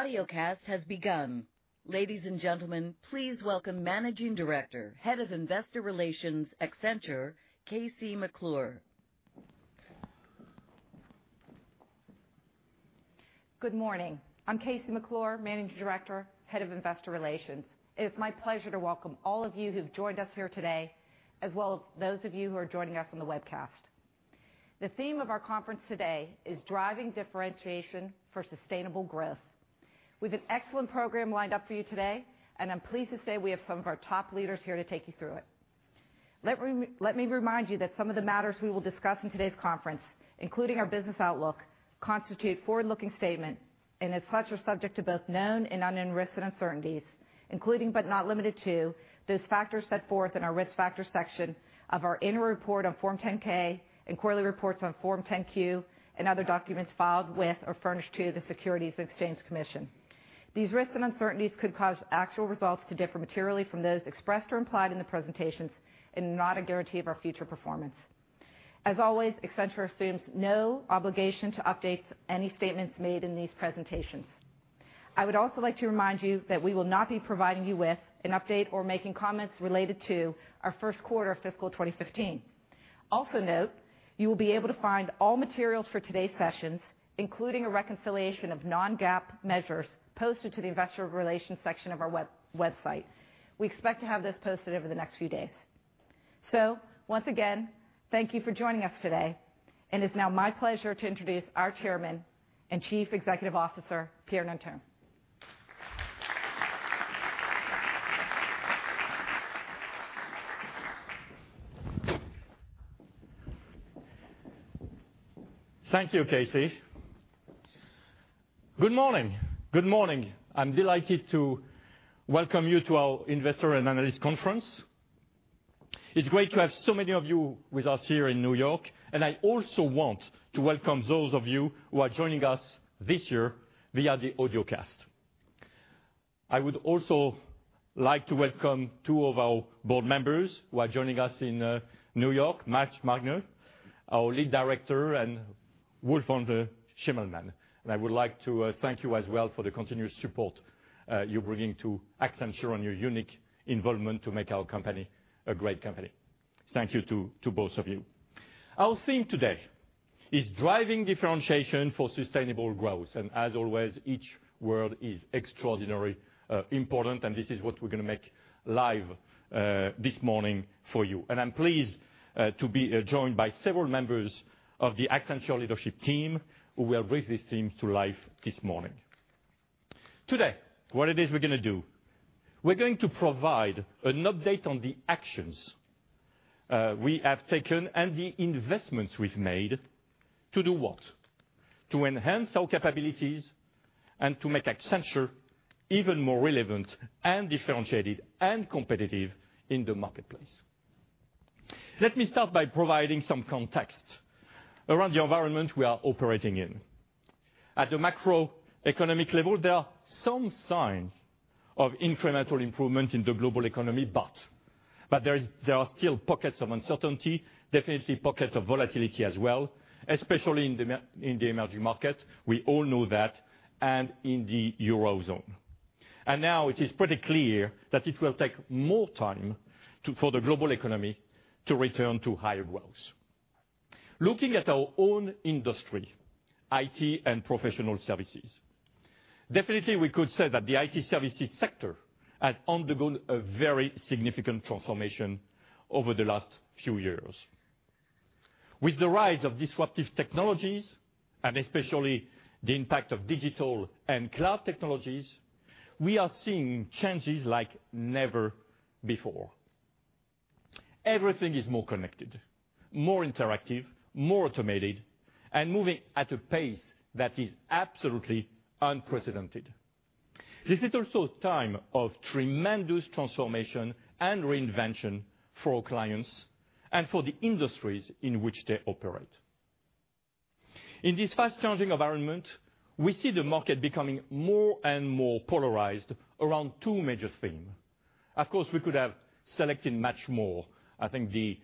Audiocast has begun. Ladies and gentlemen, please welcome Managing Director, Head of Investor Relations Accenture, KC McClure. Good morning. I'm KC McClure, Managing Director, Head of Investor Relations. It's my pleasure to welcome all of you who've joined us here today, as well as those of you who are joining us on the webcast. The theme of our conference today is Driving Differentiation for Sustainable Growth. We have an excellent program lined up for you today, and I'm pleased to say we have some of our top leaders here to take you through it. Let me remind you that some of the matters we will discuss in today's conference, including our business outlook, constitute forward-looking statements and as such, are subject to both known and unknown risks and uncertainties, including but not limited to, those factors set forth in our risk factor section of our annual report on Form 10-K and quarterly reports on Form 10-Q and other documents filed with or furnished to the Securities and Exchange Commission. These risks and uncertainties could cause actual results to differ materially from those expressed or implied in the presentations and are not a guarantee of our future performance. As always, Accenture assumes no obligation to update any statements made in these presentations. I would also like to remind you that we will not be providing you with an update or making comments related to our first quarter of fiscal 2015. Also note, you will be able to find all materials for today's sessions, including a reconciliation of non-GAAP measures posted to the investor relations section of our website. We expect to have this posted over the next few days. Once again, thank you for joining us today, and it's now my pleasure to introduce our Chairman and Chief Executive Officer, Pierre Nanterme. Thank you, KC. Good morning. Good morning. I'm delighted to welcome you to our Investor and Analyst Conference. It's great to have so many of you with us here in New York, and I also want to welcome those of you who are joining us this year via the audiocast. I would also like to welcome two of our board members who are joining us in New York, Marge Magner, our lead director, and Wulf von Schimmelmann. I would like to thank you as well for the continuous support you're bringing to Accenture and your unique involvement to make our company a great company. Thank you to both of you. Our theme today is Driving Differentiation for Sustainable Growth. As always, each word is extraordinarily important, and this is what we're going to make live this morning for you. I'm pleased to be joined by several members of the Accenture leadership team who will bring this theme to life this morning. Today, what it is we're going to do, we're going to provide an update on the actions we have taken and the investments we've made. To do what? To enhance our capabilities and to make Accenture even more relevant and differentiated and competitive in the marketplace. Let me start by providing some context around the environment we are operating in. At the macroeconomic level, there are some signs of incremental improvement in the global economy, there are still pockets of uncertainty, definitely pockets of volatility as well, especially in the emerging market, we all know that, and in the Eurozone. Now it is pretty clear that it will take more time for the global economy to return to higher growth. Looking at our own industry, IT and professional services. Definitely, we could say that the IT services sector has undergone a very significant transformation over the last few years. With the rise of disruptive technologies, especially the impact of digital and cloud technologies, we are seeing changes like never before. Everything is more connected, more interactive, more automated, and moving at a pace that is absolutely unprecedented. This is also a time of tremendous transformation and reinvention for our clients and for the industries in which they operate. In this fast-changing environment, we see the market becoming more and more polarized around two major themes. Of course, we could have selected much more. I think the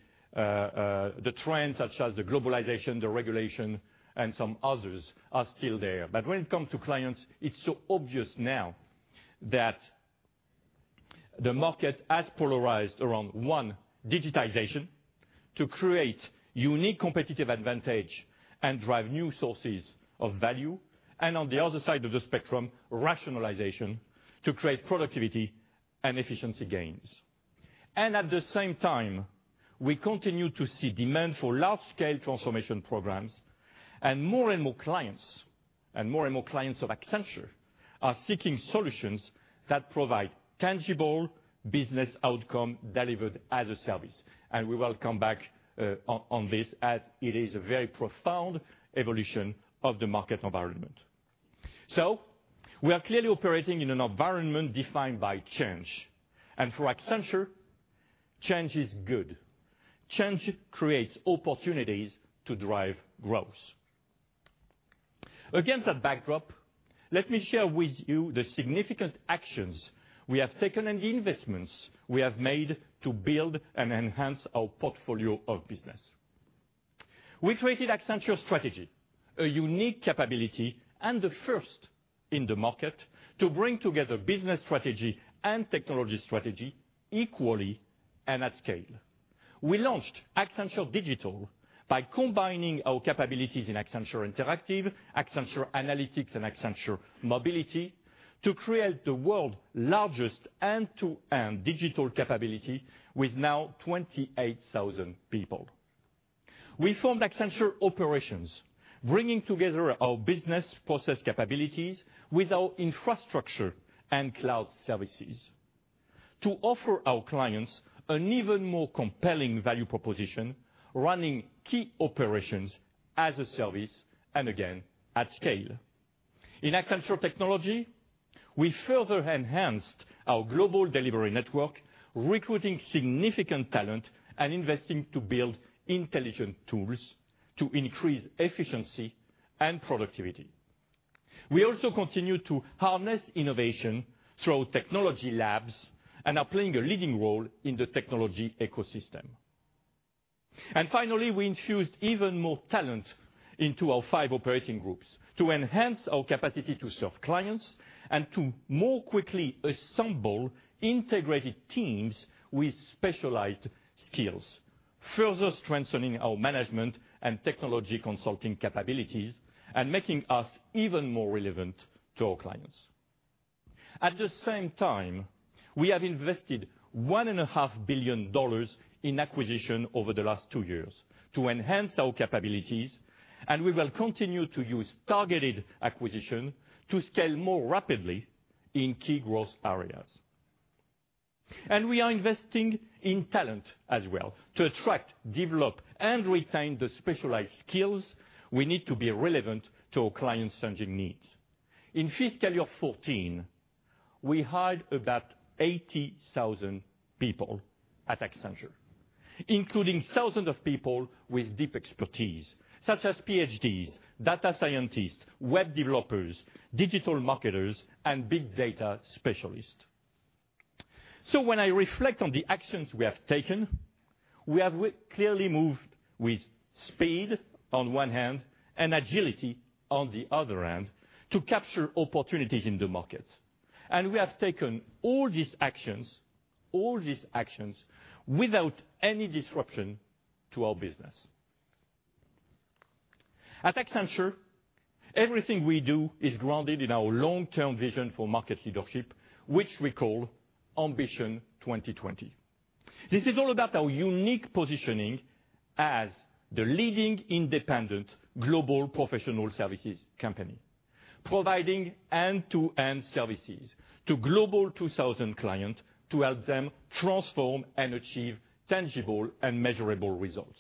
trends such as globalization, regulation, and some others are still there. When it comes to clients, it's so obvious now that the market has polarized around, one, digitization to create unique competitive advantage and drive new sources of value, and on the other side of the spectrum, rationalization to create productivity and efficiency gains. At the same time, we continue to see demand for large-scale transformation programs and more and more clients of Accenture are seeking solutions that provide tangible business outcome delivered as a service. We will come back on this as it is a very profound evolution of the market environment. We are clearly operating in an environment defined by change, and for Accenture, change is good. Change creates opportunities to drive growth. Against that backdrop, let me share with you the significant actions we have taken and the investments we have made to build and enhance our portfolio of business. We created Accenture Strategy, a unique capability and the first in the market to bring together business strategy and technology strategy equally and at scale. We launched Accenture Digital by combining our capabilities in Accenture Interactive, Accenture Analytics, and Accenture Mobility to create the world's largest end-to-end digital capability with now 28,000 people. We formed Accenture Operations, bringing together our business process capabilities with our infrastructure and cloud services to offer our clients an even more compelling value proposition, running key operations as a service, and again, at scale. In Accenture Technology, we further enhanced our global delivery network, recruiting significant talent and investing to build intelligent tools to increase efficiency and productivity. We also continue to harness innovation through technology labs and are playing a leading role in the technology ecosystem. Finally, we infused even more talent into our five Operating Groups to enhance our capacity to serve clients and to more quickly assemble integrated teams with specialized skills, further strengthening our management and technology consulting capabilities and making us even more relevant to our clients. At the same time, we have invested $1.5 billion in acquisition over the last two years to enhance our capabilities, and we will continue to use targeted acquisition to scale more rapidly in key growth areas. We are investing in talent as well to attract, develop, and retain the specialized skills we need to be relevant to our clients' changing needs. In fiscal year 2014, we hired about 80,000 people at Accenture, including thousands of people with deep expertise such as PhDs, data scientists, web developers, digital marketers, and big data specialists. When I reflect on the actions we have taken, we have clearly moved with speed on one hand and agility on the other hand to capture opportunities in the market. We have taken all these actions without any disruption to our business. At Accenture, everything we do is grounded in our long-term vision for market leadership, which we call Ambition 2020. This is all about our unique positioning as the leading independent global professional services company, providing end-to-end services to Global 2000 clients to help them transform and achieve tangible and measurable results.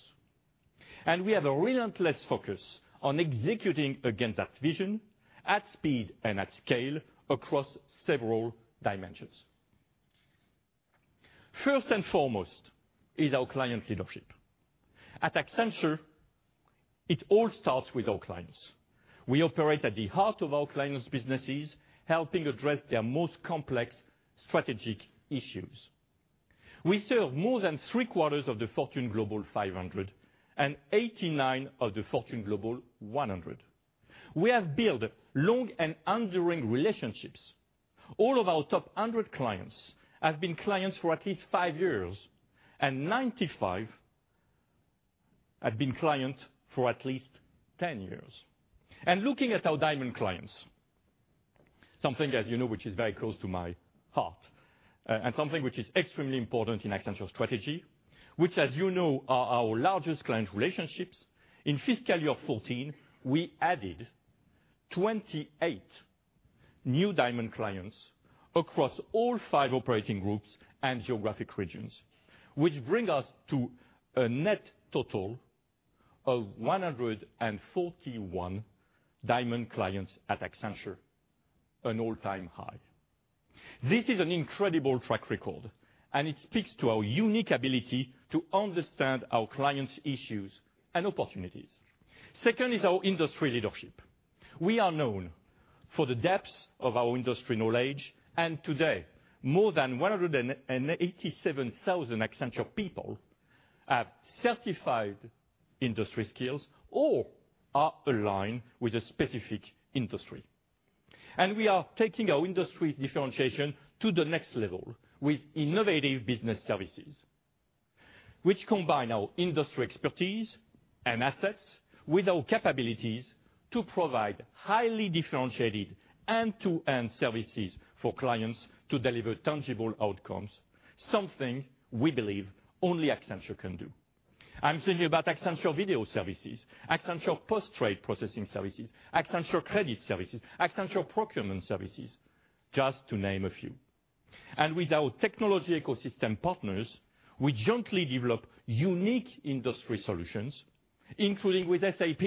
We have a relentless focus on executing against that vision at speed and at scale across several dimensions. First and foremost is our client leadership. At Accenture, it all starts with our clients. We operate at the heart of our clients' businesses, helping address their most complex strategic issues. We serve more than three-quarters of the Fortune Global 500 and 89 of the Fortune Global 100. We have built long and enduring relationships. All of our top 100 clients have been clients for at least five years, and 95 have been clients for at least 10 years. Looking at our Diamond clients, something, as you know, which is very close to my heart, and something which is extremely important in Accenture Strategy, which, as you know, are our largest client relationships. In fiscal year 2014, we added 28 new Diamond clients across all five Operating Groups and geographic regions, which bring us to a net total of 141 Diamond clients at Accenture, an all-time high. This is an incredible track record, and it speaks to our unique ability to understand our clients' issues and opportunities. Second is our industry leadership. We are known for the depth of our industry knowledge. Today, more than 187,000 Accenture people have certified industry skills or are aligned with a specific industry. We are taking our industry differentiation to the next level with innovative business services, which combine our industry expertise and assets with our capabilities to provide highly differentiated end-to-end services for clients to deliver tangible outcomes, something we believe only Accenture can do. I'm thinking about Accenture Video Solution, Accenture Post-Trade Processing, Accenture Credit Services, Accenture Procurement Services, just to name a few. With our technology ecosystem partners, we jointly develop unique industry solutions, including with SAP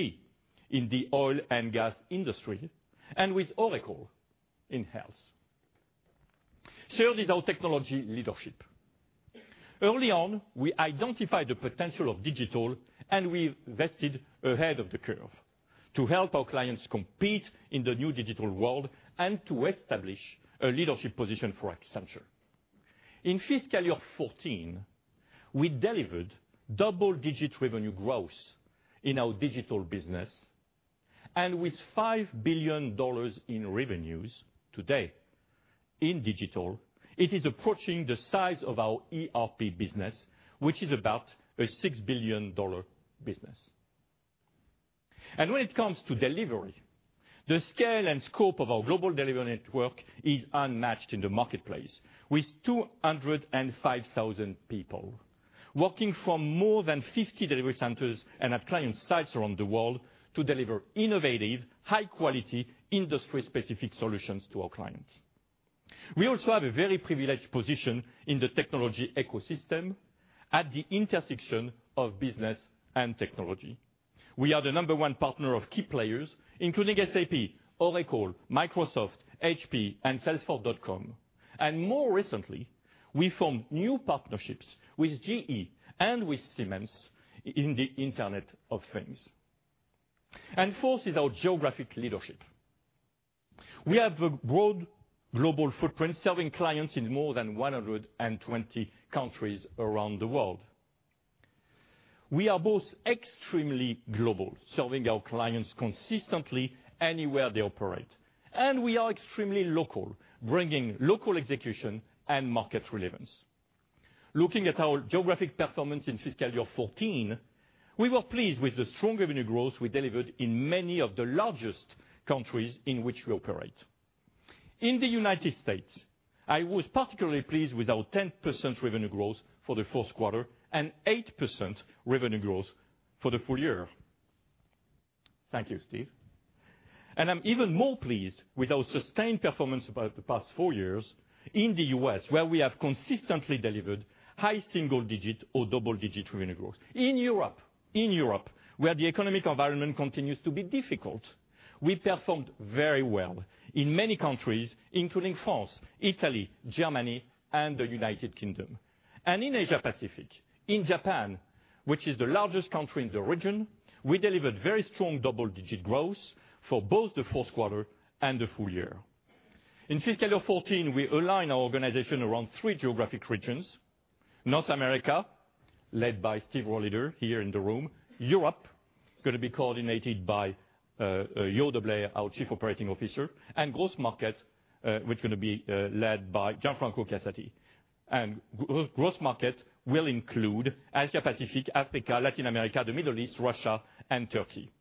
in the oil and gas industry and with Oracle in health. Third is our technology leadership. Early on, we identified the potential of digital. We invested ahead of the curve to help our clients compete in the new digital world and to establish a leadership position for Accenture. In fiscal year 2014, we delivered double-digit revenue growth in our digital business. With $5 billion in revenues today in digital, it is approaching the size of our ERP business, which is about a $6 billion business. When it comes to delivery, the scale and scope of our global delivery network is unmatched in the marketplace, with 205,000 people working from more than 50 delivery centers and at client sites around the world to deliver innovative, high-quality, industry-specific solutions to our clients. We also have a very privileged position in the technology ecosystem at the intersection of business and technology. We are the number one partner of key players, including SAP, Oracle, Microsoft, HP, and Salesforce.com. More recently, we formed new partnerships with GE and with Siemens in the Internet of Things. Fourth is our geographic leadership. We have a broad global footprint, serving clients in more than 120 countries around the world. We are both extremely global, serving our clients consistently anywhere they operate. We are extremely local, bringing local execution and market relevance. Looking at our geographic performance in fiscal year 2014, we were pleased with the strong revenue growth we delivered in many of the largest countries in which we operate. In the U.S., I was particularly pleased with our 10% revenue growth for the fourth quarter and 8% revenue growth for the full year. Thank you, Steve. I'm even more pleased with our sustained performance over the past four years in the U.S., where we have consistently delivered high single-digit or double-digit revenue growth. In Europe, where the economic environment continues to be difficult, we performed very well in many countries, including France, Italy, Germany, and the United Kingdom. In Asia Pacific, in Japan, which is the largest country in the region, we delivered very strong double-digit growth for both the fourth quarter and the full year. In fiscal year 2014, we align our organization around three geographic regions. North America, led by Steve Rohleder here in the room. Europe, going to be coordinated by Jo Deblaere, our Chief Operating Officer, and growth market, which going to be led by Gianfranco Casati. Growth market will include Asia Pacific, Africa, Latin America, the Middle East, Russia, and Turkey.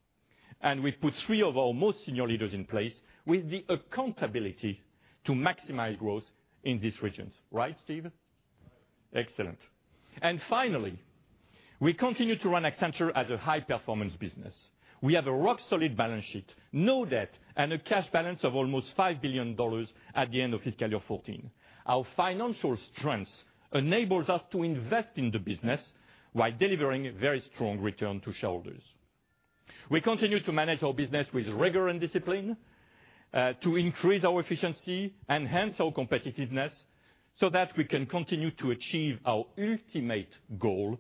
We put three of our most senior leaders in place with the accountability to maximize growth in these regions. Right, Steve? Excellent. Finally, we continue to run Accenture as a high-performance business. We have a rock-solid balance sheet, no debt, and a cash balance of almost $5 billion at the end of fiscal year 2014. Our financial strength enables us to invest in the business while delivering a very strong return to shareholders. We continue to manage our business with rigor and discipline to increase our efficiency, enhance our competitiveness so that we can continue to achieve our ultimate goal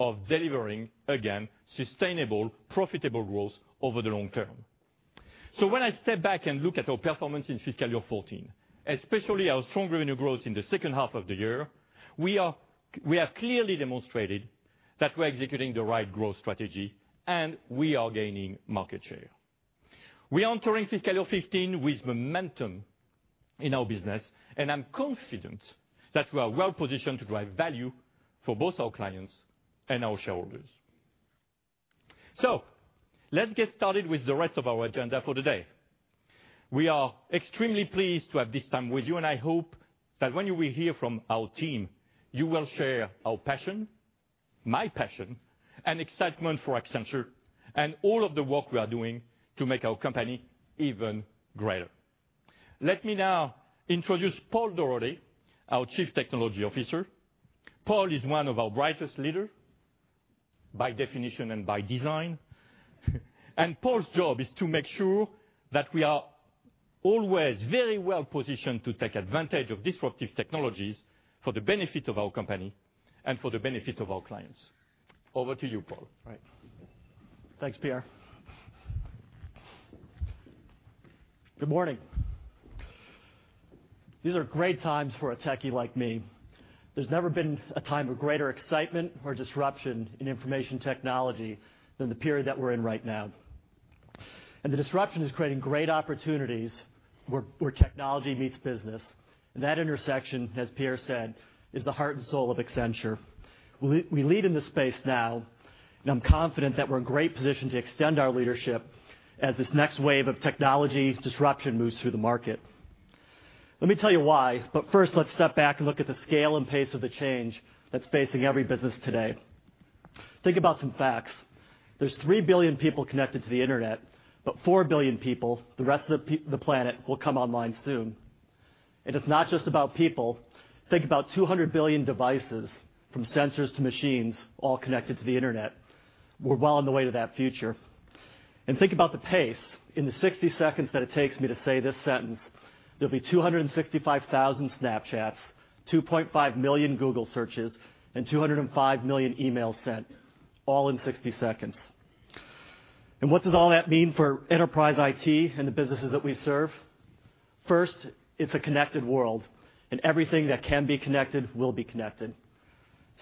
of delivering, again, sustainable, profitable growth over the long term. When I step back and look at our performance in fiscal year 2014, especially our strong revenue growth in the second half of the year, we have clearly demonstrated that we're executing the right growth strategy, and we are gaining market share. We enter into fiscal year 2015 with momentum in our business, I'm confident that we are well-positioned to drive value for both our clients and our shareholders. Let's get started with the rest of our agenda for today. We are extremely pleased to have this time with you, I hope that when you will hear from our team, you will share our passion, my passion, and excitement for Accenture and all of the work we are doing to make our company even greater. Let me now introduce Paul Daugherty, our Chief Technology Officer. Paul is one of our brightest leader, by definition and by design. Paul's job is to make sure that we are always very well-positioned to take advantage of disruptive technologies for the benefit of our company and for the benefit of our clients. Over to you, Paul. Right. Thanks, Pierre. Good morning. These are great times for a techie like me. There's never been a time of greater excitement or disruption in information technology than the period that we're in right now. The disruption is creating great opportunities where technology meets business. That intersection, as Pierre said, is the heart and soul of Accenture. We lead in this space now, I'm confident that we're in great position to extend our leadership as this next wave of technology disruption moves through the market. Let me tell you why, first, let's step back and look at the scale and pace of the change that's facing every business today. Think about some facts. There's three billion people connected to the Internet, but four billion people, the rest of the planet, will come online soon. It's not just about people. Think about 200 billion devices, from sensors to machines, all connected to the internet. We're well on the way to that future. Think about the pace. In the 60 seconds that it takes me to say this sentence, there'll be 265,000 Snapchats, 2.5 million Google searches, and 205 million emails sent, all in 60 seconds. What does all that mean for enterprise IT and the businesses that we serve? First, it's a connected world, and everything that can be connected will be connected.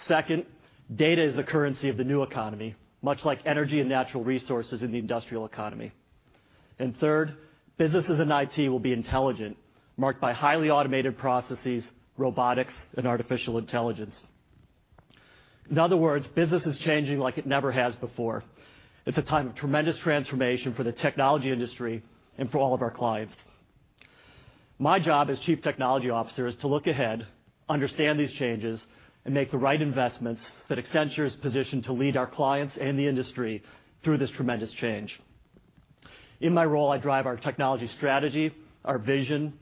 Second, data is the currency of the new economy, much like energy and natural resources in the industrial economy. Third, businesses and IT will be intelligent, marked by highly automated processes, robotics, and artificial intelligence. In other words, business is changing like it never has before. It's a time of tremendous transformation for the technology industry and for all of our clients. My job as Chief Technology Officer is to look ahead, understand these changes, and make the right investments that Accenture is positioned to lead our clients and the industry through this tremendous change. In my role, I drive our technology strategy, our vision,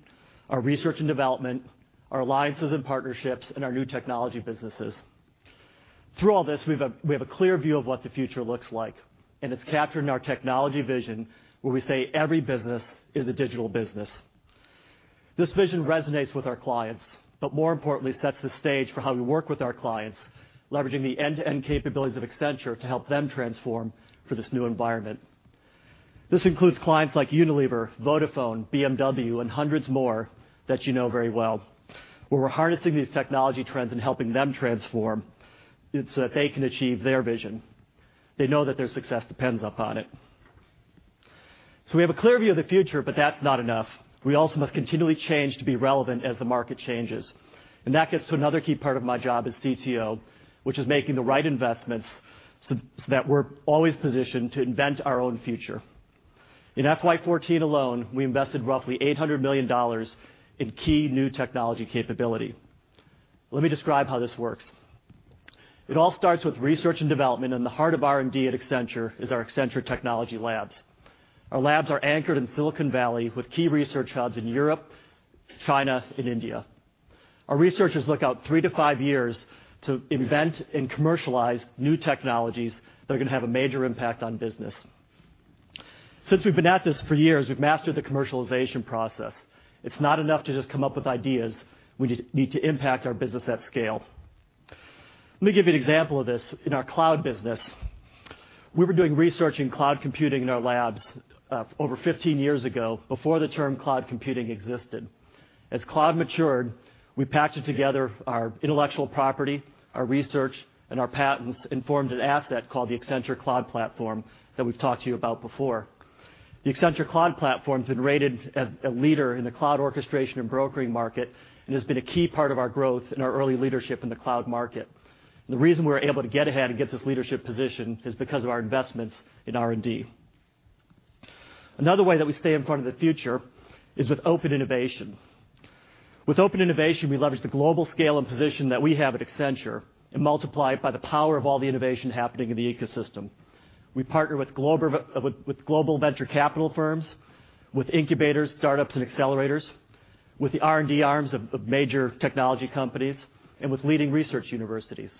our research and development, our alliances and partnerships, and our new technology businesses. Through all this, we have a clear view of what the future looks like. It's captured in our technology vision, where we say every business is a digital business. This vision resonates with our clients, more importantly, sets the stage for how we work with our clients, leveraging the end-to-end capabilities of Accenture to help them transform for this new environment. This includes clients like Unilever, Vodafone, BMW, and hundreds more that you know very well, where we're harnessing these technology trends and helping them transform so that they can achieve their vision. They know that their success depends upon it. We have a clear view of the future, that's not enough. We also must continually change to be relevant as the market changes. That gets to another key part of my job as CTO, which is making the right investments so that we're always positioned to invent our own future. In FY 2014 alone, we invested roughly $800 million in key new technology capability. Let me describe how this works. It all starts with research and development, and the heart of R&D at Accenture is our Accenture Technology Labs. Our labs are anchored in Silicon Valley with key research hubs in Europe, China, and India. Our researchers look out three to five years to invent and commercialize new technologies that are going to have a major impact on business. Since we've been at this for years, we've mastered the commercialization process. It's not enough to just come up with ideas. We need to impact our business at scale. Let me give you an example of this. In our cloud business, we were doing research in cloud computing in our labs over 15 years ago, before the term cloud computing existed. As cloud matured, we patched together our intellectual property, our research, and our patents, and formed an asset called the Accenture Cloud Platform that we've talked to you about before. The Accenture Cloud Platform's been rated as a leader in the cloud orchestration and brokering market and has been a key part of our growth and our early leadership in the cloud market. The reason we're able to get ahead and get this leadership position is because of our investments in R&D. Another way that we stay in front of the future is with open innovation. With open innovation, we leverage the global scale and position that we have at Accenture and multiply it by the power of all the innovation happening in the ecosystem. We partner with global venture capital firms, with incubators, startups, and accelerators, with the R&D arms of major technology companies, and with leading research universities.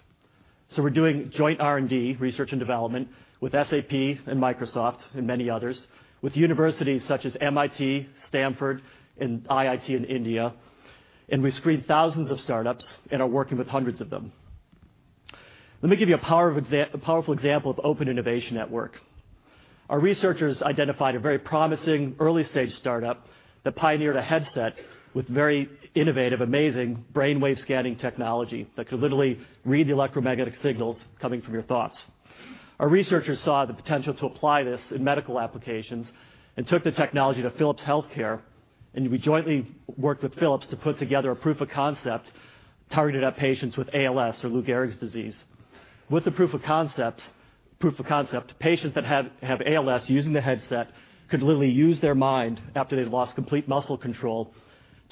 We're doing joint R&D, research and development, with SAP and Microsoft and many others, with universities such as MIT, Stanford, and IIT in India, and we screen thousands of startups and are working with hundreds of them. Let me give you a powerful example of open innovation at work. Our researchers identified a very promising early-stage startup that pioneered a headset with very innovative, amazing brainwave scanning technology that could literally read the electromagnetic signals coming from your thoughts. Our researchers saw the potential to apply this in medical applications and took the technology to Philips Healthcare, and we jointly worked with Philips to put together a proof of concept targeted at patients with ALS or Lou Gehrig's disease. With the proof of concept, patients that have ALS, using the headset, could literally use their mind after they'd lost complete muscle control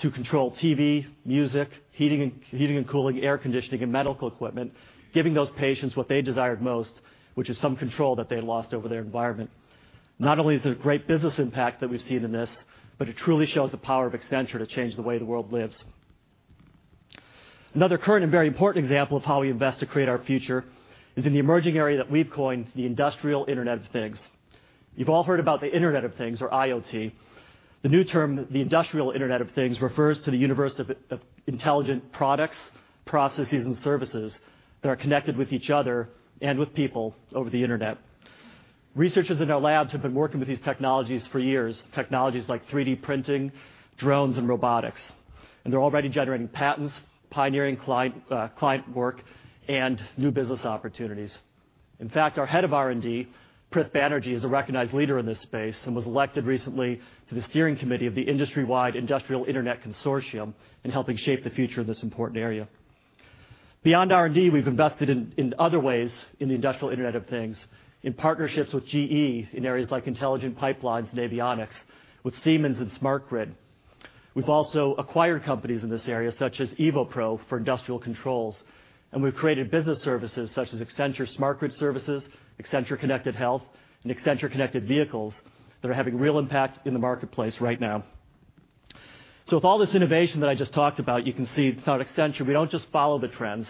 to control TV, music, heating and cooling, air conditioning, and medical equipment, giving those patients what they desired most, which is some control that they lost over their environment. Not only is there a great business impact that we've seen in this, but it truly shows the power of Accenture to change the way the world lives. Another current and very important example of how we invest to create our future is in the emerging area that we've coined the industrial Internet of Things. You've all heard about the Internet of Things or IoT. The new term, the industrial Internet of Things, refers to the universe of intelligent products, processes, and services that are connected with each other and with people over the internet. Researchers in our labs have been working with these technologies for years, technologies like 3D printing, drones, and robotics, and they're already generating patents, pioneering client work, and new business opportunities. In fact, our head of R&D, Prith Banerjee, is a recognized leader in this space and was elected recently to the steering committee of the industry-wide Industrial Internet Consortium in helping shape the future of this important area. Beyond R&D, we've invested in other ways in the industrial Internet of Things, in partnerships with GE in areas like intelligent pipelines and avionics, with Siemens in smart grid. We've also acquired companies in this area such as evopro for industrial controls, and we've created business services such as Accenture Smart Grid Services, Accenture Connected Health, and Accenture Connected Vehicles that are having real impact in the marketplace right now. With all this innovation that I just talked about, you can see throughout Accenture, we don't just follow the trends.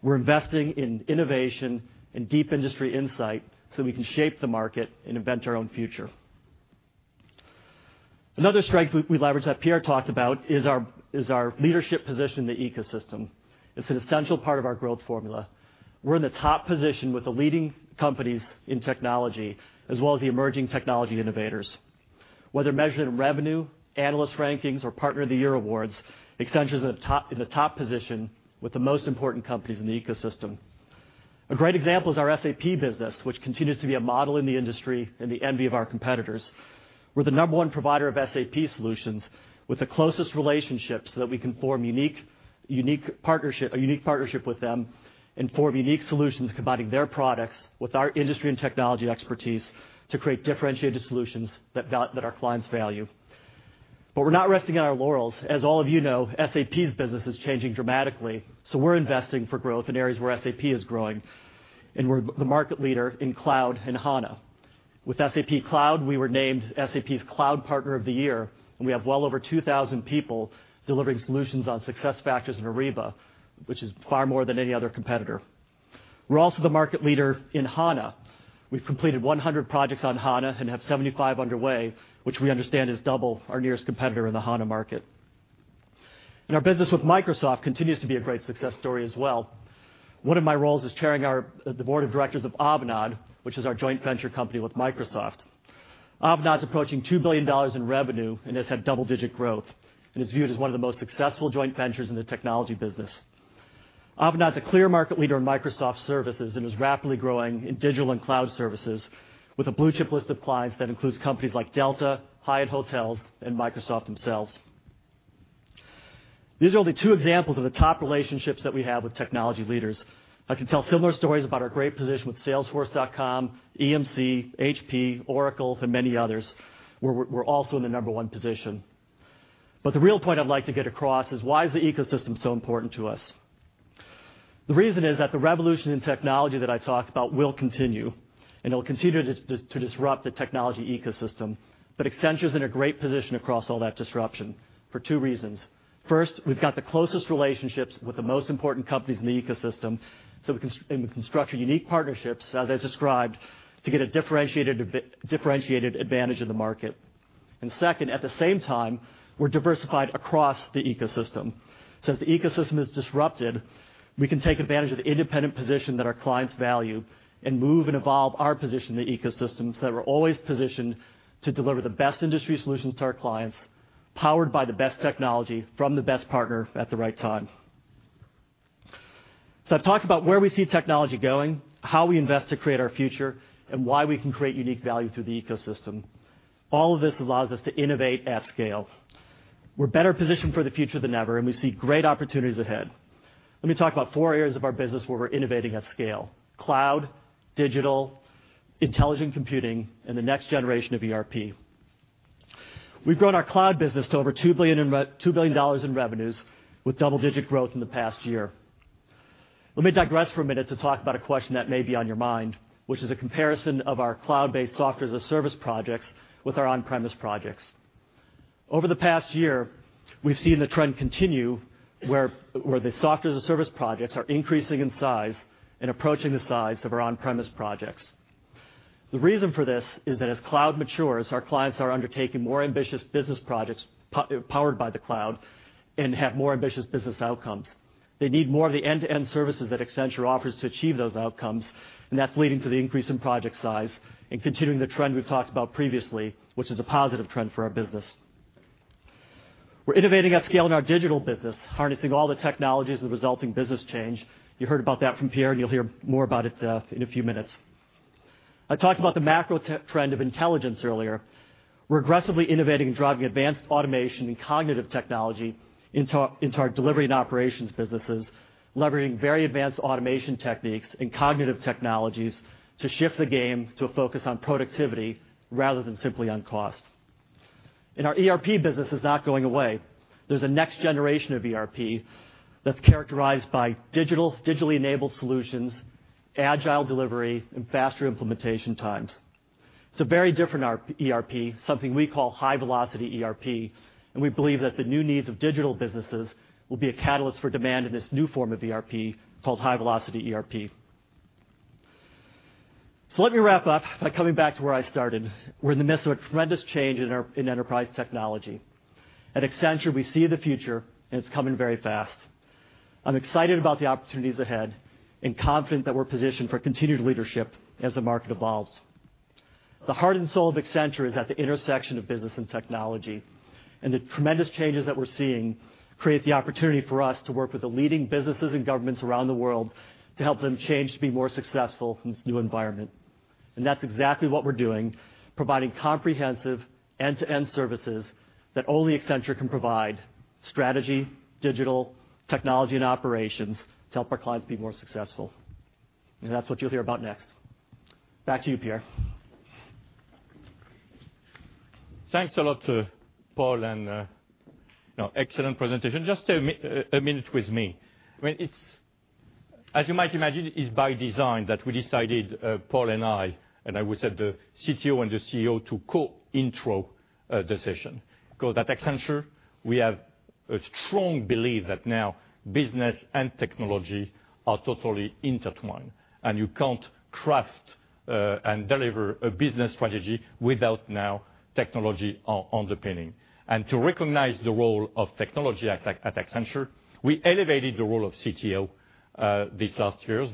We're investing in innovation and deep industry insight so we can shape the market and invent our own future. Another strength we leverage that Pierre talked about is our leadership position in the ecosystem. It's an essential part of our growth formula. We're in the top position with the leading companies in technology, as well as the emerging technology innovators. Whether measured in revenue, analyst rankings, or partner of the year awards, Accenture's in the top position with the most important companies in the ecosystem. A great example is our SAP business, which continues to be a model in the industry and the envy of our competitors. We're the number one provider of SAP solutions with the closest relationships so that we can form a unique partnership with them and form unique solutions combining their products with our industry and technology expertise to create differentiated solutions that our clients value. We're not resting on our laurels. As all of you know, SAP's business is changing dramatically, we're investing for growth in areas where SAP is growing, and we're the market leader in Cloud and HANA. With SAP Cloud, we were named SAP's Cloud Partner of the Year, we have well over 2,000 people delivering solutions on SuccessFactors and Ariba, which is far more than any other competitor. We're also the market leader in HANA. We've completed 100 projects on HANA and have 75 underway, which we understand is double our nearest competitor in the HANA market. Our business with Microsoft continues to be a great success story as well. One of my roles is chairing the board of directors of Avanade, which is our joint venture company with Microsoft. Avanade's approaching $2 billion in revenue and has had double-digit growth and is viewed as one of the most successful joint ventures in the technology business. Avanade's a clear market leader in Microsoft services and is rapidly growing in digital and cloud services with a blue-chip list of clients that includes companies like Delta, Hyatt Hotels, and Microsoft themselves. These are only two examples of the top relationships that we have with technology leaders. I can tell similar stories about our great position with Salesforce.com, EMC, HP, Oracle, and many others, where we're also in the number one position. The real point I'd like to get across is why is the ecosystem so important to us. The reason is that the revolution in technology that I talked about will continue, it'll continue to disrupt the technology ecosystem. Accenture's in a great position across all that disruption for two reasons. First, we've got the closest relationships with the most important companies in the ecosystem, we can construct unique partnerships, as I described, to get a differentiated advantage in the market. Second, at the same time, we're diversified across the ecosystem. If the ecosystem is disrupted, we can take advantage of the independent position that our clients value and move and evolve our position in the ecosystem so that we're always positioned to deliver the best industry solutions to our clients, powered by the best technology from the best partner at the right time. I've talked about where we see technology going, how we invest to create our future, and why we can create unique value through the ecosystem. All of this allows us to innovate at scale. We're better positioned for the future than ever, we see great opportunities ahead. Let me talk about four areas of our business where we're innovating at scale: cloud, digital, intelligent computing, and the next generation of ERP. We've grown our cloud business to over $2 billion in revenues with double-digit growth in the past year. Let me digress for a minute to talk about a question that may be on your mind, which is a comparison of our cloud-based software as a service projects with our on-premise projects. Over the past year, we've seen the trend continue where the software as a service projects are increasing in size and approaching the size of our on-premise projects. The reason for this is that as cloud matures, our clients are undertaking more ambitious business projects powered by the cloud and have more ambitious business outcomes. They need more of the end-to-end services that Accenture offers to achieve those outcomes, and that's leading to the increase in project size and continuing the trend we've talked about previously, which is a positive trend for our business. We're innovating at scale in our digital business, harnessing all the technologies and resulting business change. You heard about that from Pierre, and you'll hear more about it in a few minutes. I talked about the macro trend of intelligence earlier. We're aggressively innovating and driving advanced automation and cognitive technology into our delivery and operations businesses, leveraging very advanced automation techniques and cognitive technologies to shift the game to a focus on productivity rather than simply on cost. Our ERP business is not going away. There's a next generation of ERP that's characterized by digitally enabled solutions, agile delivery, and faster implementation times. It's a very different ERP, something we call high-velocity ERP, and we believe that the new needs of digital businesses will be a catalyst for demand in this new form of ERP called high-velocity ERP. Let me wrap up by coming back to where I started. We're in the midst of a tremendous change in enterprise technology. At Accenture, we see the future, and it's coming very fast. I'm excited about the opportunities ahead and confident that we're positioned for continued leadership as the market evolves. The heart and soul of Accenture is at the intersection of business and technology, and the tremendous changes that we're seeing create the opportunity for us to work with the leading businesses and governments around the world to help them change to be more successful in this new environment. That's exactly what we're doing, providing comprehensive end-to-end services that only Accenture can provide, Strategy, Digital, Technology and Operations, to help our clients be more successful. That's what you'll hear about next. Back to you, Pierre. Thanks a lot to Paul, excellent presentation. Just a minute with me. As you might imagine, it's by design that we decided, Paul and I would say the CTO and the CEO to co-intro the session because at Accenture, we have a strong belief that now business and technology are totally intertwined, and you can't craft and deliver a business strategy without now technology underpinning. To recognize the role of technology at Accenture, we elevated the role of CTO these last years.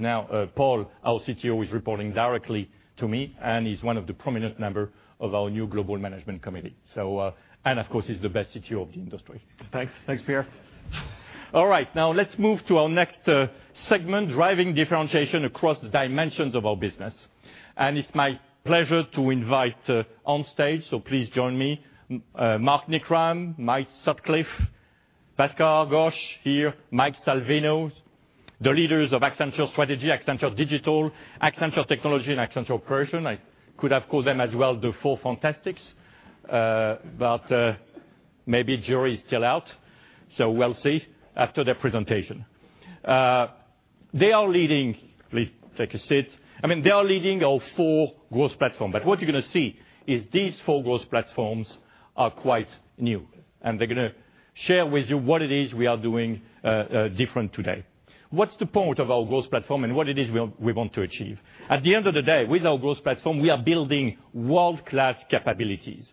Paul, our CTO, is reporting directly to me, and he's one of the prominent member of our new global management committee. Of course, he's the best CTO of the industry. Thanks, Pierre. All right. Let's move to our next segment, driving differentiation across dimensions of our business. It's my pleasure to invite onstage, please join me, Mark Knickrehm, Mike Sutcliff, Bhaskar Ghosh, Mike Salvino, the leaders of Accenture Strategy, Accenture Digital, Accenture Technology, and Accenture Operations. I could have called them as well the four fantastics. Maybe jury's still out. We'll see after their presentation. Please take a seat. They are leading our four growth platform. What you're going to see is these four growth platforms are quite new, and they're going to share with you what it is we are doing different today. What's the point of our growth platform, and what it is we want to achieve? At the end of the day, with our growth platform, we are building world-class capabilities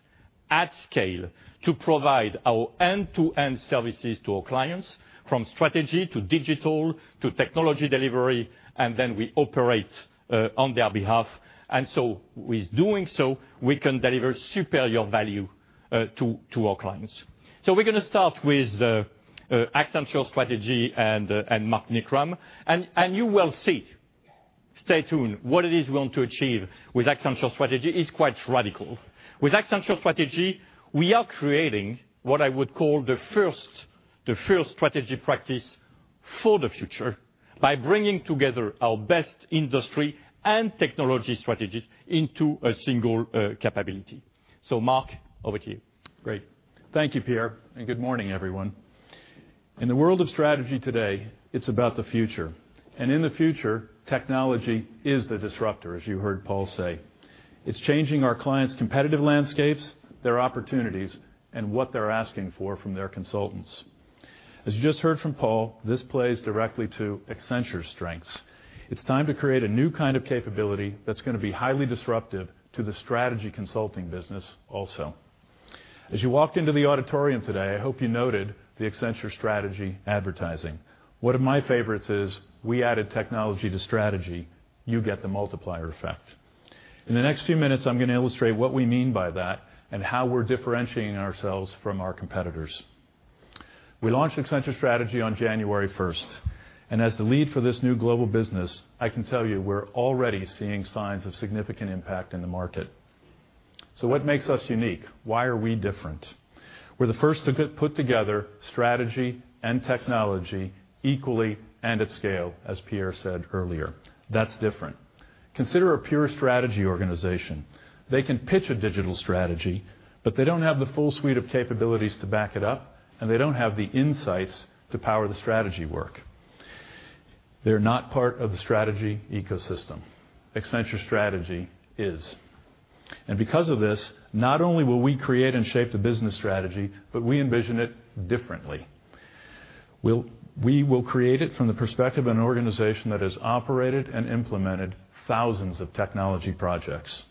at scale to provide our end-to-end services to our clients, from strategy to digital to technology delivery, we operate on their behalf. With doing so, we can deliver superior value to our clients. We're going to start with Accenture Strategy and Mark Knickrehm. You will see, stay tuned, what it is we want to achieve with Accenture Strategy is quite radical. With Accenture Strategy, we are creating what I would call the first strategy practice for the future by bringing together our best industry and technology strategies into a single capability. Mark, over to you. Great. Thank you, Pierre, and good morning, everyone. In the world of strategy today, it's about the future. In the future, technology is the disruptor, as you heard Paul say. It's changing our clients' competitive landscapes, their opportunities, and what they're asking for from their consultants. As you just heard from Paul, this plays directly to Accenture's strengths. It's time to create a new kind of capability that's going to be highly disruptive to the strategy consulting business also. As you walked into the auditorium today, I hope you noted the Accenture Strategy advertising. One of my favorites is, "We added technology to strategy. You get the multiplier effect." In the next few minutes, I'm going to illustrate what we mean by that and how we're differentiating ourselves from our competitors. We launched Accenture Strategy on January 1st. As the lead for this new global business, I can tell you we're already seeing signs of significant impact in the market. What makes us unique? Why are we different? We're the first to put together strategy and technology equally and at scale, as Pierre said earlier. That's different. Consider a pure strategy organization. They can pitch a digital strategy, but they don't have the full suite of capabilities to back it up, and they don't have the insights to power the strategy work. They're not part of the strategy ecosystem. Accenture Strategy is. Because of this, not only will we create and shape the business strategy, but we envision it differently. We will create it from the perspective of an organization that has operated and implemented thousands of technology projects.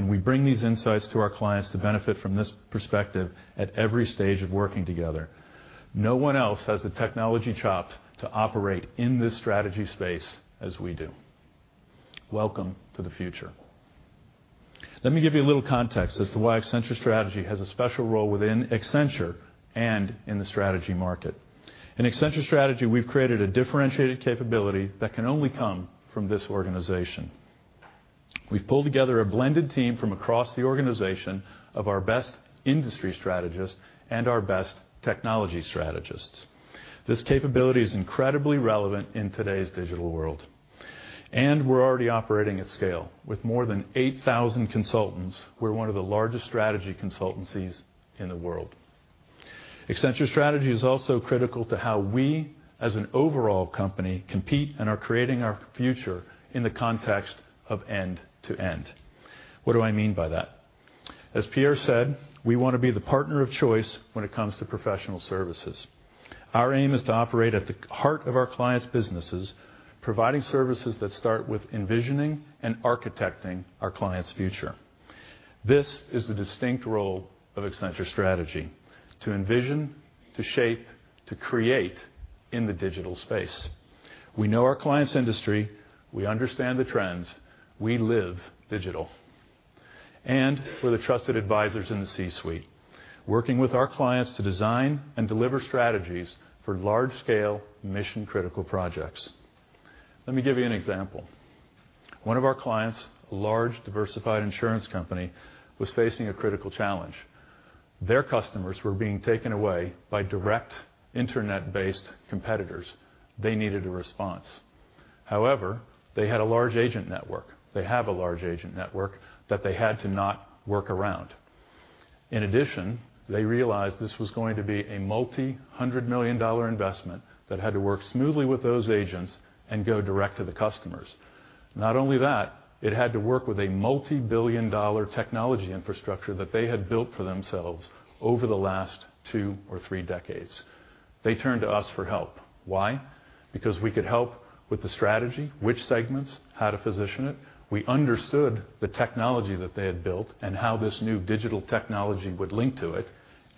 We bring these insights to our clients to benefit from this perspective at every stage of working together. No one else has the technology chops to operate in this strategy space as we do. Welcome to the future. Let me give you a little context as to why Accenture Strategy has a special role within Accenture and in the strategy market. In Accenture Strategy, we've created a differentiated capability that can only come from this organization. We've pulled together a blended team from across the organization of our best industry strategists and our best technology strategists. This capability is incredibly relevant in today's digital world. We're already operating at scale. With more than 8,000 consultants, we're one of the largest strategy consultancies in the world. Accenture Strategy is also critical to how we, as an overall company, compete and are creating our future in the context of end to end. What do I mean by that? As Pierre said, we want to be the partner of choice when it comes to professional services. Our aim is to operate at the heart of our clients' businesses, providing services that start with envisioning and architecting our clients' future. This is the distinct role of Accenture Strategy: to envision, to shape, to create in the digital space. We know our clients' industry, we understand the trends, we live digital. We're the trusted advisors in the C-suite, working with our clients to design and deliver strategies for large-scale mission-critical projects. Let me give you an example. One of our clients, a large diversified insurance company, was facing a critical challenge. Their customers were being taken away by direct internet-based competitors. They needed a response. However, they had a large agent network. They have a large agent network that they had to not work around. In addition, they realized this was going to be a multi-hundred million dollar investment that had to work smoothly with those agents and go direct to the customers. Not only that, it had to work with a multi-billion dollar technology infrastructure that they had built for themselves over the last two or three decades. They turned to us for help. Why? Because we could help with the strategy, which segments, how to position it. We understood the technology that they had built and how this new digital technology would link to it,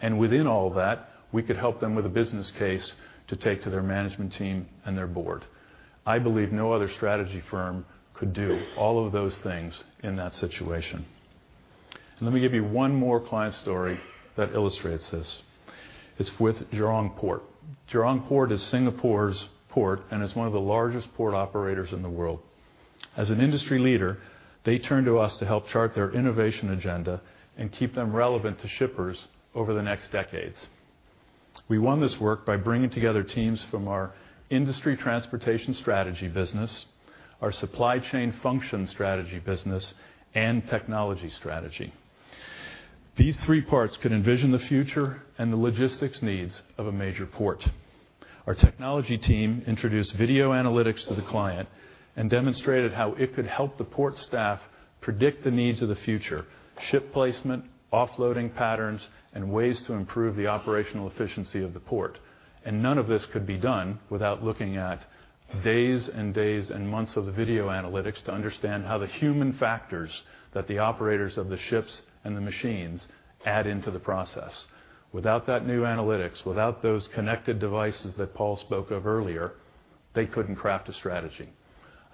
and within all of that, we could help them with a business case to take to their management team and their board. I believe no other strategy firm could do all of those things in that situation. Let me give you one more client story that illustrates this. It's with Jurong Port. Jurong Port is Singapore's port and is one of the largest port operators in the world. As an industry leader, they turned to us to help chart their innovation agenda and keep them relevant to shippers over the next decades. We won this work by bringing together teams from our industry transportation strategy business, our supply chain function strategy business, and technology strategy. These three parts could envision the future and the logistics needs of a major port. Our technology team introduced video analytics to the client and demonstrated how it could help the port staff predict the needs of the future: ship placement, offloading patterns, and ways to improve the operational efficiency of the port. None of this could be done without looking at days and days and months of the video analytics to understand how the human factors that the operators of the ships and the machines add into the process. Without that new analytics, without those connected devices that Paul spoke of earlier, they couldn't craft a strategy.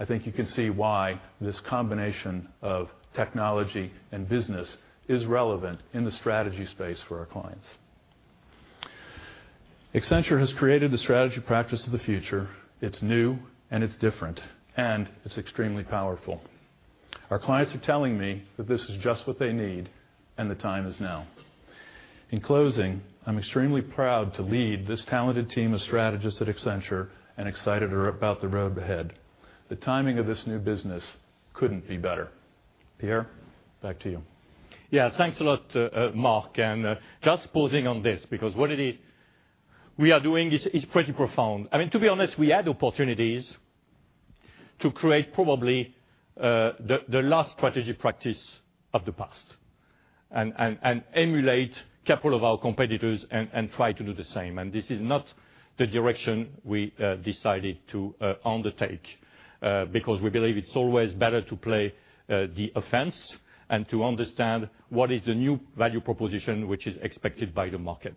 I think you can see why this combination of technology and business is relevant in the strategy space for our clients. Accenture has created the strategy practice of the future. It's new and it's different, and it's extremely powerful. Our clients are telling me that this is just what they need and the time is now. In closing, I'm extremely proud to lead this talented team of strategists at Accenture and excited about the road ahead. The timing of this new business couldn't be better. Pierre, back to you. Yeah. Thanks a lot, Mark, just pausing on this because what it is we are doing is pretty profound. To be honest, we had opportunities to create probably the last strategy practice of the past and emulate couple of our competitors and try to do the same. This is not the direction we decided to undertake, because we believe it's always better to play the offense and to understand what is the new value proposition, which is expected by the market.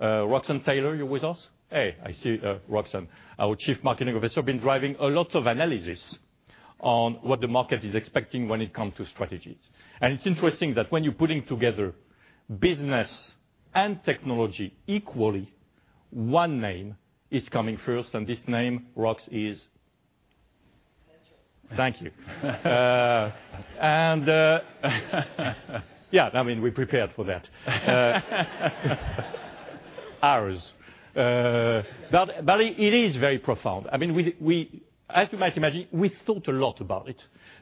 Roxanne Taylor, you with us? Hey, I see Roxanne, our Chief Marketing Officer, been driving a lot of analysis on what the market is expecting when it comes to strategies. It's interesting that when you're putting together business and technology equally, one name is coming first, and this name, Rox, is Accenture. Thank you. Yeah. We prepared for that. Ours. It is very profound. As you might imagine, we thought a lot about it.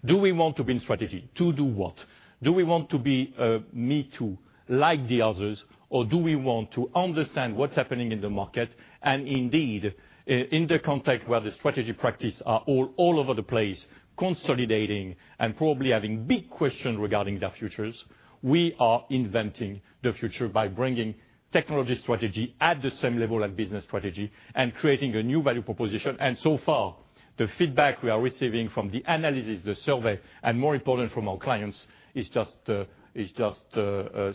Do we want to be in strategy? To do what? Do we want to be a me too, like the others, or do we want to understand what's happening in the market and indeed, in the context where the Accenture Strategy practice are all over the place, consolidating and probably having big question regarding their futures. We are inventing the future by bringing technology strategy at the same level as business strategy and creating a new value proposition. So far, the feedback we are receiving from the analysis, the survey, and more important from our clients, is just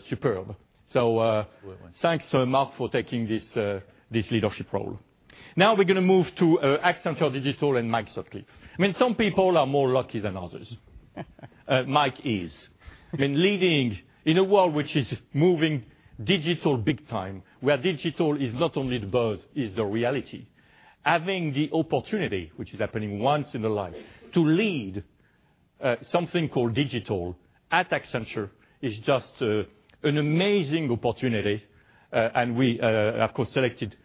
superb. Absolutely Thanks, Mark, for taking this leadership role. Now we're going to move to Accenture Digital and Mike Sutcliff. Some people are more lucky than others. Mike is leading in a world which is moving digital big time, where digital is not only the buzz, it's the reality. Having the opportunity, which is happening once in a life, to lead something called digital at Accenture is just an amazing opportunity. We, of course, selected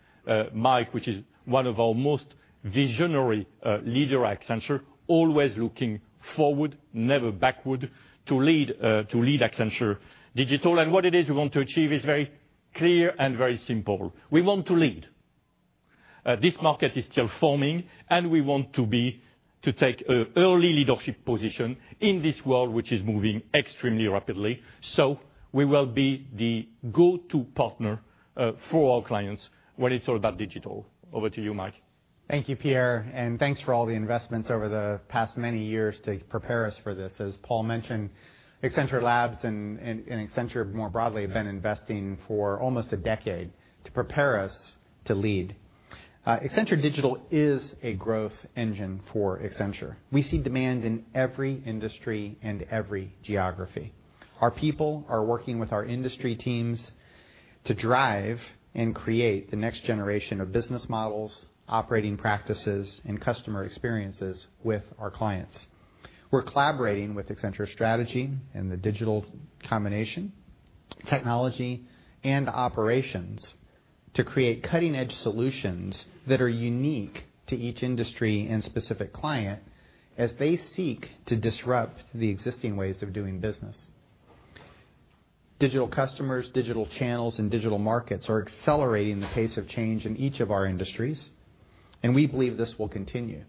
Mike, which is one of our most visionary leader at Accenture, always looking forward, never backward, to lead Accenture Digital. What it is we want to achieve is very clear and very simple. We want to lead. This market is still forming, and we want to take early leadership position in this world, which is moving extremely rapidly. We will be the go-to partner for all clients when it's all about digital. Over to you, Mike. Thank you, Pierre. Thanks for all the investments over the past many years to prepare us for this. As Paul mentioned, Accenture Labs and Accenture more broadly have been investing for almost a decade to prepare us to lead. Accenture Digital is a growth engine for Accenture. We see demand in every industry and every geography. Our people are working with our industry teams to drive and create the next generation of business models, operating practices, and customer experiences with our clients. We're collaborating with Accenture Strategy and the Digital combination, Technology, and Operations to create cutting-edge solutions that are unique to each industry and specific client as they seek to disrupt the existing ways of doing business. Digital customers, digital channels, and digital markets are accelerating the pace of change in each of our industries, and we believe this will continue.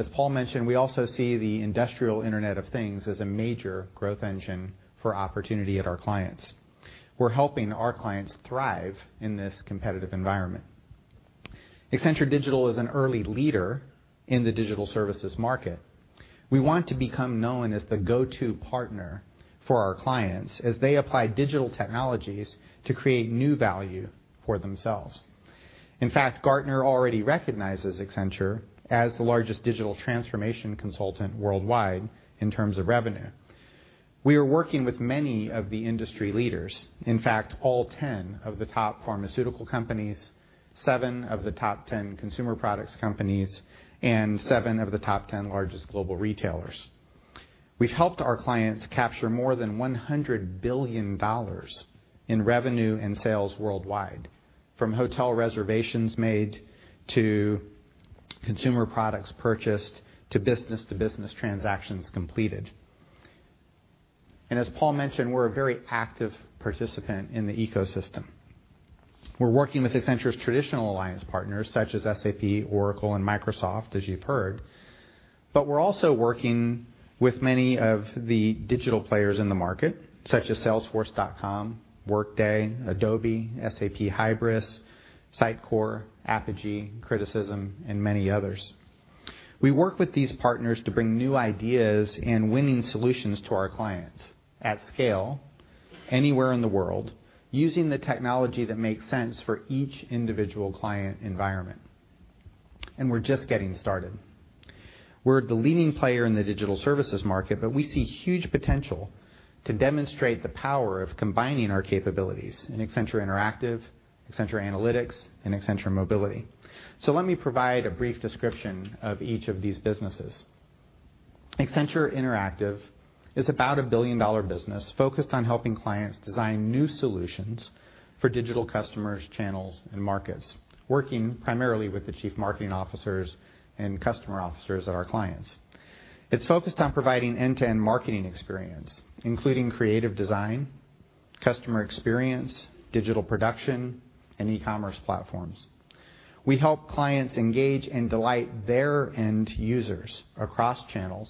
As Paul mentioned, we also see the Industrial Internet of Things as a major growth engine for opportunity at our clients. We're helping our clients thrive in this competitive environment. Accenture Digital is an early leader in the digital services market. We want to become known as the go-to partner for our clients as they apply digital technologies to create new value for themselves. In fact, Gartner already recognizes Accenture as the largest digital transformation consultant worldwide in terms of revenue. We are working with many of the industry leaders. In fact, all 10 of the top pharmaceutical companies, seven of the top 10 consumer products companies, and seven of the top 10 largest global retailers. We've helped our clients capture more than $100 billion in revenue and sales worldwide, from hotel reservations made to consumer products purchased to business-to-business transactions completed. As Paul mentioned, we're a very active participant in the ecosystem. We're working with Accenture's traditional alliance partners such as SAP, Oracle, and Microsoft, as you've heard. We're also working with many of the digital players in the market, such as salesforce.com, Workday, Adobe, SAP Hybris, Sitecore, Apigee, Crittercism, and many others. We work with these partners to bring new ideas and winning solutions to our clients at scale anywhere in the world, using the technology that makes sense for each individual client environment. We're just getting started. We're the leading player in the digital services market, we see huge potential to demonstrate the power of combining our capabilities in Accenture Interactive, Accenture Analytics, and Accenture Mobility. Let me provide a brief description of each of these businesses. Accenture Interactive is about a billion-dollar business focused on helping clients design new solutions for digital customers, channels, and markets, working primarily with the Chief Marketing Officers and customer officers at our clients. It's focused on providing end-to-end marketing experience, including creative design, customer experience, digital production, and e-commerce platforms. We help clients engage and delight their end users across channels,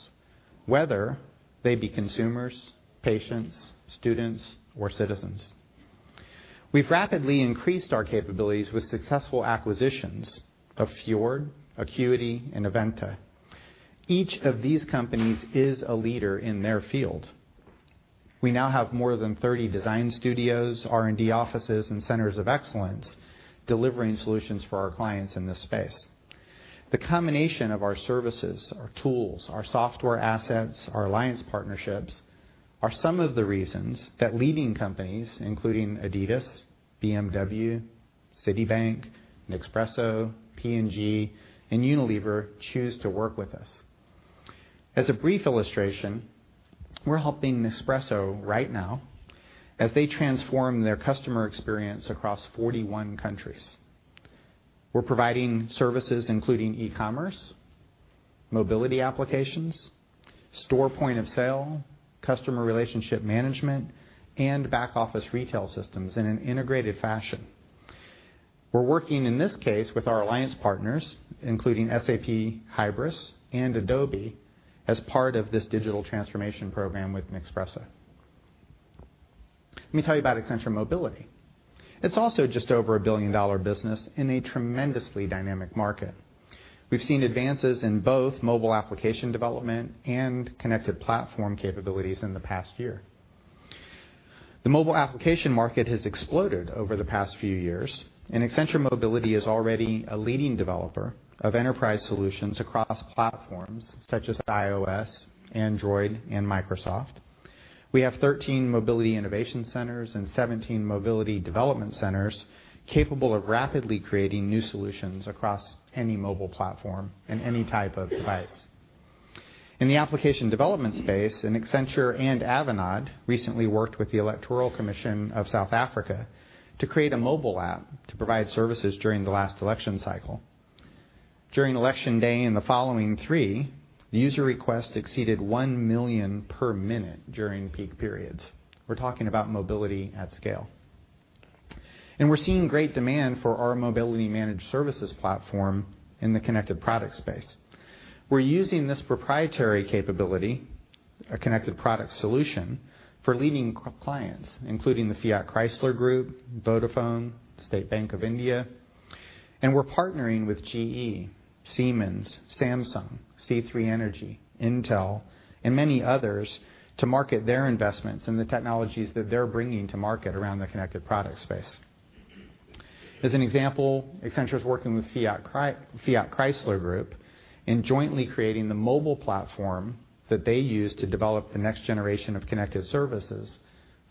whether they be consumers, patients, students, or citizens. We've rapidly increased our capabilities with successful acquisitions of Fjord, Acquity, and avVenta. Each of these companies is a leader in their field. We now have more than 30 design studios, R&D offices, and centers of excellence delivering solutions for our clients in this space. The combination of our services, our tools, our software assets, our alliance partnerships are some of the reasons that leading companies, including Adidas, BMW, Citibank, Nespresso, P&G, and Unilever choose to work with us. As a brief illustration, we're helping Nespresso right now as they transform their customer experience across 41 countries. We're providing services including e-commerce, mobility applications, store point of sale, Customer Relationship Management, and back-office retail systems in an integrated fashion. We're working, in this case, with our alliance partners, including SAP Hybris and Adobe, as part of this digital transformation program with Nespresso. Let me tell you about Accenture Mobility. It's also just over a billion-dollar business in a tremendously dynamic market. We've seen advances in both mobile application development and connected platform capabilities in the past year. The mobile application market has exploded over the past few years, and Accenture Mobility is already a leading developer of enterprise solutions across platforms such as iOS, Android, and Microsoft. We have 13 mobility innovation centers and 17 mobility development centers capable of rapidly creating new solutions across any mobile platform and any type of device. In the application development space, Accenture and Avanade recently worked with the Electoral Commission of South Africa to create a mobile app to provide services during the last election cycle. During election day and the following three, the user requests exceeded 1 million per minute during peak periods. We're talking about mobility at scale. We're seeing great demand for our mobility managed services platform in the connected product space. We're using this proprietary capability, a connected product solution, for leading clients, including the Fiat Chrysler group, Vodafone, State Bank of India, and we're partnering with GE, Siemens, Samsung, C3 Energy, Intel, and many others to market their investments and the technologies that they're bringing to market around the connected product space. As an example, Accenture's working with Fiat Chrysler group in jointly creating the mobile platform that they use to develop the next generation of connected services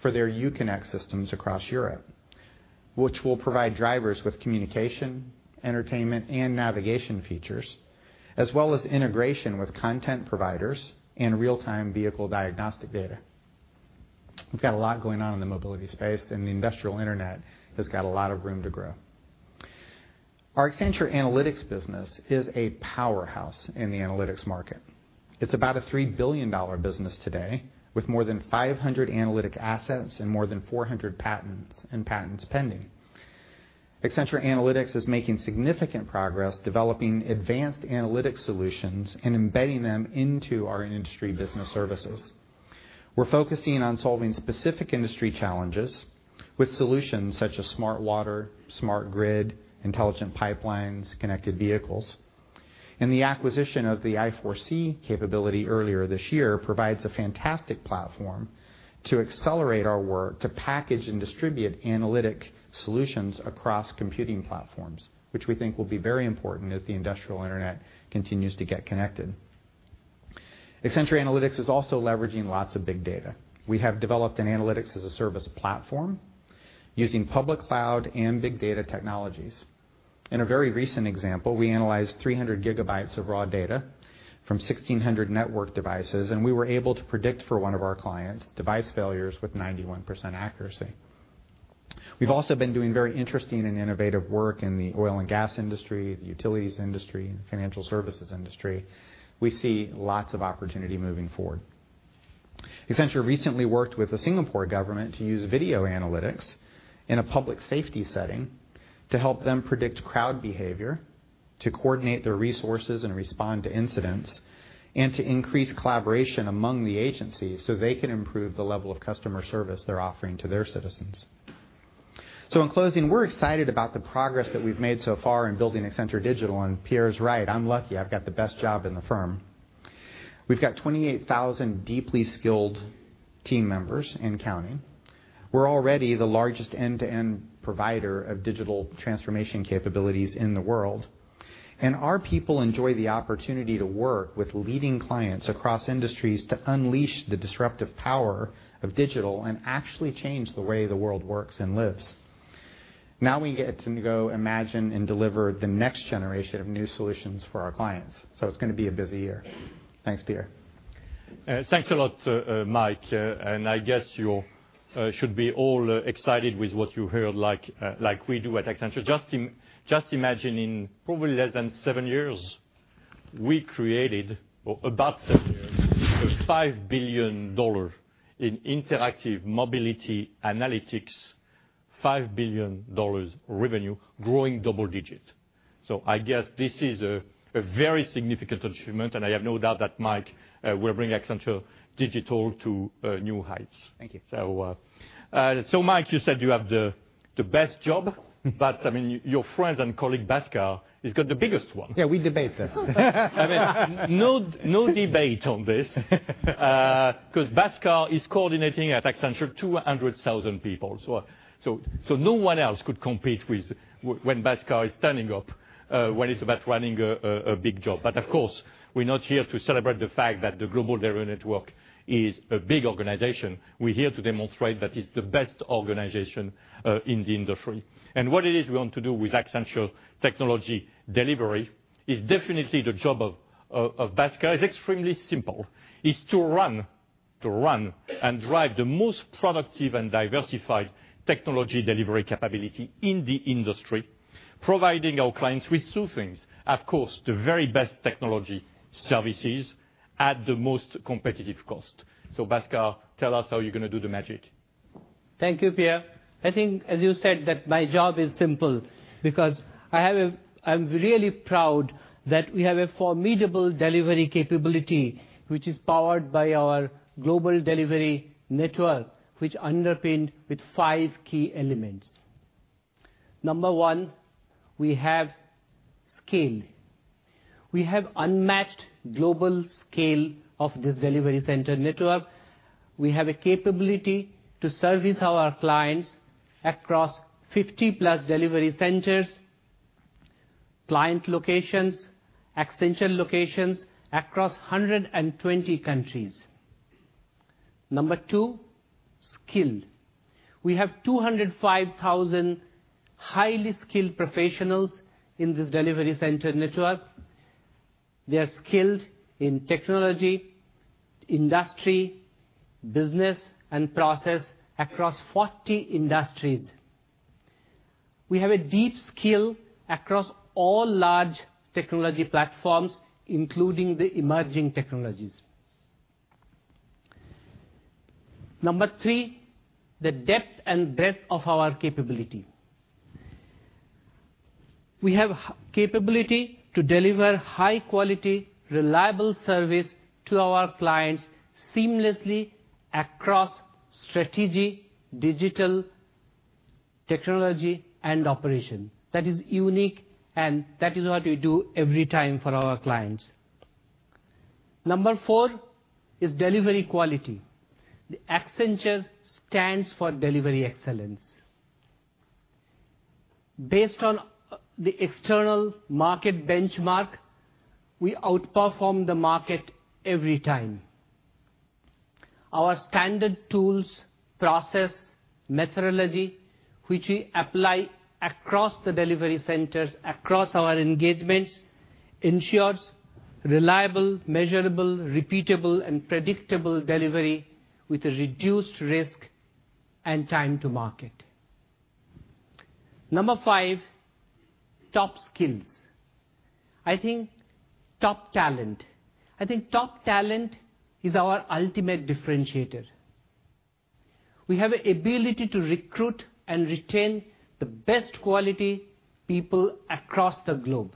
for their Uconnect systems across Europe, which will provide drivers with communication, entertainment, and navigation features, as well as integration with content providers and real-time vehicle diagnostic data. We've got a lot going on in the mobility space, and the industrial internet has got a lot of room to grow. Our Accenture Analytics business is a powerhouse in the analytics market. It's about a $3 billion business today, with more than 500 analytic assets and more than 400 patents and patents pending. Accenture Analytics is making significant progress developing advanced analytic solutions and embedding them into our industry business services. We're focusing on solving specific industry challenges with solutions such as smart water, smart grid, intelligent pipelines, connected vehicles. The acquisition of the i4C capability earlier this year provides a fantastic platform to accelerate our work to package and distribute analytic solutions across computing platforms, which we think will be very important as the industrial internet continues to get connected. Accenture Analytics is also leveraging lots of big data. We have developed an analytics-as-a-service platform using public cloud and big data technologies. In a very recent example, we analyzed 300 GB of raw data from 1,600 network devices, and we were able to predict for one of our clients device failures with 91% accuracy. We've also been doing very interesting and innovative work in the oil and gas industry, the utilities industry, and the financial services industry. We see lots of opportunity moving forward. Accenture recently worked with the Singapore government to use video analytics in a public safety setting to help them predict crowd behavior, to coordinate their resources and respond to incidents, and to increase collaboration among the agencies so they can improve the level of customer service they're offering to their citizens. In closing, we're excited about the progress that we've made so far in building Accenture Digital, and Pierre is right. I'm lucky. I've got the best job in the firm. We've got 28,000 deeply skilled team members and counting. We're already the largest end-to-end provider of digital transformation capabilities in the world, and our people enjoy the opportunity to work with leading clients across industries to unleash the disruptive power of digital and actually change the way the world works and lives. Now we get to go imagine and deliver the next generation of new solutions for our clients. It's going to be a busy year. Thanks, Pierre. Thanks a lot, Mike. I guess you all should be excited with what you heard like we do at Accenture. Just imagine in probably less than seven years, we created, or about seven years, a $5 billion in interactive mobility analytics, $5 billion revenue growing double digits. I guess this is a very significant achievement, and I have no doubt that Mike will bring Accenture Digital to new heights. Thank you. Mike, you said you have the best job, but your friend and colleague, Bhaskar, has got the biggest one. Yeah, we debate this. No debate on this. Bhaskar is coordinating at Accenture 200,000 people. No one else could compete when Bhaskar is standing up when it's about running a big job. Of course, we're not here to celebrate the fact that the global delivery network is a big organization. We're here to demonstrate that it's the best organization in the industry. What it is we want to do with Accenture Technology Delivery is definitely the job of Bhaskar. It's extremely simple. It's to run and drive the most productive and diversified technology delivery capability in the industry, providing our clients with two things, of course, the very best technology services at the most competitive cost. Bhaskar, tell us how you're going to do the magic. Thank you, Pierre. I think, as you said, that my job is simple because I'm really proud that we have a formidable delivery capability, which is powered by our global delivery network, which underpinned with 5 key elements. Number 1, we have scale. We have unmatched global scale of this delivery center network. We have a capability to service our clients across 50-plus delivery centers, client locations, Accenture locations across 120 countries. Number 2, skill. We have 205,000 highly skilled professionals in this delivery center network. They are skilled in technology, industry, business, and process across 40 industries. We have a deep skill across all large technology platforms, including the emerging technologies. Number 3, the depth and breadth of our capability. We have capability to deliver high-quality, reliable service to our clients seamlessly across Strategy, Digital, Technology, and Operations. That is unique, and that is what we do every time for our clients. Number 4 is delivery quality. Accenture stands for delivery excellence. Based on the external market benchmark, we outperform the market every time. Our standard tools, process, methodology, which we apply across the delivery centers, across our engagements ensures reliable, measurable, repeatable, and predictable delivery with a reduced risk and time to market. Number 5, top skills. I think top talent is our ultimate differentiator. We have the ability to recruit and retain the best quality people across the globe.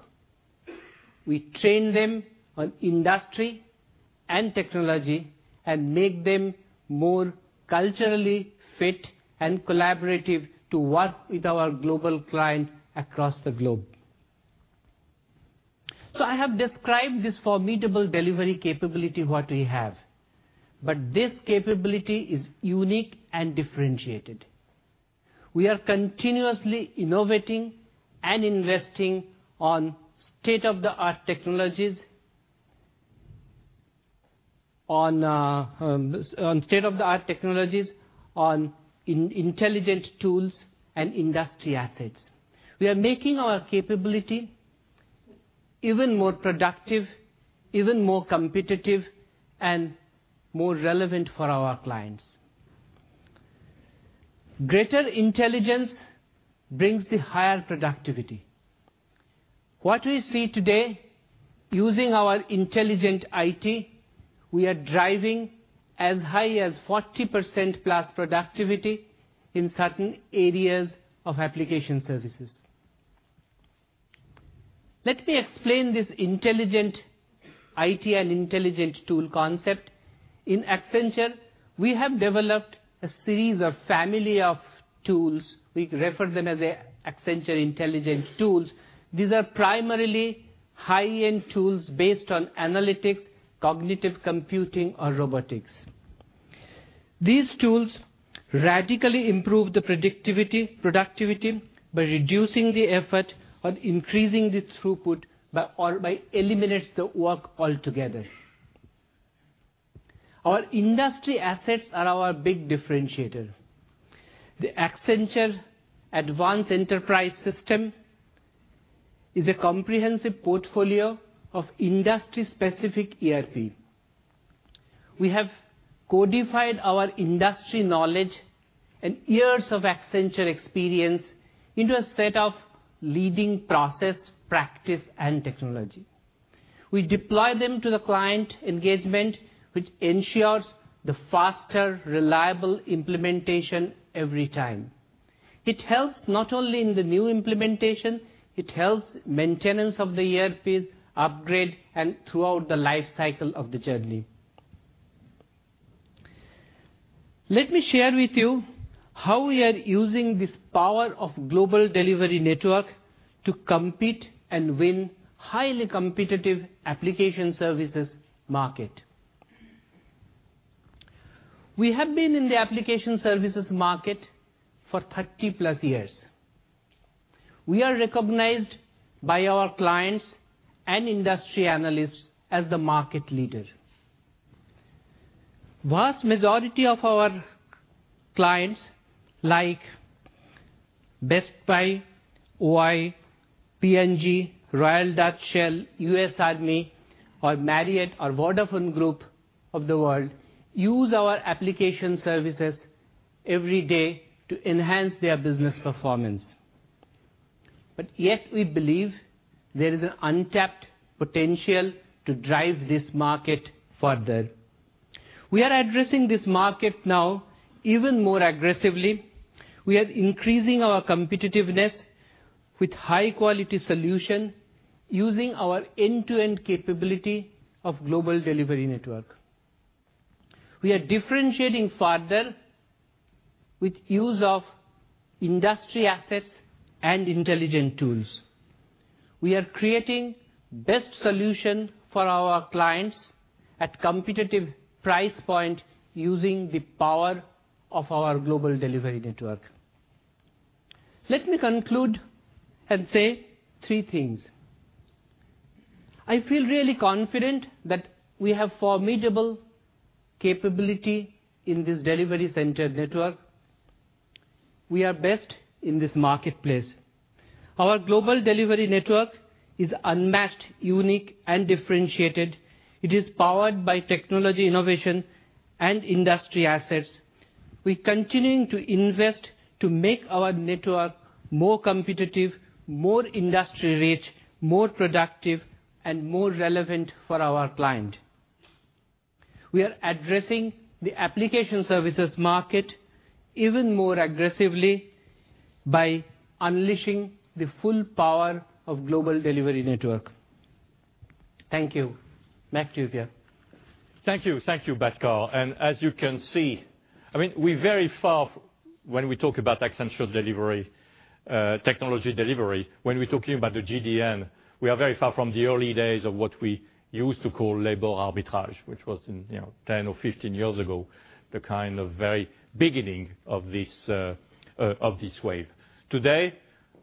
We train them on industry and technology and make them more culturally fit and collaborative to work with our global client across the globe. I have described this formidable delivery capability, what we have. This capability is unique and differentiated. We are continuously innovating and investing on state-of-the-art technologies on intelligent tools and industry assets. We are making our capability even more productive, even more competitive, and more relevant for our clients. Greater intelligence brings the higher productivity. What we see today, using our intelligent IT, we are driving as high as 40%-plus productivity in certain areas of application services. Let me explain this intelligent IT and intelligent tool concept. In Accenture, we have developed a series of family of tools. We refer them as Accenture intelligent tools. These are primarily high-end tools based on analytics, cognitive computing, or robotics. These tools radically improve the productivity by reducing the effort or increasing the throughput or by eliminates the work altogether. Our industry assets are our big differentiator. The Accenture Advanced Enterprise System is a comprehensive portfolio of industry-specific ERP. We have codified our industry knowledge and years of Accenture experience into a set of leading process, practice, and technology. We deploy them to the client engagement, which ensures the faster, reliable implementation every time. It helps not only in the new implementation, it helps maintenance of the ERPs, upgrade, and throughout the life cycle of the journey. Let me share with you how we are using this power of global delivery network to compete and win highly competitive application services market. We have been in the application services market for 30-plus years. We are recognized by our clients and industry analysts as the market leader. Vast majority of our clients, like Best Buy, Owens-Illinois, P&G, Royal Dutch Shell, US Army, or Marriott or Vodafone Group of the world, use our application services every day to enhance their business performance. Yet we believe there is an untapped potential to drive this market further. We are addressing this market now even more aggressively. We are increasing our competitiveness with high-quality solution using our end-to-end capability of global delivery network. We are differentiating further with use of industry assets and intelligent tools. We are creating best solution for our clients at competitive price point using the power of our global delivery network. Let me conclude and say three things. I feel really confident that we have formidable capability in this delivery center network. We are best in this marketplace. Our global delivery network is unmatched, unique, and differentiated. It is powered by technology innovation and industry assets. We're continuing to invest to make our network more competitive, more industry rich, more productive, and more relevant for our client. We are addressing the application services market even more aggressively by unleashing the full power of global delivery network. Thank you. Back to you, Pierre. Thank you. Thank you, Bhaskar. As you can see, we are very far, when we talk about Accenture delivery, technology delivery, when we are talking about the GDN, we are very far from the early days of what we used to call labor arbitrage, which was in 10 or 15 years ago, the kind of very beginning of this wave. Today,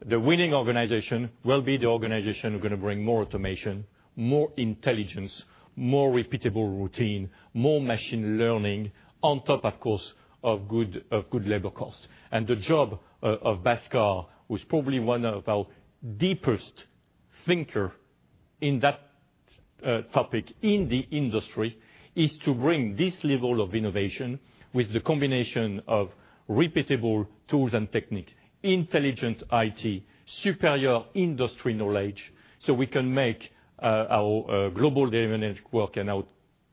the winning organization will be the organization who are going to bring more automation, more intelligence, more repeatable routine, more machine learning, on top, of course, of good labor cost. The job of Bhaskar, who is probably one of our deepest thinker in that topic in the industry is to bring this level of innovation with the combination of repeatable tools and techniques, intelligent IT, superior industry knowledge, so we can make our global delivery network and our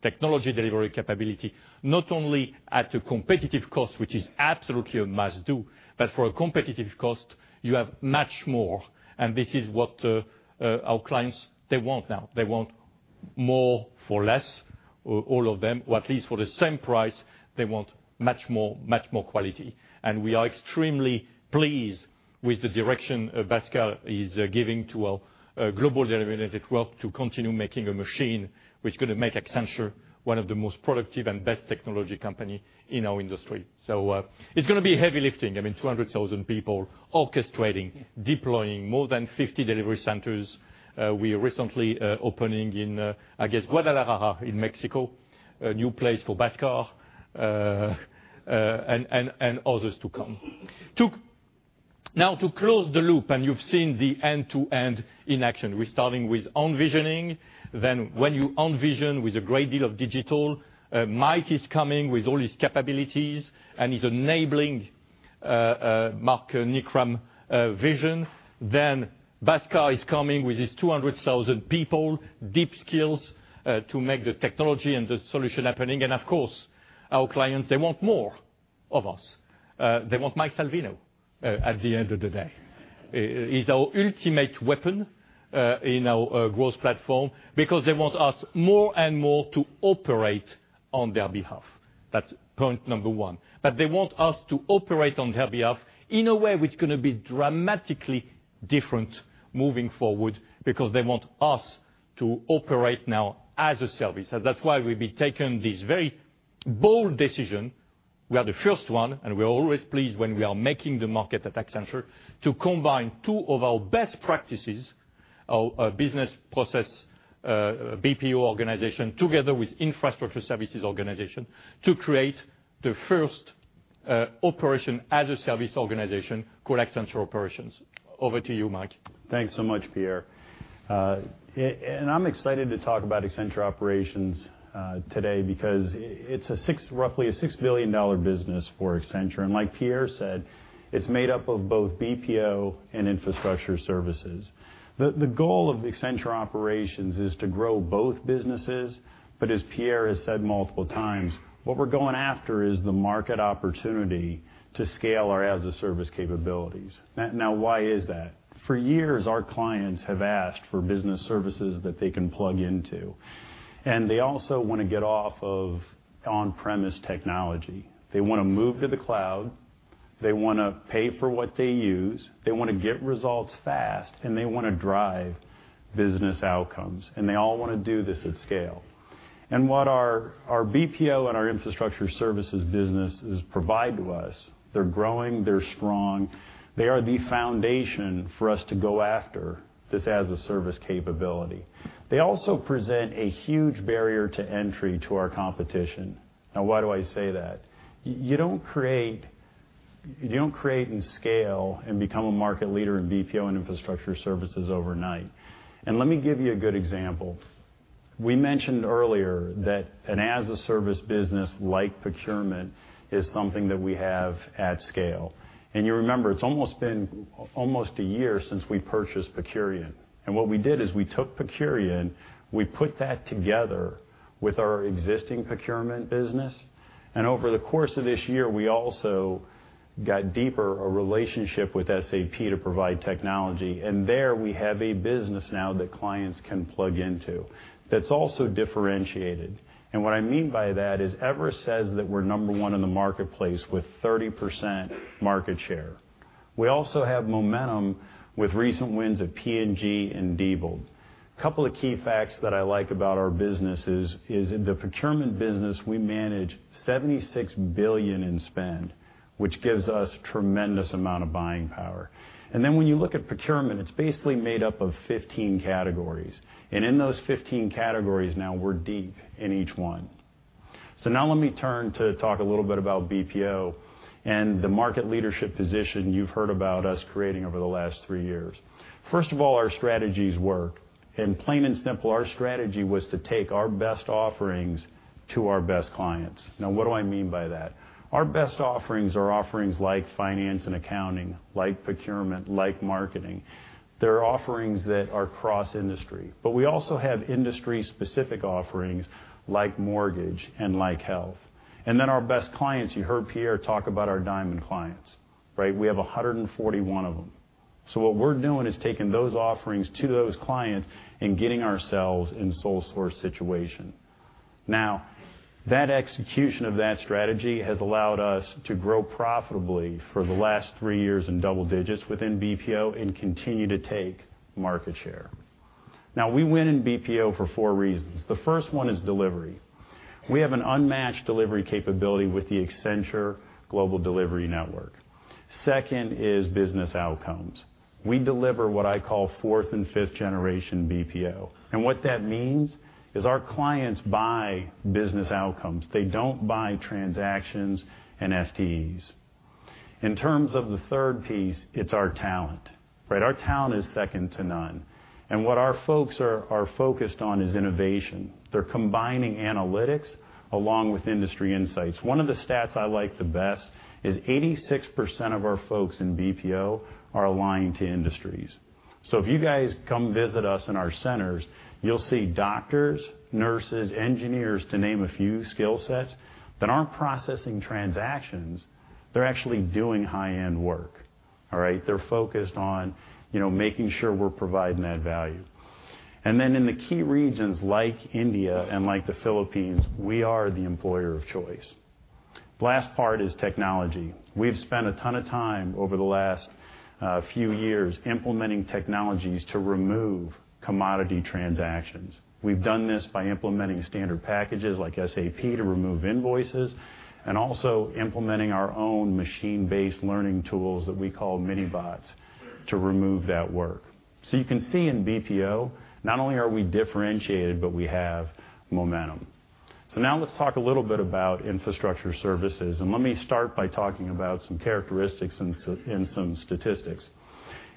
technology delivery capability not only at a competitive cost, which is absolutely a must-do, but for a competitive cost, you have much more, and this is what our clients want now. They want more for less, all of them, or at least for the same price, they want much more quality. We are extremely pleased with the direction Bhaskar is giving to our global delivery network to continue making a machine, which is going to make Accenture one of the most productive and best technology company in our industry. It is going to be heavy lifting. 200,000 people orchestrating, deploying more than 50 delivery centers. We are recently opening in, I guess, Guadalajara in Mexico, a new place for Bhaskar, and others to come. To close the loop and you have seen the end-to-end in action. We are starting with envisioning, then when you envision with a great deal of digital, Mike is coming with all his capabilities and is enabling Mark Knickrehm vision. Bhaskar is coming with his 200,000 people, deep skills to make the technology and the solution happening. Of course, our clients, they want more of us. They want Mike Salvino at the end of the day. He is our ultimate weapon in our growth platform because they want us more and more to operate on their behalf. That's point number one. They want us to operate on their behalf in a way which going to be dramatically different moving forward because they want us to operate now as a service. That's why we've taken this very bold decision. We are the first one, and we are always pleased when we are making the market at Accenture, to combine two of our best practices, our business process BPO organization together with infrastructure services organization to create the first operation as a service organization called Accenture Operations. Over to you, Mike. Thanks so much, Pierre. I'm excited to talk about Accenture Operations today because it's roughly a $6 billion business for Accenture. Like Pierre said, it's made up of both BPO and infrastructure services. The goal of Accenture Operations is to grow both businesses, as Pierre has said multiple times, what we're going after is the market opportunity to scale our as-a-service capabilities. Now, why is that? For years, our clients have asked for business services that they can plug into. They also want to get off of on-premise technology. They want to move to the cloud, they want to pay for what they use, they want to get results fast. They want to drive business outcomes. They all want to do this at scale. What our BPO and our infrastructure services businesses provide to us, they're growing, they're strong, they are the foundation for us to go after this as-a-service capability. They also present a huge barrier to entry to our competition. Now, why do I say that? You don't create and scale and become a market leader in BPO and infrastructure services overnight. Let me give you a good example. We mentioned earlier that an as-a-service business like procurement is something that we have at scale. You remember, it's almost been almost a year since we purchased Procurian. What we did is we took Procurian, we put that together with our existing procurement business. Over the course of this year, we also got deeper a relationship with SAP to provide technology. There we have a business now that clients can plug into that's also differentiated. What I mean by that is Everest says that we're number one in the marketplace with 30% market share. We also have momentum with recent wins of P&G and Diebold. Couple of key facts that I like about our business is in the procurement business, we manage $76 billion in spend, which gives us tremendous amount of buying power. When you look at procurement, it's basically made up of 15 categories. In those 15 categories, now we're deep in each one. Now let me turn to talk a little bit about BPO and the market leadership position you've heard about us creating over the last three years. First of all, our strategies work. Plain and simple, our strategy was to take our best offerings to our best clients. Now, what do I mean by that? Our best offerings are offerings like finance and accounting, like procurement, like marketing. They're offerings that are cross-industry. We also have industry specific offerings like mortgage and like health. Our best clients, you heard Pierre talk about our Diamond clients. We have 141 of them. What we're doing is taking those offerings to those clients and getting ourselves in sole source situation. That execution of that strategy has allowed us to grow profitably for the last three years in double digits within BPO and continue to take market share. We win in BPO for four reasons. The first one is delivery. We have an unmatched delivery capability with the Accenture Global Delivery Network. Second is business outcomes. We deliver what I call fourth and fifth generation BPO. What that means is our clients buy business outcomes. They don't buy transactions and FTEs. In terms of the third piece, it's our talent. Our talent is second to none. What our folks are focused on is innovation. They're combining analytics along with industry insights. One of the stats I like the best is 86% of our folks in BPO are aligned to industries. If you guys come visit us in our centers, you'll see doctors, nurses, engineers, to name a few skill sets, that aren't processing transactions. They're actually doing high-end work. All right? They're focused on making sure we're providing that value. In the key regions like India and like the Philippines, we are the employer of choice. Last part is technology. We've spent a ton of time over the last few years implementing technologies to remove commodity transactions. We've done this by implementing standard packages like SAP to remove invoices, and also implementing our own machine-based learning tools that we call Mini Bots to remove that work. You can see in BPO, not only are we differentiated, but we have momentum. Now let's talk a little bit about infrastructure services, and let me start by talking about some characteristics and some statistics.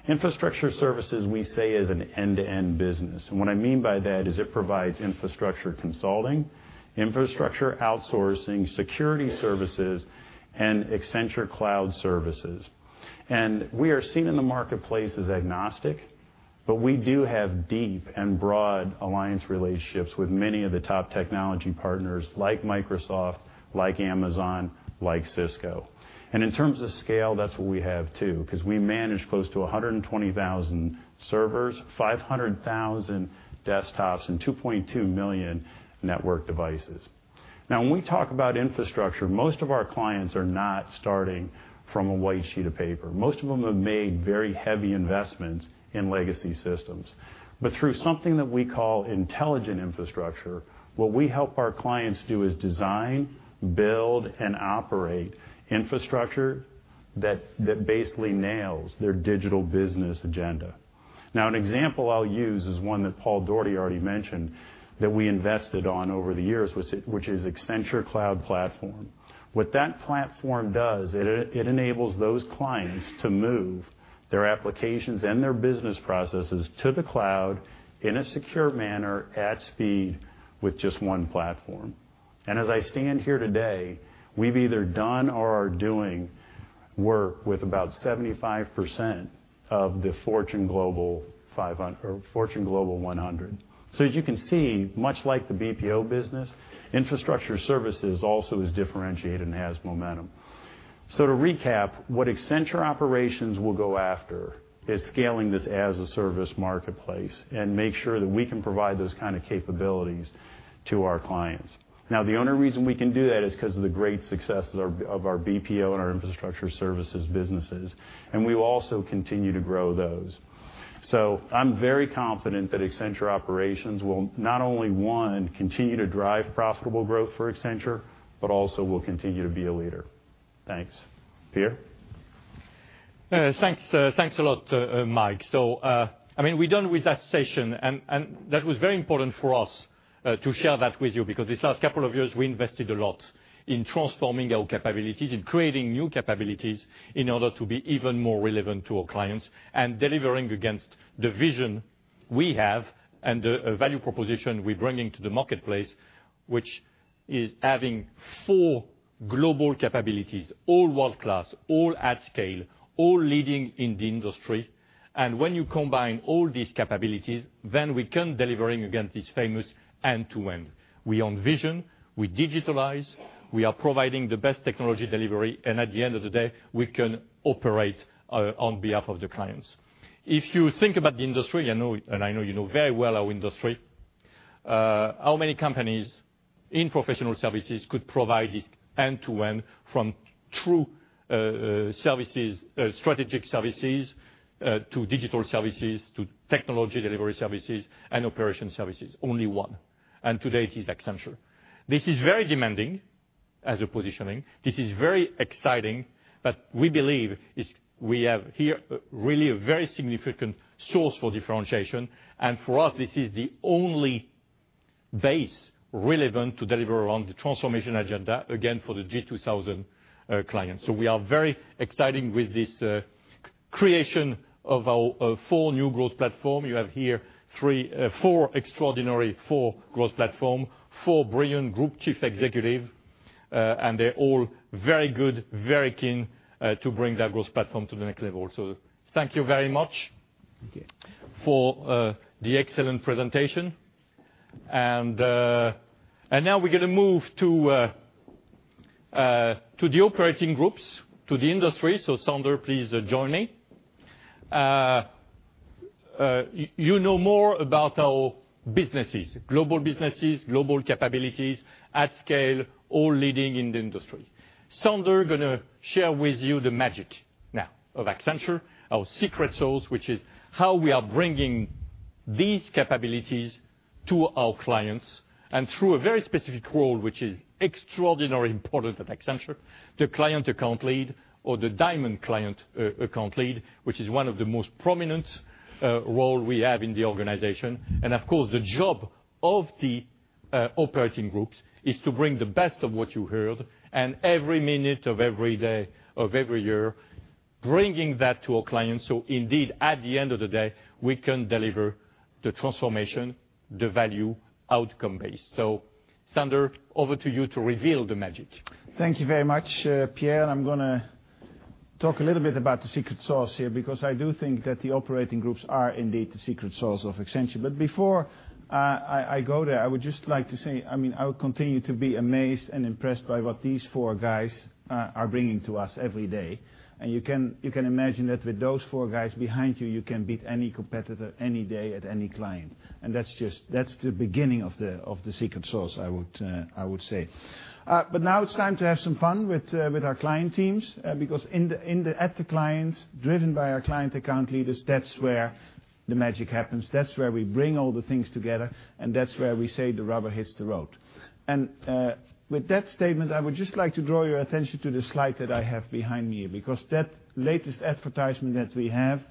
Infrastructure services, we say, is an end-to-end business. What I mean by that is it provides infrastructure consulting, infrastructure outsourcing, security services, and Accenture Cloud Services. We are seen in the marketplace as agnostic, but we do have deep and broad alliance relationships with many of the top technology partners like Microsoft, like Amazon, like Cisco. In terms of scale, that's what we have too, because we manage close to 120,000 servers, 500,000 desktops, and 2.2 million network devices. When we talk about infrastructure, most of our clients are not starting from a white sheet of paper. Most of them have made very heavy investments in legacy systems. Through something that we call intelligent infrastructure, what we help our clients do is design, build, and operate infrastructure that basically nails their digital business agenda. An example I'll use is one that Paul Daugherty already mentioned that we invested on over the years, which is Accenture Cloud Platform. What that platform does, it enables those clients to move their applications and their business processes to the cloud in a secure manner at speed with just one platform. As I stand here today, we've either done or are doing work with about 75% of the Fortune Global 100. As you can see, much like the BPO business, infrastructure services also is differentiated and has momentum. To recap, what Accenture Operations will go after is scaling this as a service marketplace and make sure that we can provide those kind of capabilities to our clients. The only reason we can do that is because of the great successes of our BPO and our infrastructure services businesses, and we will also continue to grow those. I'm very confident that Accenture Operations will not only, one, continue to drive profitable growth for Accenture, but also will continue to be a leader. Thanks. Pierre? Thanks a lot, Mike. We're done with that session. That was very important for us to share that with you because these last couple of years, we invested a lot in transforming our capabilities, in creating new capabilities in order to be even more relevant to our clients and delivering against the vision we have and the value proposition we're bringing to the marketplace, which is having four global capabilities, all world-class, all at scale, all leading in the industry. When you combine all these capabilities, then we can delivering against this famous end-to-end. We envision, we digitalize, we are providing the best technology delivery. At the end of the day, we can operate on behalf of the clients. If you think about the industry, I know you know very well our industry, how many companies in professional services could provide this end-to-end from true services, strategic services, to digital services, to technology delivery services and operation services? Only one. Today it is Accenture. This is very demanding as a positioning. This is very exciting. We believe we have here really a very significant source for differentiation. For us, this is the only base relevant to deliver on the transformation agenda, again, for the G2000 clients. We are very exciting with this creation of our four new growth platform. You have here four extraordinary four growth platform, four brilliant Group Chief Executive, they're all very good, very keen to bring that growth platform to the next level. Thank you very much for the excellent presentation. Now we're going to move to the Operating Groups, to the industry. Sander, please join me. You know more about our businesses, global businesses, global capabilities at scale, all leading in the industry. Sander going to share with you the magic now of Accenture, our secret sauce, which is how we are bringing these capabilities to our clients through a very specific role, which is extraordinarily important at Accenture, the Client Account Lead or the Diamond Client Account Lead, which is one of the most prominent role we have in the organization. Of course, the job of the Operating Groups is to bring the best of what you heard, every minute of every day of every year, bringing that to our clients. Indeed, at the end of the day, we can deliver the transformation, the value outcome base. Sander, over to you to reveal the magic. Thank you very much, Pierre. I'm going to talk a little bit about the secret sauce here, because I do think that the Operating Groups are indeed the secret sauce of Accenture. Before I go there, I would just like to say, I mean, I will continue to be amazed and impressed by what these four guys are bringing to us every day, and you can imagine that with those four guys behind you can beat any competitor any day at any client. That's the beginning of the secret sauce, I would say. Now it's time to have some fun with our client teams, because at the clients, driven by our client account leaders, that's where the magic happens. That's where we bring all the things together, and that's where we say the rubber hits the road. With that statement, I would just like to draw your attention to the slide that I have behind me, because that latest advertisement that we have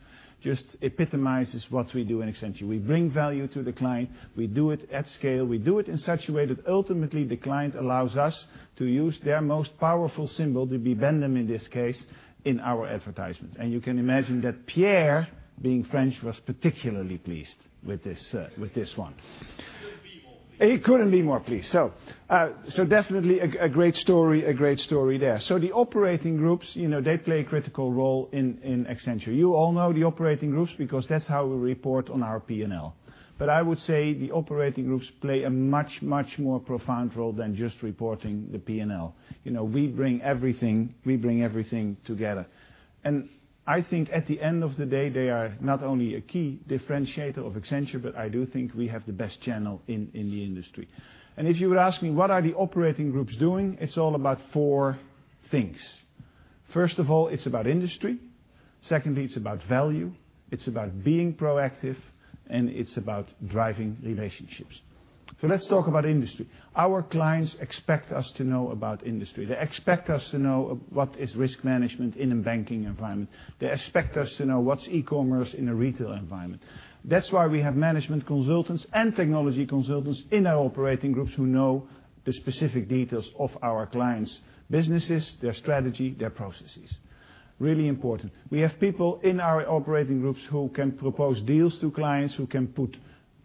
just epitomizes what we do in Accenture. We bring value to the client, we do it at scale, we do it in such a way that ultimately the client allows us to use their most powerful symbol, the Bibendum in this case, in our advertisement. You can imagine that Pierre, being French, was particularly pleased with this one. He couldn't be more pleased. He couldn't be more pleased. Definitely a great story there. The Operating Groups, they play a critical role in Accenture. You all know the Operating Groups because that's how we report on our P&L. I would say the Operating Groups play a much, much more profound role than just reporting the P&L. We bring everything together. I think at the end of the day, they are not only a key differentiator of Accenture, but I do think we have the best channel in the industry. If you would ask me, what are the Operating Groups doing? It's all about four things. First of all, it's about industry. Secondly, it's about value. It's about being proactive, and it's about driving relationships. Let's talk about industry. Our clients expect us to know about industry. They expect us to know what is risk management in a banking environment. They expect us to know what's e-commerce in a retail environment. That's why we have management consultants and technology consultants in our Operating Groups who know the specific details of our clients' businesses, their strategy, their processes. Really important. We have people in our Operating Groups who can propose deals to clients, who can put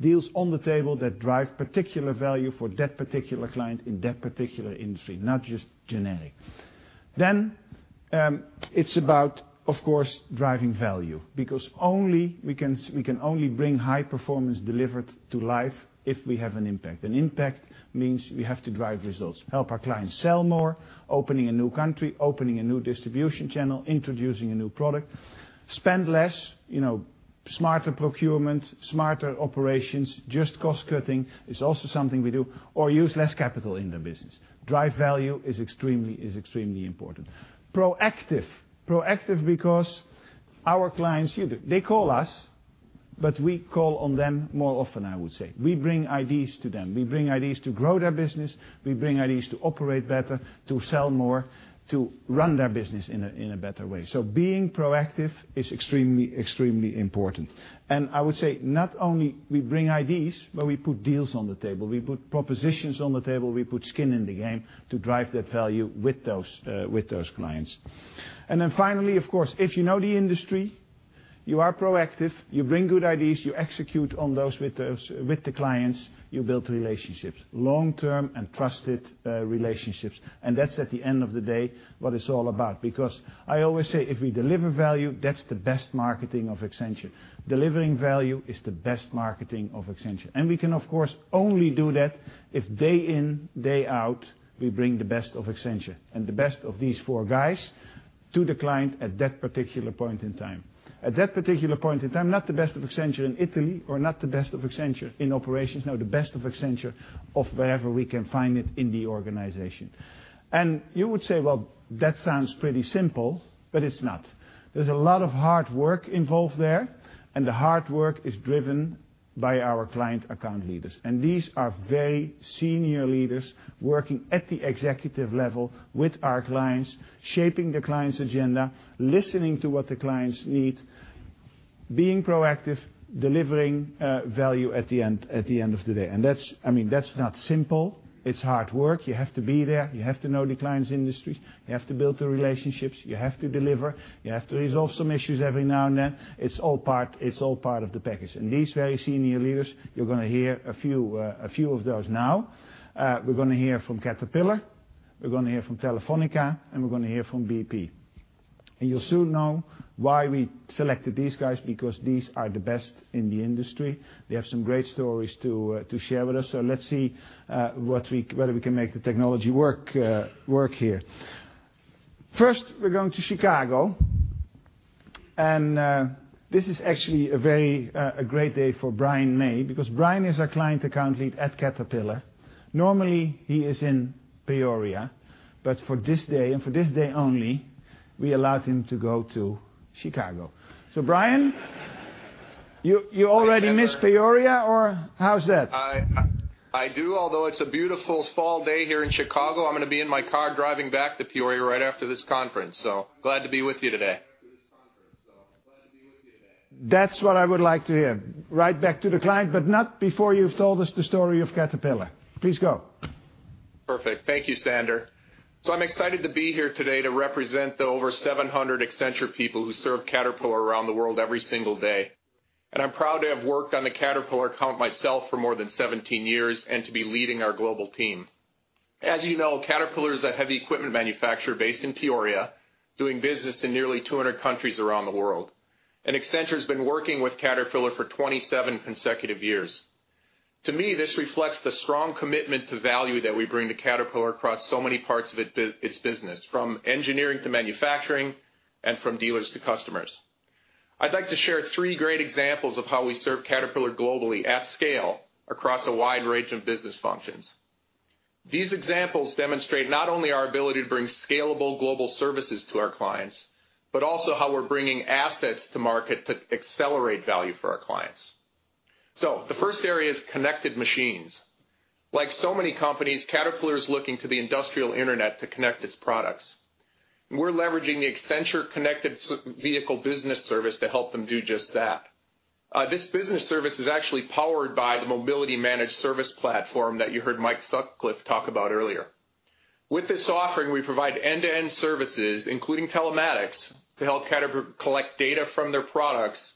deals on the table that drive particular value for that particular client in that particular industry, not just generic. It's about, of course, driving value, because we can only bring high performance delivered to life if we have an impact. Impact means we have to drive results, help our clients sell more, opening a new country, opening a new distribution channel, introducing a new product. Spend less, smarter procurement, smarter operations, just cost-cutting is also something we do, or use less capital in their business. Drive value is extremely important. Proactive. Proactive because our clients, they call us, but we call on them more often, I would say. We bring ideas to them. We bring ideas to grow their business, we bring ideas to operate better, to sell more, to run their business in a better way. Being proactive is extremely important. I would say not only we bring ideas, but we put deals on the table. We put propositions on the table, we put skin in the game to drive that value with those clients. Finally, of course, if you know the industry, you are proactive, you bring good ideas, you execute on those with the clients, you build relationships, long-term and trusted relationships. That's at the end of the day, what it's all about. Because I always say if we deliver value, that's the best marketing of Accenture. Delivering value is the best marketing of Accenture. We can, of course, only do that if day in, day out, we bring the best of Accenture and the best of these four guys to the client at that particular point in time. At that particular point in time, not the best of Accenture in Italy or not the best of Accenture in Operations, no, the best of Accenture of wherever we can find it in the organization. You would say, well, that sounds pretty simple, but it's not. There's a lot of hard work involved there, and the hard work is driven by our client account leaders. These are very senior leaders working at the executive level with our clients, shaping the client's agenda, listening to what the clients need, being proactive, delivering value at the end of the day. That's not simple. It's hard work. You have to be there. You have to know the client's industry. You have to build the relationships. You have to deliver. You have to resolve some issues every now and then. It's all part of the package. These very senior leaders, you're going to hear a few of those now. We're going to hear from Caterpillar, we're going to hear from Telefónica, and we're going to hear from BP. You'll soon know why we selected these guys, because these are the best in the industry. They have some great stories to share with us. Let's see whether we can make the technology work here. First, we're going to Chicago. This is actually a great day for Brian May because Brian is our client account lead at Caterpillar. Normally, he is in Peoria, but for this day and for this day only, we allowed him to go to Chicago. Brian, you already miss Peoria, or how is that? I do, although it's a beautiful fall day here in Chicago. I'm going to be in my car driving back to Peoria right after this conference. Glad to be with you today. That's what I would like to hear. Right back to the client. Not before you've told us the story of Caterpillar. Please go. Perfect. Thank you, Sander. I'm excited to be here today to represent the over 700 Accenture people who serve Caterpillar around the world every single day. I'm proud to have worked on the Caterpillar account myself for more than 17 years and to be leading our global team. As you know, Caterpillar is a heavy equipment manufacturer based in Peoria, doing business in nearly 200 countries around the world. Accenture's been working with Caterpillar for 27 consecutive years. To me, this reflects the strong commitment to value that we bring to Caterpillar across so many parts of its business, from engineering to manufacturing and from dealers to customers. I'd like to share three great examples of how we serve Caterpillar globally at scale across a wide range of business functions. These examples demonstrate not only our ability to bring scalable global services to our clients, but also how we're bringing assets to market to accelerate value for our clients. The first area is connected machines. Like so many companies, Caterpillar is looking to the Industrial Internet to connect its products. We're leveraging the Accenture Connected Vehicle Business Service to help them do just that. This business service is actually powered by the mobility managed service platform that you heard Mike Sutcliff talk about earlier. With this offering, we provide end-to-end services, including telematics, to help Caterpillar collect data from their products.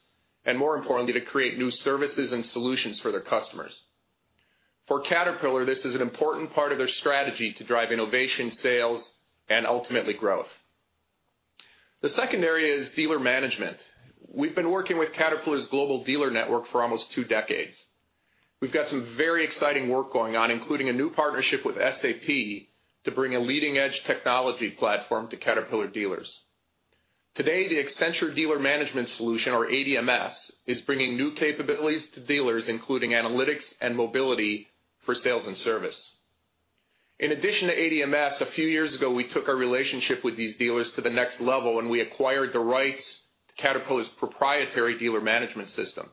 More importantly, to create new services and solutions for their customers. For Caterpillar, this is an important part of their strategy to drive innovation, sales, and ultimately growth. The second area is dealer management. We've been working with Caterpillar's global dealer network for almost 2 decades. We've got some very exciting work going on, including a new partnership with SAP to bring a leading-edge technology platform to Caterpillar dealers. Today, the Accenture Dealer Management Solution, or ADMS, is bringing new capabilities to dealers, including analytics and mobility for sales and service. In addition to ADMS, a few years ago, we took our relationship with these dealers to the next level. We acquired the rights to Caterpillar's proprietary dealer management system.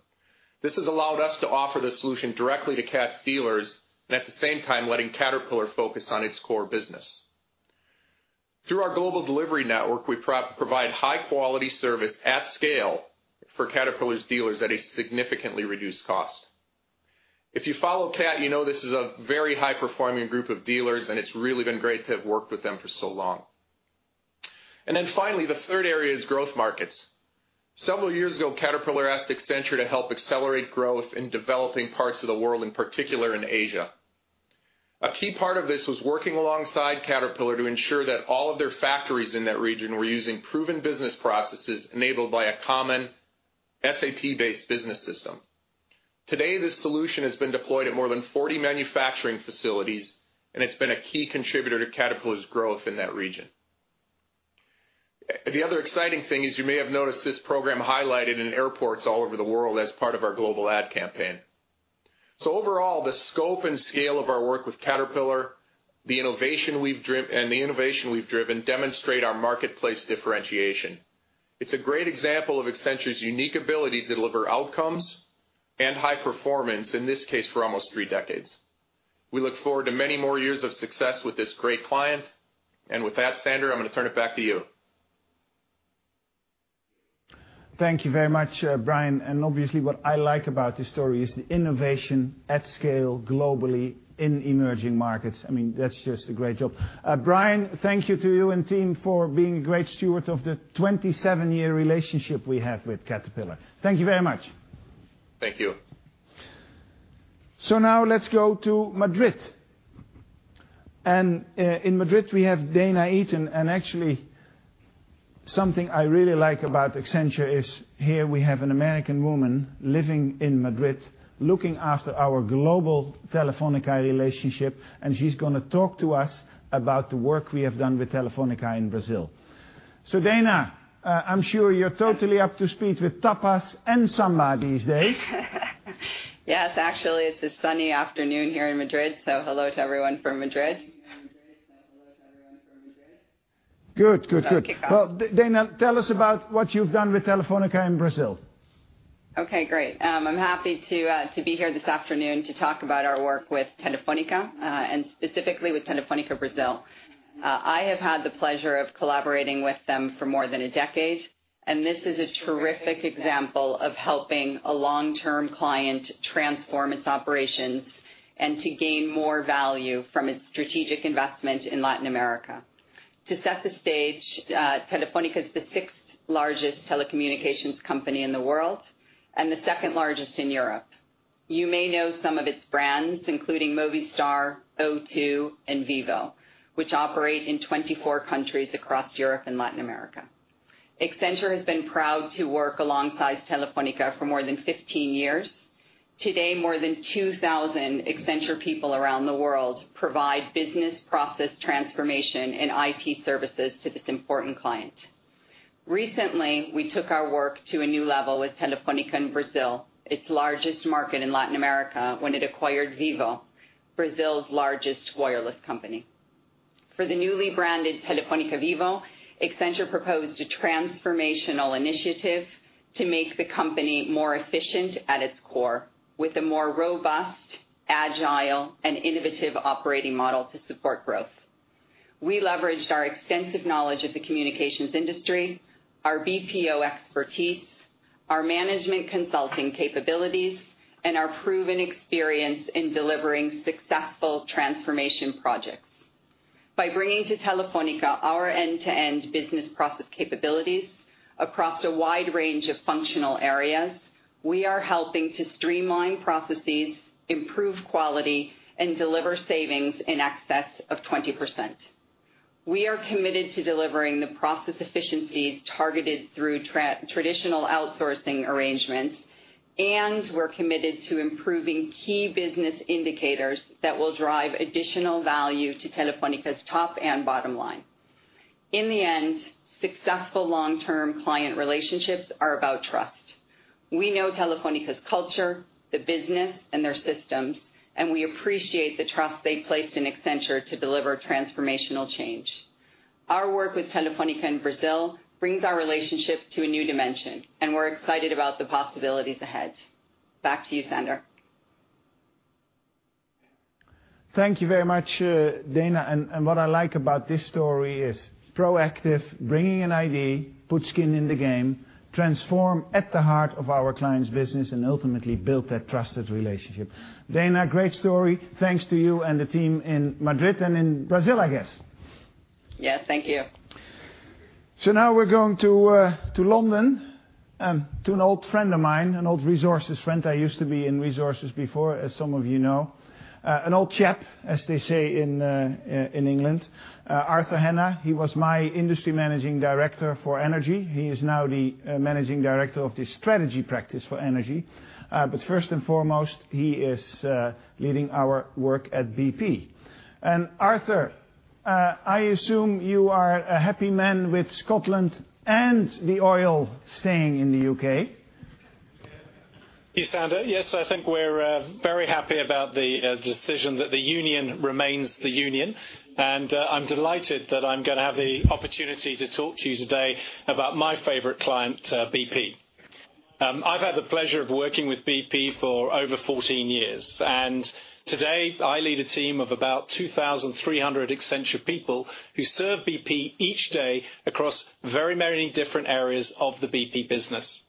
This has allowed us to offer the solution directly to Cat's dealers. At the same time, letting Caterpillar focus on its core business. Through our global delivery network, we provide high-quality service at scale for Caterpillar's dealers at a significantly reduced cost. If you follow Cat, you know this is a very high-performing group of dealers. It's really been great to have worked with them for so long. Finally, the 3rd area is growth markets. Several years ago, Caterpillar asked Accenture to help accelerate growth in developing parts of the world, in particular in Asia. A key part of this was working alongside Caterpillar to ensure that all of their factories in that region were using proven business processes enabled by a common SAP-based business system. Today, this solution has been deployed at more than 40 manufacturing facilities. It's been a key contributor to Caterpillar's growth in that region. The other exciting thing is you may have noticed this program highlighted in airports all over the world as part of our global ad campaign. Overall, the scope and scale of our work with Caterpillar and the innovation we've driven demonstrate our marketplace differentiation. It's a great example of Accenture's unique ability to deliver outcomes and high performance, in this case, for almost 3 decades. We look forward to many more years of success with this great client. With that, Sander, I'm going to turn it back to you. Thank you very much, Brian, obviously what I like about this story is the innovation at scale globally in emerging markets. I mean, that's just a great job. Brian, thank you to you and team for being great stewards of the 27-year relationship we have with Caterpillar. Thank you very much. Thank you. Now let's go to Madrid. In Madrid, we have Dana Eaton, actually, something I really like about Accenture is here we have an American woman living in Madrid, looking after our global Telefónica relationship, she's going to talk to us about the work we have done with Telefónica in Brazil. Dana, I'm sure you're totally up to speed with tapas and samba these days. Yes, actually, it's a sunny afternoon here in Madrid, hello to everyone from Madrid. Good. Well, Dana, tell us about what you've done with Telefónica in Brazil. Okay, great. I'm happy to be here this afternoon to talk about our work with Telefónica, and specifically with Telefónica Brazil. I have had the pleasure of collaborating with them for more than a decade, and this is a terrific example of helping a long-term client transform its operations and to gain more value from its strategic investment in Latin America. To set the stage, Telefónica is the sixth largest telecommunications company in the world and the second largest in Europe. You may know some of its brands, including Movistar, O2, and Vivo, which operate in 24 countries across Europe and Latin America. Accenture has been proud to work alongside Telefónica for more than 15 years. Today, more than 2,000 Accenture people around the world provide business process transformation and IT services to this important client. Recently, we took our work to a new level with Telefónica in Brazil, its largest market in Latin America, when it acquired Vivo, Brazil's largest wireless company. For the newly branded Telefónica Vivo, Accenture proposed a transformational initiative to make the company more efficient at its core with a more robust, agile, and innovative operating model to support growth. We leveraged our extensive knowledge of the communications industry, our BPO expertise, our management consulting capabilities, and our proven experience in delivering successful transformation projects. By bringing to Telefónica our end-to-end business process capabilities across a wide range of functional areas, we are helping to streamline processes, improve quality, and deliver savings in excess of 20%. We are committed to delivering the process efficiencies targeted through traditional outsourcing arrangements, and we're committed to improving key business indicators that will drive additional value to Telefónica's top and bottom line. In the end, successful long-term client relationships are about trust. We know Telefónica's culture, the business, and their systems, and we appreciate the trust they placed in Accenture to deliver transformational change. Our work with Telefónica in Brazil brings our relationship to a new dimension, and we're excited about the possibilities ahead. Back to you, Sander. Thank you very much, Dana. What I like about this story is proactive, bringing an idea, put skin in the game, transform at the heart of our client's business, and ultimately build that trusted relationship. Dana, great story. Thanks to you and the team in Madrid and in Brazil, I guess. Yes. Thank you. Now we're going to London, to an old friend of mine, an old resources friend. I used to be in resources before, as some of you know. An old chap, as they say in England. Arthur Hanna, he was my industry Managing Director for energy. He is now the Managing Director of the Strategy Practice for Energy. First and foremost, he is leading our work at BP. Arthur, I assume you are a happy man with Scotland and the oil staying in the U.K. Yes, Sander. Yes, I think we're very happy about the decision that the union remains the union, and I'm delighted that I'm going to have the opportunity to talk to you today about my favorite client, BP. I've had the pleasure of working with BP for over 14 years, and today I lead a team of about 2,300 Accenture people who serve BP each day across very many different areas of the BP business.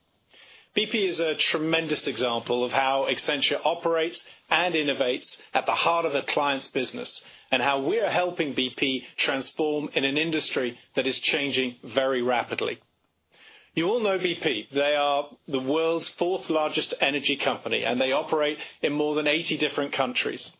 BP is a tremendous example of how Accenture operates and innovates at the heart of a client's business, and how we are helping BP transform in an industry that is changing very rapidly. You all know BP. They are the world's fourth-largest energy company, and they operate in more than 80 different countries.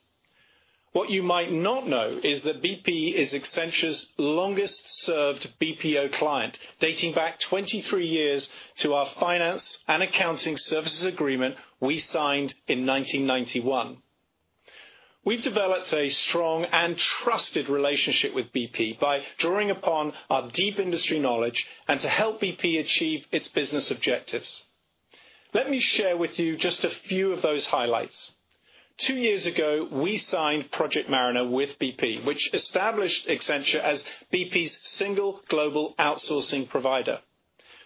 What you might not know is that BP is Accenture's longest-served BPO client, dating back 23 years to our finance and accounting services agreement we signed in 1991. We've developed a strong and trusted relationship with BP by drawing upon our deep industry knowledge and to help BP achieve its business objectives. Let me share with you just a few of those highlights. Two years ago, we signed Project Mariner with BP, which established Accenture as BP's single global outsourcing provider.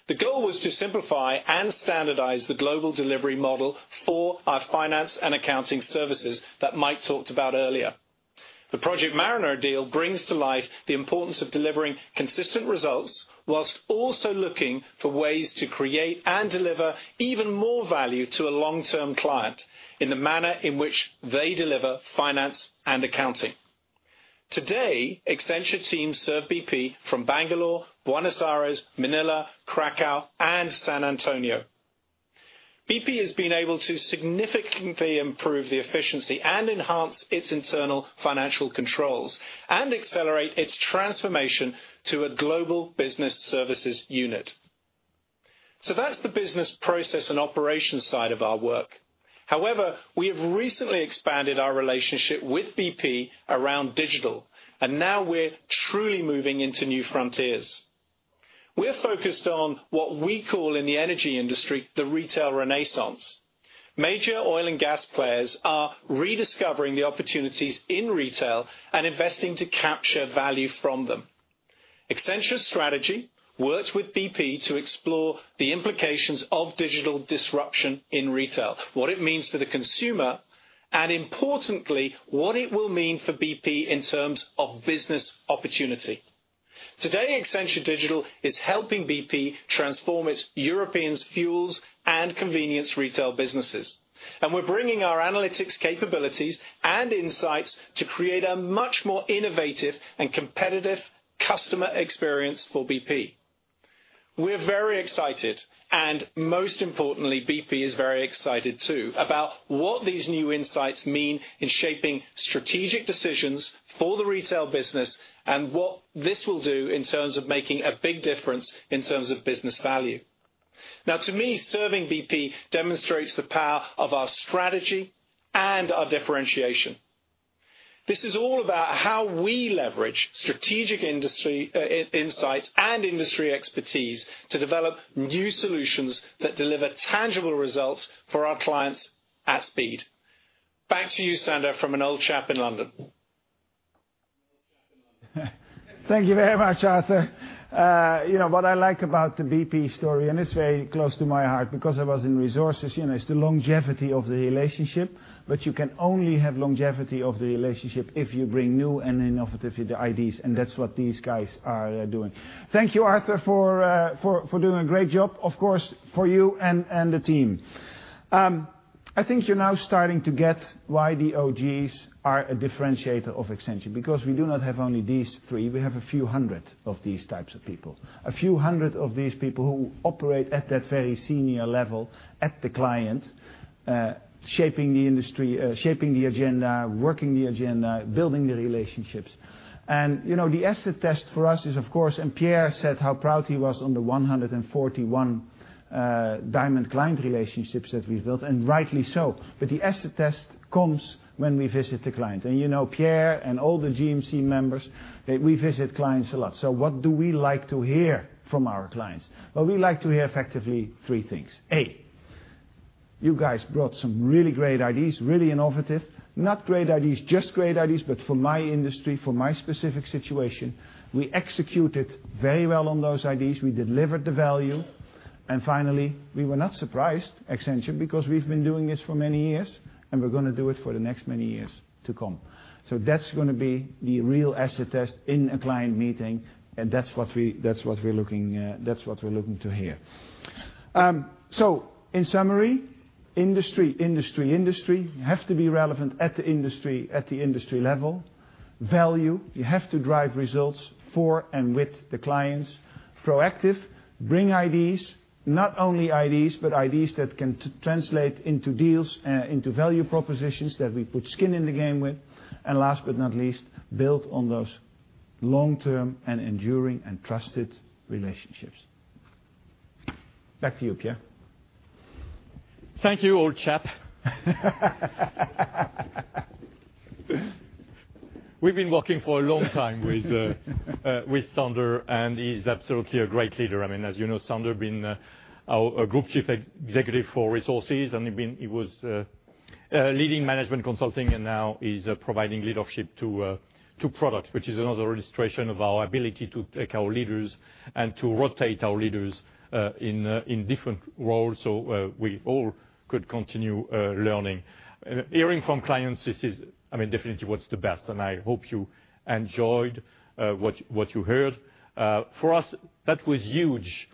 The goal was to simplify and standardize the global delivery model for our finance and accounting services that Mike talked about earlier. The Project Mariner deal brings to life the importance of delivering consistent results whilst also looking for ways to create and deliver even more value to a long-term client in the manner in which they deliver finance and accounting. Today, Accenture teams serve BP from Bangalore, Buenos Aires, Manila, Kraków, and San Antonio. BP has been able to significantly improve the efficiency and enhance its internal financial controls and accelerate its transformation to a global business services unit. We have recently expanded our relationship with BP around digital, and now we're truly moving into new frontiers. We're focused on what we call in the energy industry, the retail renaissance. Major oil and gas players are rediscovering the opportunities in retail and investing to capture value from them. Accenture Strategy works with BP to explore the implications of digital disruption in retail, what it means for the consumer, and importantly, what it will mean for BP in terms of business opportunity. Today, Accenture Digital is helping BP transform its European fuels and convenience retail businesses. We're bringing our analytics capabilities and insights to create a much more innovative and competitive customer experience for BP. We're very excited, and most importantly, BP is very excited too, about what these new insights mean in shaping strategic decisions for the retail business and what this will do in terms of making a big difference in terms of business value. Now, to me, serving BP demonstrates the power of our strategy and our differentiation. This is all about how we leverage strategic insights and industry expertise to develop new solutions that deliver tangible results for our clients at speed. Back to you, Sander, from an old chap in London. Thank you very much, Arthur. What I like about the BP story, and it's very close to my heart because I was in resources, it's the longevity of the relationship, but you can only have longevity of the relationship if you bring new and innovative ideas, and that's what these guys are doing. Thank you, Arthur, for doing a great job. Of course, for you and the team. I think you're now starting to get why the OGs are a differentiator of Accenture, because we do not have only these three, we have a few hundred of these types of people. A few hundred of these people who operate at that very senior level at the client, shaping the industry, shaping the agenda, working the agenda, building the relationships. The acid test for us is, of course, Pierre said how proud he was on the 141 Diamond client relationships that we've built, and rightly so. The acid test comes when we visit the client. You know Pierre and all the GMC members that we visit clients a lot. What do we like to hear from our clients? Well, we like to hear effectively three things. A, you guys brought some really great ideas, really innovative. Not great ideas, just great ideas, but for my industry, for my specific situation. We executed very well on those ideas. We delivered the value. Finally, we were not surprised, Accenture, because we've been doing this for many years, and we're going to do it for the next many years to come. That's going to be the real acid test in a client meeting, and that's what we're looking to hear. In summary, industry, industry. You have to be relevant at the industry level. Value, you have to drive results for and with the clients. Proactive, bring ideas. Not only ideas, but ideas that can translate into deals, into value propositions that we put skin in the game with. Last but not least, build on those long-term and enduring and trusted relationships. Back to you, Pierre. Thank you, old chap. We've been working for a long time with Sander, he's absolutely a great leader. As you know, Sander been our Group Chief Executive for resources, he was leading management consulting and now is providing leadership to Products, which is another illustration of our ability to take our leaders and to rotate our leaders, in different roles so we all could continue learning. Hearing from clients, this is definitely what's the best, I hope you enjoyed what you heard. For us, that was huge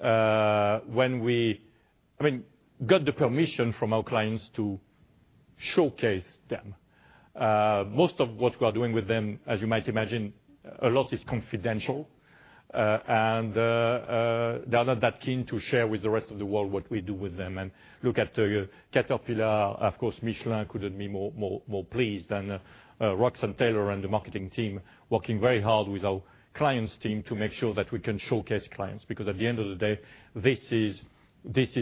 when we got the permission from our clients to showcase them. Most of what we are doing with them, as you might imagine, a lot is confidential. They are not that keen to share with the rest of the world what we do with them. Look at Caterpillar, of course, Michelin couldn't be more pleased, Roxanne Taylor and the marketing team working very hard with our clients team to make sure that we can showcase clients. At the end of the day, this is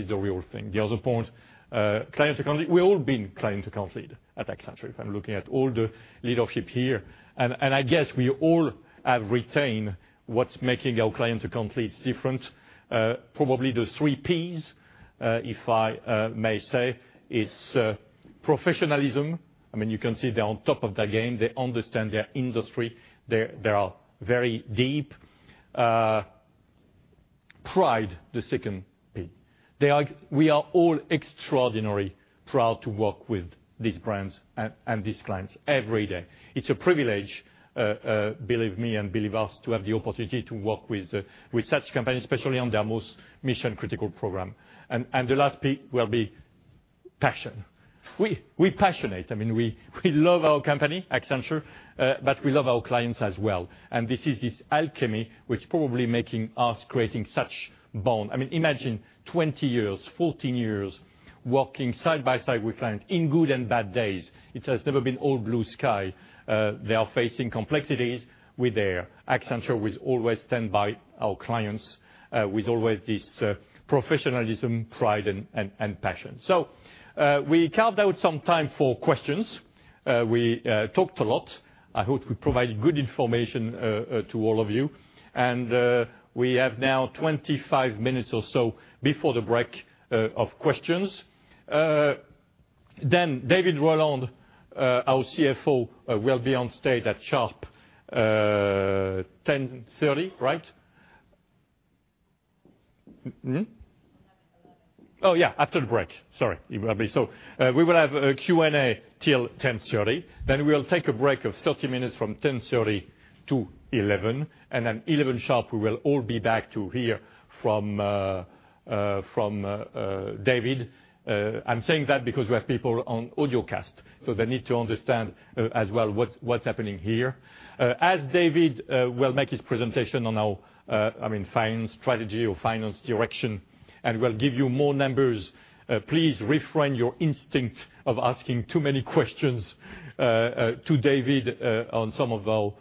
the real thing. The other point, client account lead. We've all been client account lead at Accenture if I'm looking at all the leadership here. I guess we all have retained what's making our client account leads different. Probably the three Ps, if I may say. It's professionalism. You can see they're on top of their game. They understand their industry. They are very deep. Pride, the second P. We are all extraordinarily proud to work with these brands and these clients every day. It's a privilege, believe me and believe us, to have the opportunity to work with such companies, especially on their most mission-critical program. The last P will be passion. We passionate. We love our company, Accenture, but we love our clients as well. This is this alchemy, which probably making us creating such bond. Imagine 20 years, 14 years working side by side with clients in good and bad days. It has never been all blue sky. They are facing complexities with their Accenture. We always stand by our clients, with always this professionalism, pride, and passion. We carved out some time for questions. We talked a lot. I hope we provided good information to all of you. We have now 25 minutes or so before the break of questions. David Rowland, our CFO, will be on stage at sharp 10:30, right? 11:00. After the break. Sorry, everybody. We will have a Q&A till 10:30. We'll take a break of 30 minutes from 10:30 to 11:00, 11:00 sharp, we will all be back to hear from David. I'm saying that because we have people on audiocast, they need to understand as well what's happening here. David will make his presentation on our finance strategy or finance direction, and we'll give you more numbers, please refrain your instinct of asking too many questions to David on some of our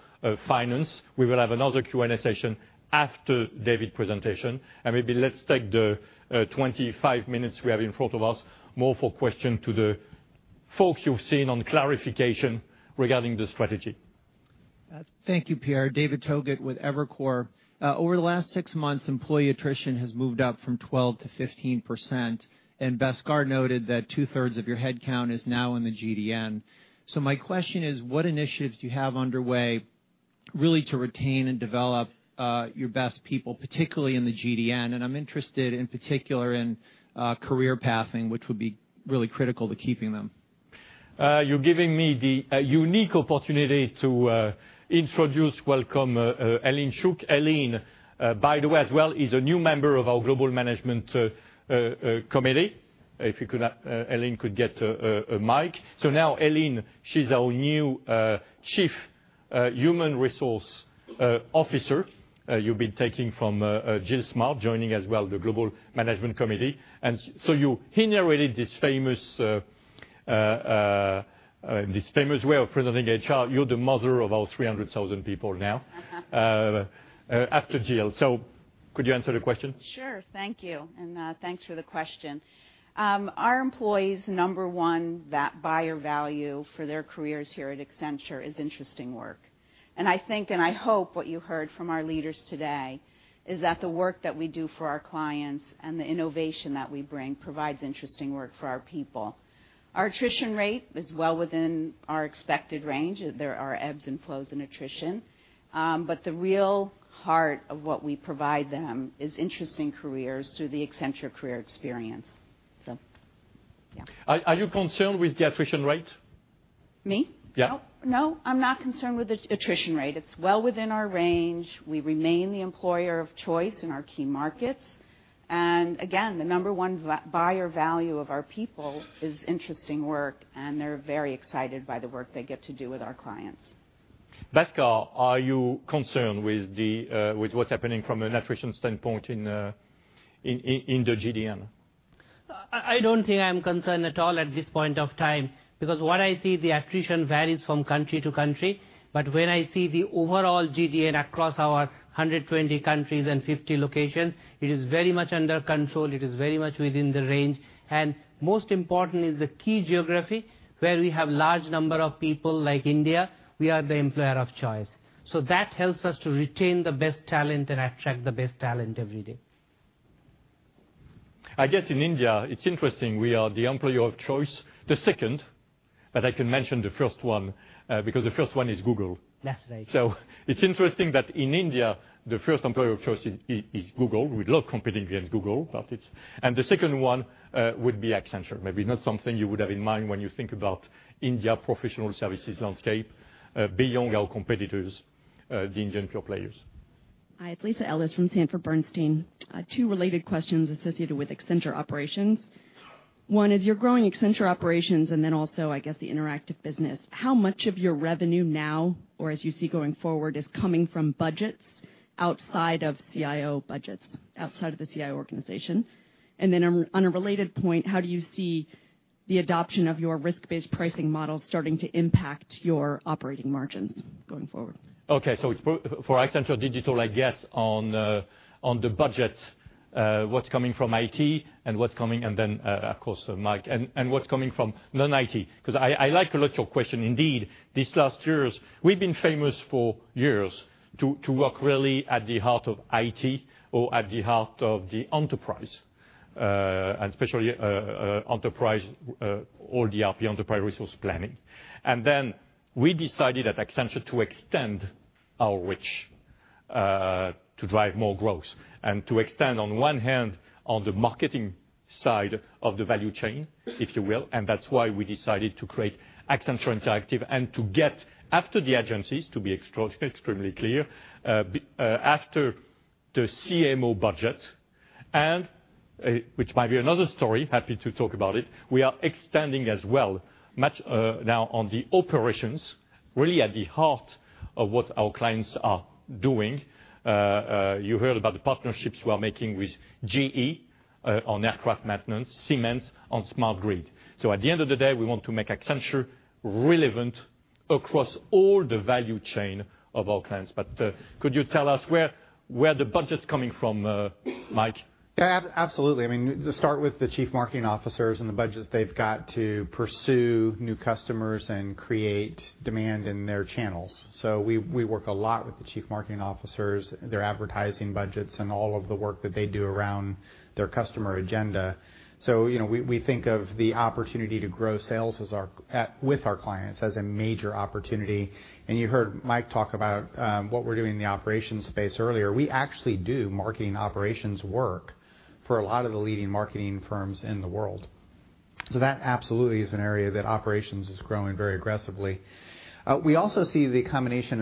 finance. We will have another Q&A session after David presentation, maybe let's take the 25 minutes we have in front of us more for question to the folks you've seen on clarification regarding the strategy. Thank you, Pierre. David Togut with Evercore. Over the last six months, employee attrition has moved up from 12% to 15%, Bhaskar noted that two-thirds of your headcount is now in the GDN. My question is, what initiatives do you have underway Really to retain and develop your best people, particularly in the GDN, I'm interested in particular in career pathing, which would be really critical to keeping them. You're giving me the unique opportunity to introduce, welcome Ellyn Shook. Ellyn, by the way, as well is a new member of our Global Management Committee. If Ellyn could get a mic. Now Ellyn, she's our new Chief Human Resources Officer. You'll be taking from Jill Smart, joining as well the Global Management Committee. You generated this famous way of presenting HR. You're the mother of our 300,000 people now- after Jill. Could you answer the question? Sure. Thank you, and thanks for the question. Our employees, number one, that buyer value for their careers here at Accenture is interesting work. I think, and I hope what you heard from our leaders today is that the work that we do for our clients and the innovation that we bring provides interesting work for our people. Our attrition rate is well within our expected range. There are ebbs and flows in attrition. The real heart of what we provide them is interesting careers through the Accenture Career Experience. Yeah. Are you concerned with the attrition rate? Me? Yeah. No, I'm not concerned with the attrition rate. It's well within our range. We remain the employer of choice in our key markets. Again, the number one buyer value of our people is interesting work. They're very excited by the work they get to do with our clients. Bhaskar, are you concerned with what's happening from an attrition standpoint in the GDN? I don't think I'm concerned at all at this point of time, because what I see, the attrition varies from country to country. When I see the overall GDN across our 120 countries and 50 locations, it is very much under control. It is very much within the range. Most important is the key geography, where we have large number of people like India, we are the employer of choice. That helps us to retain the best talent and attract the best talent every day. I guess in India, it's interesting, we are the employer of choice, the second. I can mention the first one. The first one is Google. That's right. It's interesting that in India, the first employer of choice is Google. We love competing against Google, but it's The second one would be Accenture. Maybe not something you would have in mind when you think about India professional services landscape beyond our competitors, the Indian pure players. Hi, it's Lisa Ellis from Sanford Bernstein. Two related questions associated with Accenture Operations. One is you're growing Accenture Operations, and then also, I guess the interactive business. How much of your revenue now, or as you see going forward is coming from budgets outside of CIO budgets, outside of the CIO organization? And then on a related point, how do you see the adoption of your risk-based pricing model starting to impact your operating margins going forward? Okay. For Accenture Digital, I guess on the budgets, what's coming from IT, and what's coming, and then, of course, Mike, and what's coming from non-IT. I like a lot your question indeed. These last years, we've been famous for years to work really at the heart of IT or at the heart of the enterprise, and especially enterprise, all the ERP, enterprise resource planning. We decided at Accenture to extend our reach to drive more growth and to extend on one hand on the marketing side of the value chain, if you will, and that's why we decided to create Accenture Interactive and to get after the agencies, to be extremely clear, after the CMO budget, and which might be another story, happy to talk about it, we are extending as well much now on the operations really at the heart of what our clients are doing. You heard about the partnerships we are making with GE on aircraft maintenance, Siemens on smart grid. At the end of the day, we want to make Accenture relevant across all the value chain of all clients. Could you tell us where the budget's coming from, Mike? Yeah, absolutely. I mean, to start with the Chief Marketing Officers and the budgets they've got to pursue new customers and create demand in their channels. We work a lot with the Chief Marketing Officers, their advertising budgets, and all of the work that they do around their customer agenda. We think of the opportunity to grow sales with our clients as a major opportunity. You heard Mike talk about what we're doing in the operations space earlier. We actually do marketing operations work for a lot of the leading marketing firms in the world. That absolutely is an area that operations is growing very aggressively. We also see the combination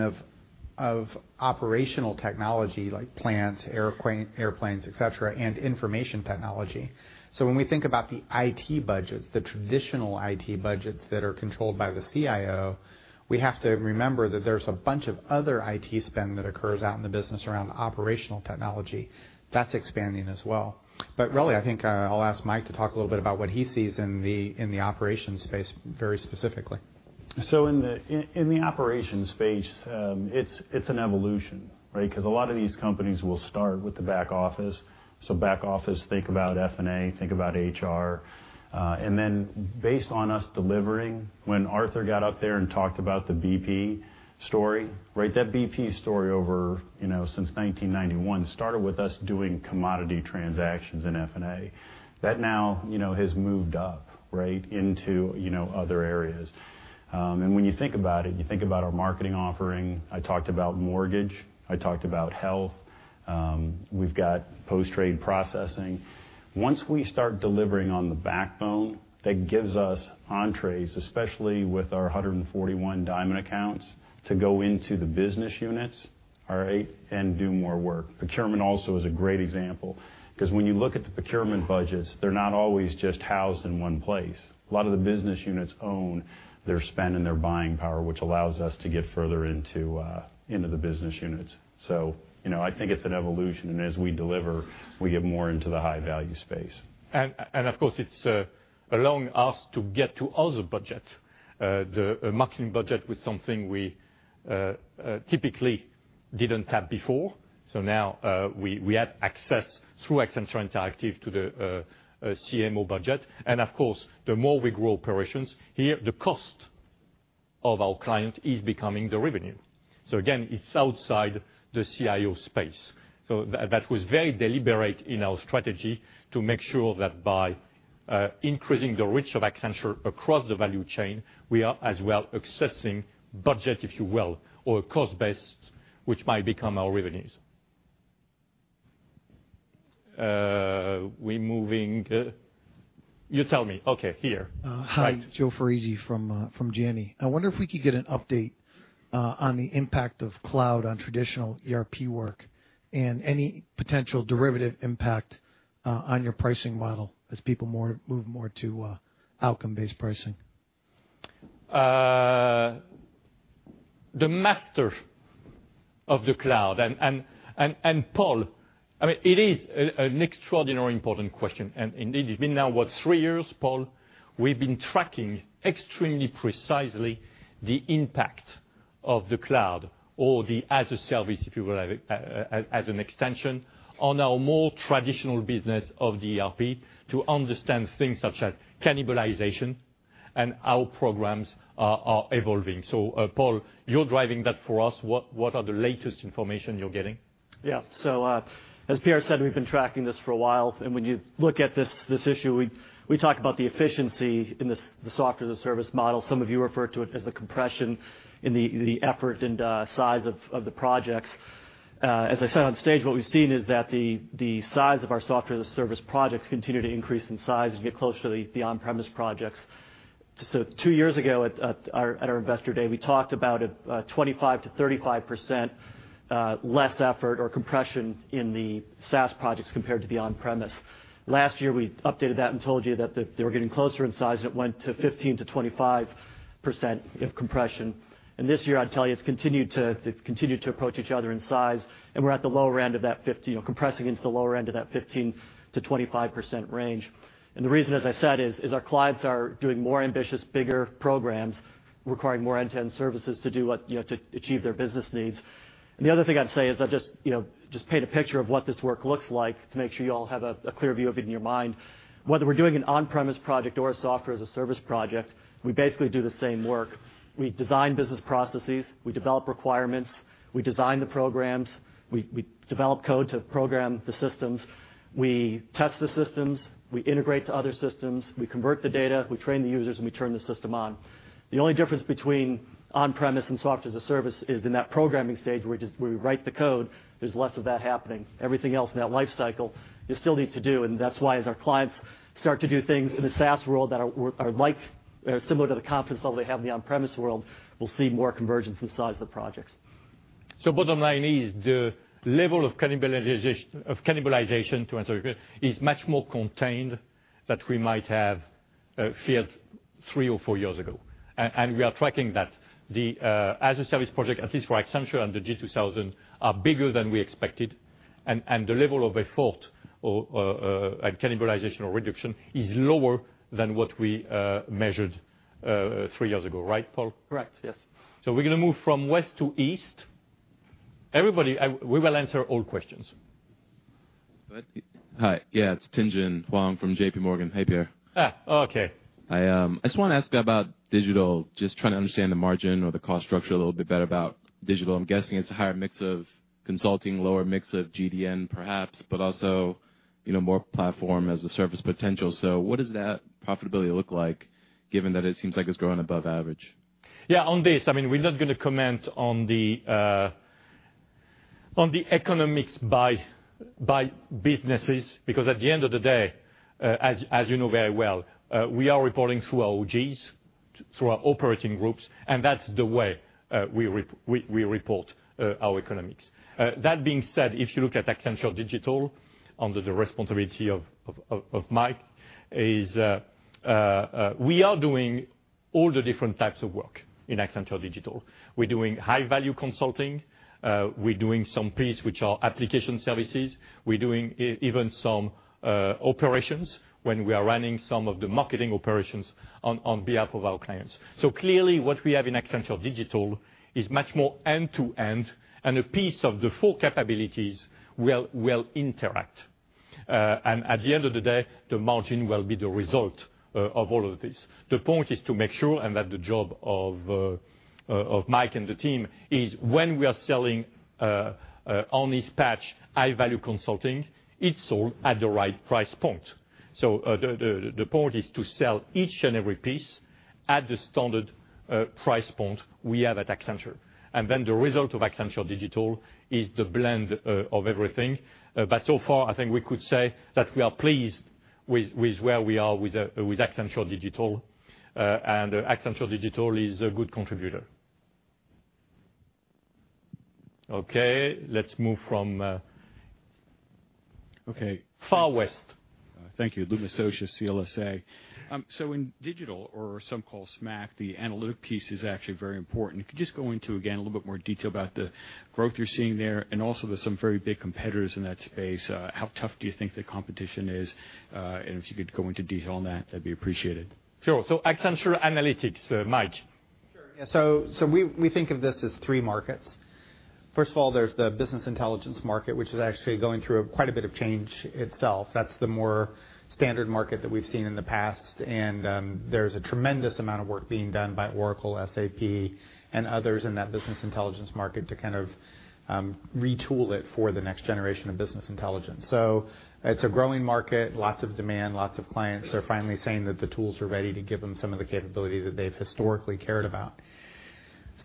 of operational technology like plants, airplanes, et cetera, and information technology. When we think about the IT budgets, the traditional IT budgets that are controlled by the CIO, we have to remember that there's a bunch of other IT spend that occurs out in the business around operational technology. That's expanding as well. Really, I think I'll ask Mike to talk a little bit about what he sees in the operations space very specifically. In the operations space, it's an evolution, right? Because a lot of these companies will start with the back office. Back office, think about F&A, think about HR. Based on us delivering, when Arthur got up there and talked about the BP story, right? That BP story over, since 1991, started with us doing commodity transactions in F&A. That now has moved up, right, into other areas. When you think about it, you think about our marketing offering. I talked about mortgage. I talked about health. We've got Post-Trade Processing. Once we start delivering on the backbone, that gives us entrees, especially with our 141 Diamond accounts, to go into the business units, all right, and do more work. Procurement also is a great example, because when you look at the Procurement budgets, they're not always just housed in one place. A lot of the business units own their spend and their buying power, which allows us to get further into the business units. I think it's an evolution, and as we deliver, we get more into the high-value space. Of course, it's allowing us to get to other budgets. The marketing budget was something we typically didn't have before. Now, we have access through Accenture Interactive to the CMO budget. Of course, the more we grow operations, here, the cost of our client is becoming the revenue. Again, it's outside the CIO space. That was very deliberate in our strategy to make sure that by increasing the reach of Accenture across the value chain, we are as well accessing budget, if you will, or cost base, which might become our revenues. We moving. You tell me. Okay. Here. Hi. Joe Foresi from Janney. I wonder if we could get an update on the impact of cloud on traditional ERP work and any potential derivative impact on your pricing model as people move more to outcome-based pricing. The master of the cloud. Paul, it is an extraordinarily important question. Indeed, it's been now, what, three years, Paul? We've been tracking extremely precisely the impact of the cloud or the as a service, if you will, as an extension on our more traditional business of the ERP to understand things such as cannibalization, and our programs are evolving. Paul, you're driving that for us. What are the latest information you're getting? Yeah. As Pierre said, we've been tracking this for a while. When you look at this issue, we talk about the efficiency in the Software as a Service model. Some of you refer to it as the compression in the effort and size of the projects. As I said on stage, what we've seen is that the size of our Software as a Service projects continue to increase in size and get close to the on-premise projects. two years ago, at our Investor Day, we talked about a 25%-35% less effort or compression in the SaaS projects compared to the on-premise. Last year, we updated that told you that they were getting closer in size, it went to 15%-25% of compression. This year, I'd tell you it's continued to approach each other in size, and we're at the lower end of that 15% compressing into the lower end of that 15%-25% range. The reason, as I said, is our clients are doing more ambitious, bigger programs, requiring more end-to-end services to achieve their business needs. The other thing I'd say is I'll just paint a picture of what this work looks like to make sure you all have a clear view of it in your mind. Whether we're doing an on-premise project or a Software as a Service project, we basically do the same work. We design business processes. We develop requirements. We design the programs. We develop code to program the systems. We test the systems. We integrate to other systems. We convert the data. We train the users, and we turn the system on. The only difference between on-premise and Software as a Service is in that programming stage where we write the code, there's less of that happening. Everything else in that life cycle you still need to do, and that's why as our clients start to do things in the SaaS world that are similar to the confidence level they have in the on-premise world, we'll see more convergence in the size of the projects. Bottom line is the level of cannibalization, to answer your question, is much more contained that we might have feared three or four years ago. We are tracking that. The as a service project, at least for Accenture and the G2000, are bigger than we expected. The level of effort or cannibalization or reduction is lower than what we measured three years ago. Right, Paul? Correct. Yes. We're going to move from west to east. Everybody, we will answer all questions. Go ahead. Hi. Yeah. It's Tien-Tsin Huang from JPMorgan. Hey, Pierre. Okay. I just want to ask about digital, just trying to understand the margin or the cost structure a little bit better about digital. I'm guessing it's a higher mix of consulting, lower mix of GDN perhaps, but also more platform as a service potential. What does that profitability look like given that it seems like it's growing above average? Yeah, on this, we're not going to comment on the economics by businesses, because at the end of the day, as you know very well, we are reporting through our OGs, through our operating groups, and that's the way we report our economics. That being said, if you look at Accenture Digital, under the responsibility of Mike, is we are doing all the different types of work in Accenture Digital. We're doing high-value consulting. We're doing some piece which are application services. We're doing even some operations when we are running some of the marketing operations on behalf of our clients. Clearly, what we have in Accenture Digital is much more end-to-end, and a piece of the full capabilities will interact. At the end of the day, the margin will be the result of all of this. The point is to make sure, and that the job of Mike and the team, is when we are selling on this patch high-value consulting, it's sold at the right price point. The point is to sell each and every piece at the standard price point we have at Accenture. The result of Accenture Digital is the blend of everything. So far, I think we could say that we are pleased with where we are with Accenture Digital, and Accenture Digital is a good contributor. Okay, let's move from Okay, far west. Thank you. Luke Socia, CLSA. In digital, or some call SMAC, the analytic piece is actually very important. If you could just go into, again, a little bit more detail about the growth you're seeing there, and also there's some very big competitors in that space. How tough do you think the competition is? If you could go into detail on that'd be appreciated. Sure. Accenture Analytics, Mike? Sure. Yeah. We think of this as three markets. First of all, there's the business intelligence market, which is actually going through quite a bit of change itself. That's the more standard market that we've seen in the past. There's a tremendous amount of work being done by Oracle, SAP, and others in that business intelligence market to kind of retool it for the next generation of business intelligence. It's a growing market, lots of demand. Lots of clients are finally saying that the tools are ready to give them some of the capability that they've historically cared about.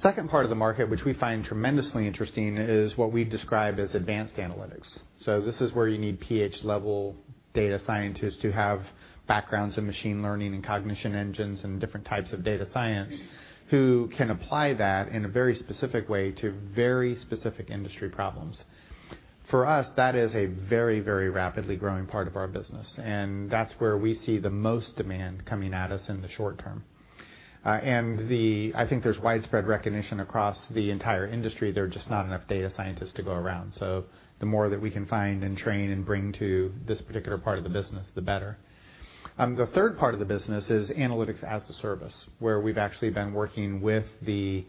Second part of the market, which we find tremendously interesting, is what we describe as advanced analytics. This is where you need PhD-level data scientists who have backgrounds in machine learning and cognition engines and different types of data science, who can apply that in a very specific way to very specific industry problems. For us, that is a very rapidly growing part of our business, and that's where we see the most demand coming at us in the short term. I think there's widespread recognition across the entire industry. There are just not enough data scientists to go around. The more that we can find and train and bring to this particular part of the business, the better. The third part of the business is analytics as a service, where we've actually been working with the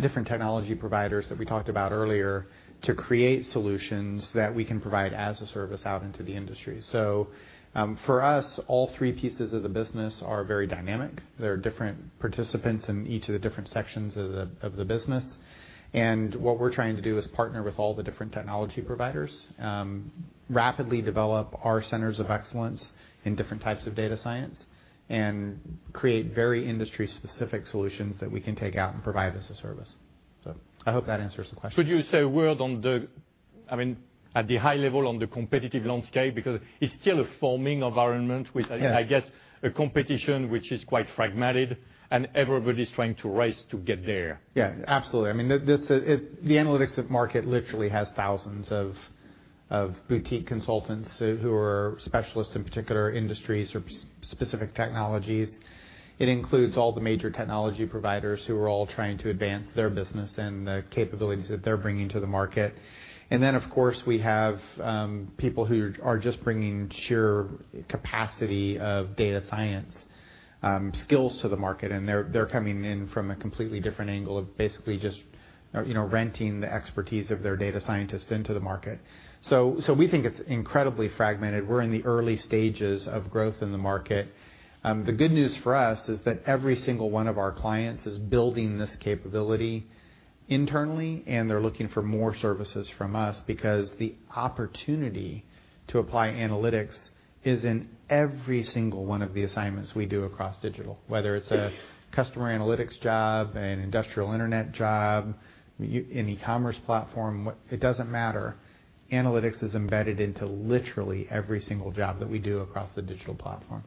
different technology providers that we talked about earlier to create solutions that we can provide as a service out into the industry. For us, all three pieces of the business are very dynamic. There are different participants in each of the different sections of the business. What we're trying to do is partner with all the different technology providers, rapidly develop our centers of excellence in different types of data science, and create very industry-specific solutions that we can take out and provide as a service. I hope that answers the question. Could you say a word on the, at the high level, on the competitive landscape? Because it's still a forming environment with- Yes I guess, a competition which is quite fragmented, and everybody's trying to race to get there. Yeah, absolutely. The analytics market literally has thousands of boutique consultants who are specialists in particular industries or specific technologies. It includes all the major technology providers who are all trying to advance their business and the capabilities that they're bringing to the market. Of course, we have people who are just bringing sheer capacity of data science skills to the market, and they're coming in from a completely different angle of basically just renting the expertise of their data scientists into the market. We think it's incredibly fragmented. We're in the early stages of growth in the market. The good news for us is that every single one of our clients is building this capability internally, and they're looking for more services from us because the opportunity to apply analytics is in every single one of the assignments we do across digital, whether it's a customer analytics job, an Industrial Internet job, an e-commerce platform, it doesn't matter. Analytics is embedded into literally every single job that we do across the digital platform.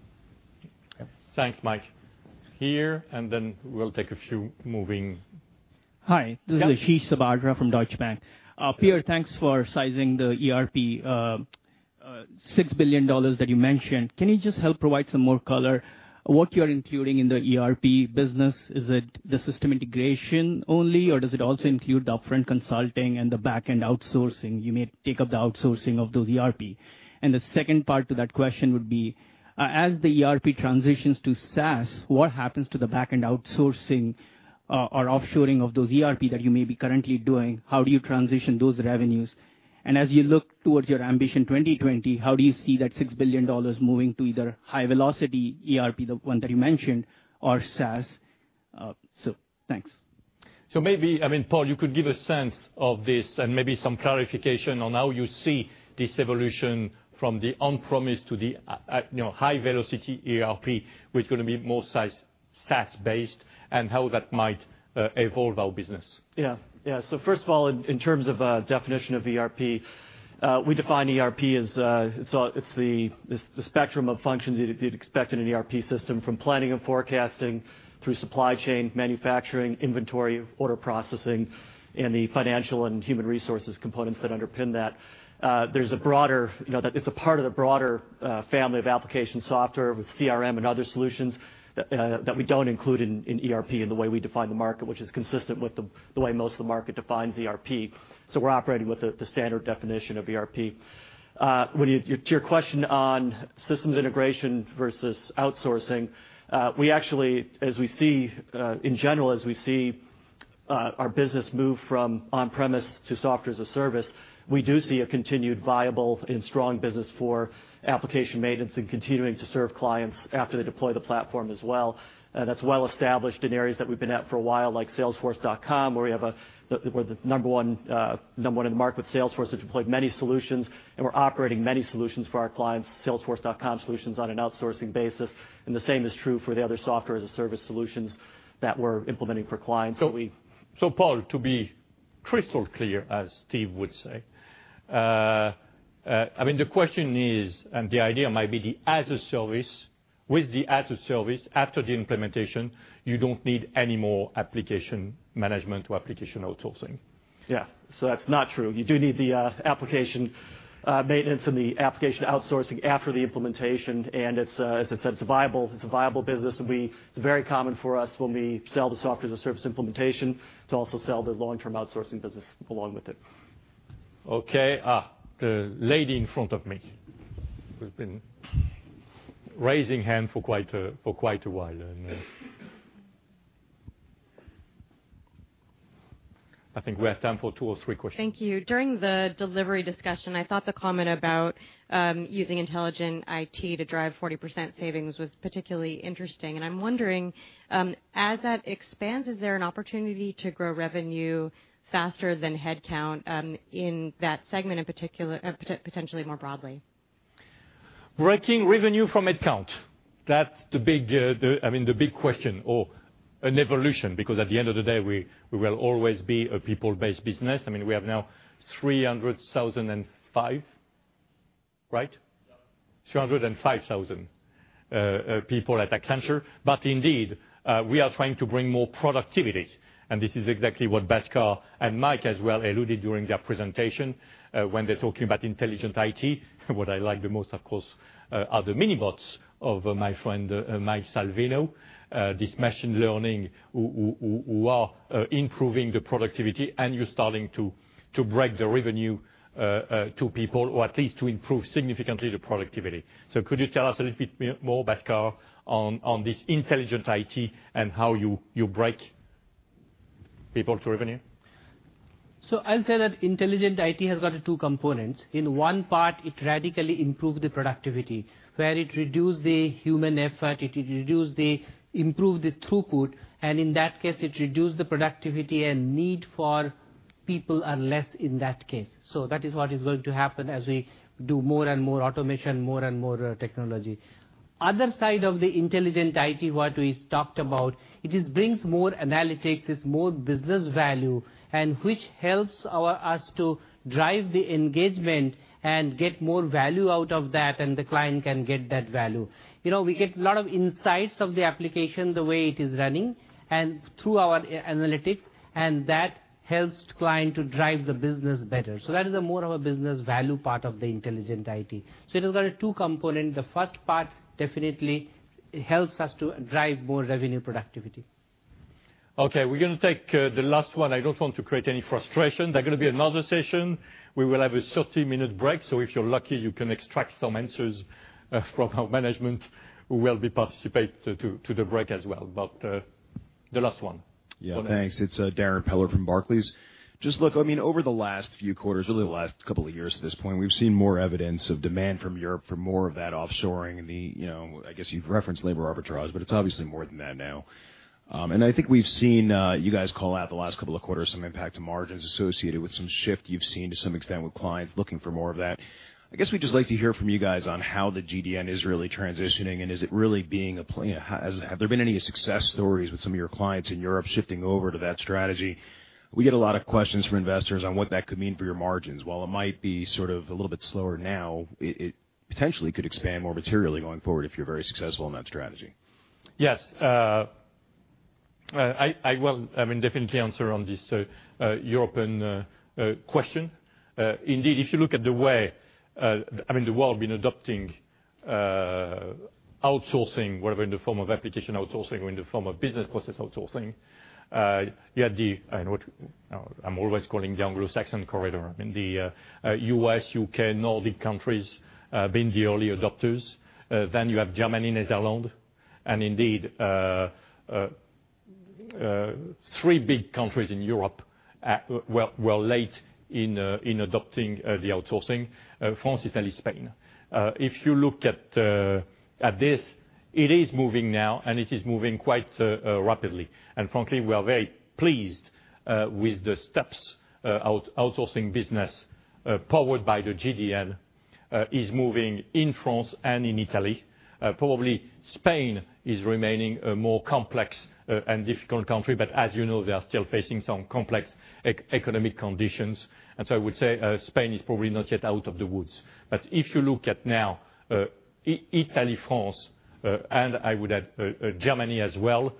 Okay. Thanks, Mike. Here, then we'll take a few moving. Hi. Yeah. This is Ashish Sabadra from Deutsche Bank. Pierre, thanks for sizing the ERP, $6 billion that you mentioned. Can you just help provide some more color what you're including in the ERP business? Is it the system integration only, or does it also include the upfront consulting and the back-end outsourcing? You may take up the outsourcing of those ERP. The second part to that question would be, as the ERP transitions to SaaS, what happens to the back-end outsourcing, or offshoring of those ERP that you may be currently doing? How do you transition those revenues? As you look towards your Ambition 2020, how do you see that $6 billion moving to either high-velocity ERP, the one that you mentioned, or SaaS? Thanks. Maybe, Paul, you could give a sense of this and maybe some clarification on how you see this evolution from the on-premise to the high-velocity ERP, which is going to be more SaaS-based, and how that might evolve our business. First of all, in terms of a definition of ERP, we define ERP as the spectrum of functions that you'd expect in an ERP system, from planning and forecasting, through supply chain, manufacturing, inventory, order processing, and the financial and human resources components that underpin that. It's a part of the broader family of application software with CRM and other solutions that we don't include in ERP in the way we define the market, which is consistent with the way most of the market defines ERP. We're operating with the standard definition of ERP. To your question on systems integration versus outsourcing, in general as we see our business move from on-premise to software as a service, we do see a continued viable and strong business for application maintenance and continuing to serve clients after they deploy the platform as well. That's well established in areas that we've been at for a while, like salesforce.com, where we're the number one in the market with Salesforce, have deployed many solutions, and we're operating many solutions for our clients, salesforce.com solutions, on an outsourcing basis. The same is true for the other software as a service solutions that we're implementing for clients that we Paul, to be crystal clear, as Steve would say, the question is, and the idea might be with the as a service, after the implementation, you don't need any more application management or application outsourcing. That's not true. You do need the application maintenance and the application outsourcing after the implementation, and as I said, it's a viable business. It's very common for us when we sell the software as a service implementation to also sell the long-term outsourcing business along with it. Okay. The lady in front of me, who's been raising hand for quite a while. I think we have time for two or three questions. Thank you. During the delivery discussion, I thought the comment about using intelligent IT to drive 40% savings was particularly interesting. I'm wondering, as that expands, is there an opportunity to grow revenue faster than headcount, in that segment, and potentially more broadly? Breaking revenue from headcount. That's the big question or an evolution, because at the end of the day, we will always be a people-based business. We have now 300,005. Right? 305,000 people at Accenture. Indeed, we are trying to bring more productivity, and this is exactly what Bhaskar and Mike as well alluded during their presentation, when they're talking about intelligent IT. What I like the most, of course, are the Mini Bots of my friend, Mike Salvino. This machine learning, who are improving the productivity, and you're starting to break the revenue to people or at least to improve significantly the productivity. Could you tell us a little bit more, Bhaskar, on this intelligent IT and how you break people to revenue? I'll say that intelligent IT has got two components. In one part, it radically improved the productivity. Where it reduced the human effort, it improved the throughput, and in that case, it reduced the productivity and need for people are less in that case. That is what is going to happen as we do more and more automation, more and more technology. Other side of the intelligent IT, what we talked about, it brings more analytics. It's more business value, and which helps us to drive the engagement and get more value out of that, and the client can get that value. We get a lot of insights of the application, the way it is running, and through our analytics, and that helps client to drive the business better. That is a more of a business value part of the intelligent IT. It has got a two component. The first part definitely helps us to drive more revenue productivity. Okay, we're going to take the last one. I don't want to create any frustration. There are going to be another session. We will have a 30-minute break, if you're lucky, you can extract some answers from our management who will be participate to the break as well. The last one. Yeah, thanks. It's Darrin Peller from Barclays. Just look, over the last few quarters, really the last couple of years at this point, we've seen more evidence of demand from Europe for more of that offshoring and I guess you've referenced labor arbitrage, it's obviously more than that now. I think we've seen you guys call out the last couple of quarters, some impact to margins associated with some shift you've seen to some extent with clients looking for more of that. I guess we'd just like to hear from you guys on how the GDN is really transitioning, have there been any success stories with some of your clients in Europe shifting over to that strategy? We get a lot of questions from investors on what that could mean for your margins. While it might be sort of a little bit slower now, it potentially could expand more materially going forward if you're very successful in that strategy. Yes. I will definitely answer on this. Your open question. Indeed, if you look at the way the world been adopting outsourcing, whether in the form of application outsourcing or in the form of business process outsourcing, you had the, I'm always calling it Anglo-Saxon corridor. In the U.S., U.K., Nordic countries, have been the early adopters. You have Germany, Netherlands, and indeed, three big countries in Europe were late in adopting the outsourcing, France, Italy, Spain. If you look at this, it is moving now, and it is moving quite rapidly. Frankly, we are very pleased with the steps outsourcing business, powered by the GDN, is moving in France and in Italy. Probably Spain is remaining a more complex and difficult country, as you know, they are still facing some complex economic conditions. I would say, Spain is probably not yet out of the woods. If you look at now, Italy, France, and I would add Germany as well,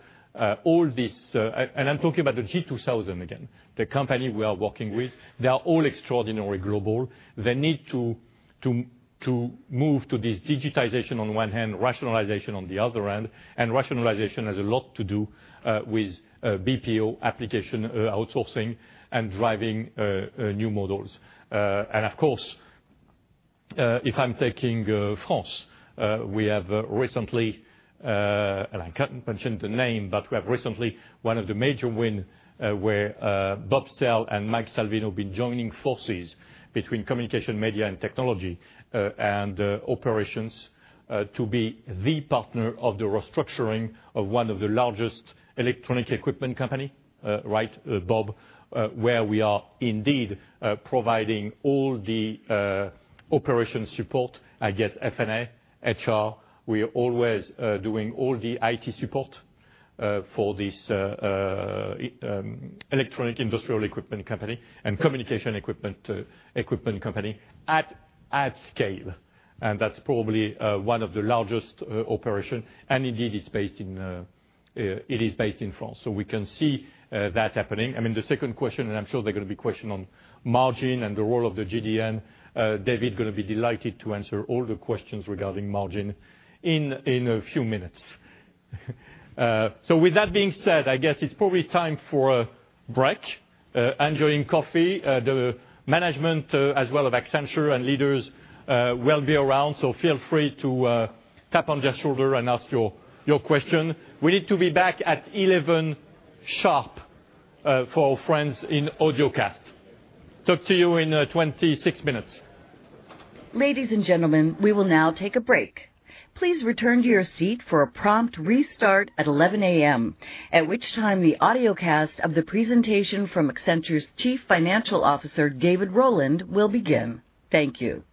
all this. I'm talking about the G2000 again, the company we are working with. They are all extraordinarily global. They need to move to this digitization on one hand, rationalization on the other hand. Rationalization has a lot to do with BPO application outsourcing and driving new models. Of course, if I'm taking France, we have recently, and I can't mention the name, but we have recently one of the major win, where Bob Sell and Mike Salvino been joining forces between Communications, Media, and Technology, and Operations, to be the partner of the restructuring of one of the largest electronic equipment company. Right, Bob? Where we are indeed providing all the operation support, I guess, F&A, HR. We are always doing all the IT support for this electronic industrial equipment company and communication equipment company at scale. That's probably one of the largest operation, and indeed it is based in France. We can see that happening. The second question, I'm sure there are going to be question on margin and the role of the GDN. David going to be delighted to answer all the questions regarding margin in a few minutes. With that being said, I guess it's probably time for a break, enjoying coffee. The management as well of Accenture and leaders will be around, so feel free to tap on their shoulder and ask your question. We need to be back at 11:00 A.M. sharp for our friends in audio cast. Talk to you in 26 minutes. Ladies and gentlemen, we will now take a break. Please return to your seat for a prompt restart at 11:00 A.M., at which time the audio cast of the presentation from Accenture's Chief Financial Officer, David Rowland, will begin. Thank you.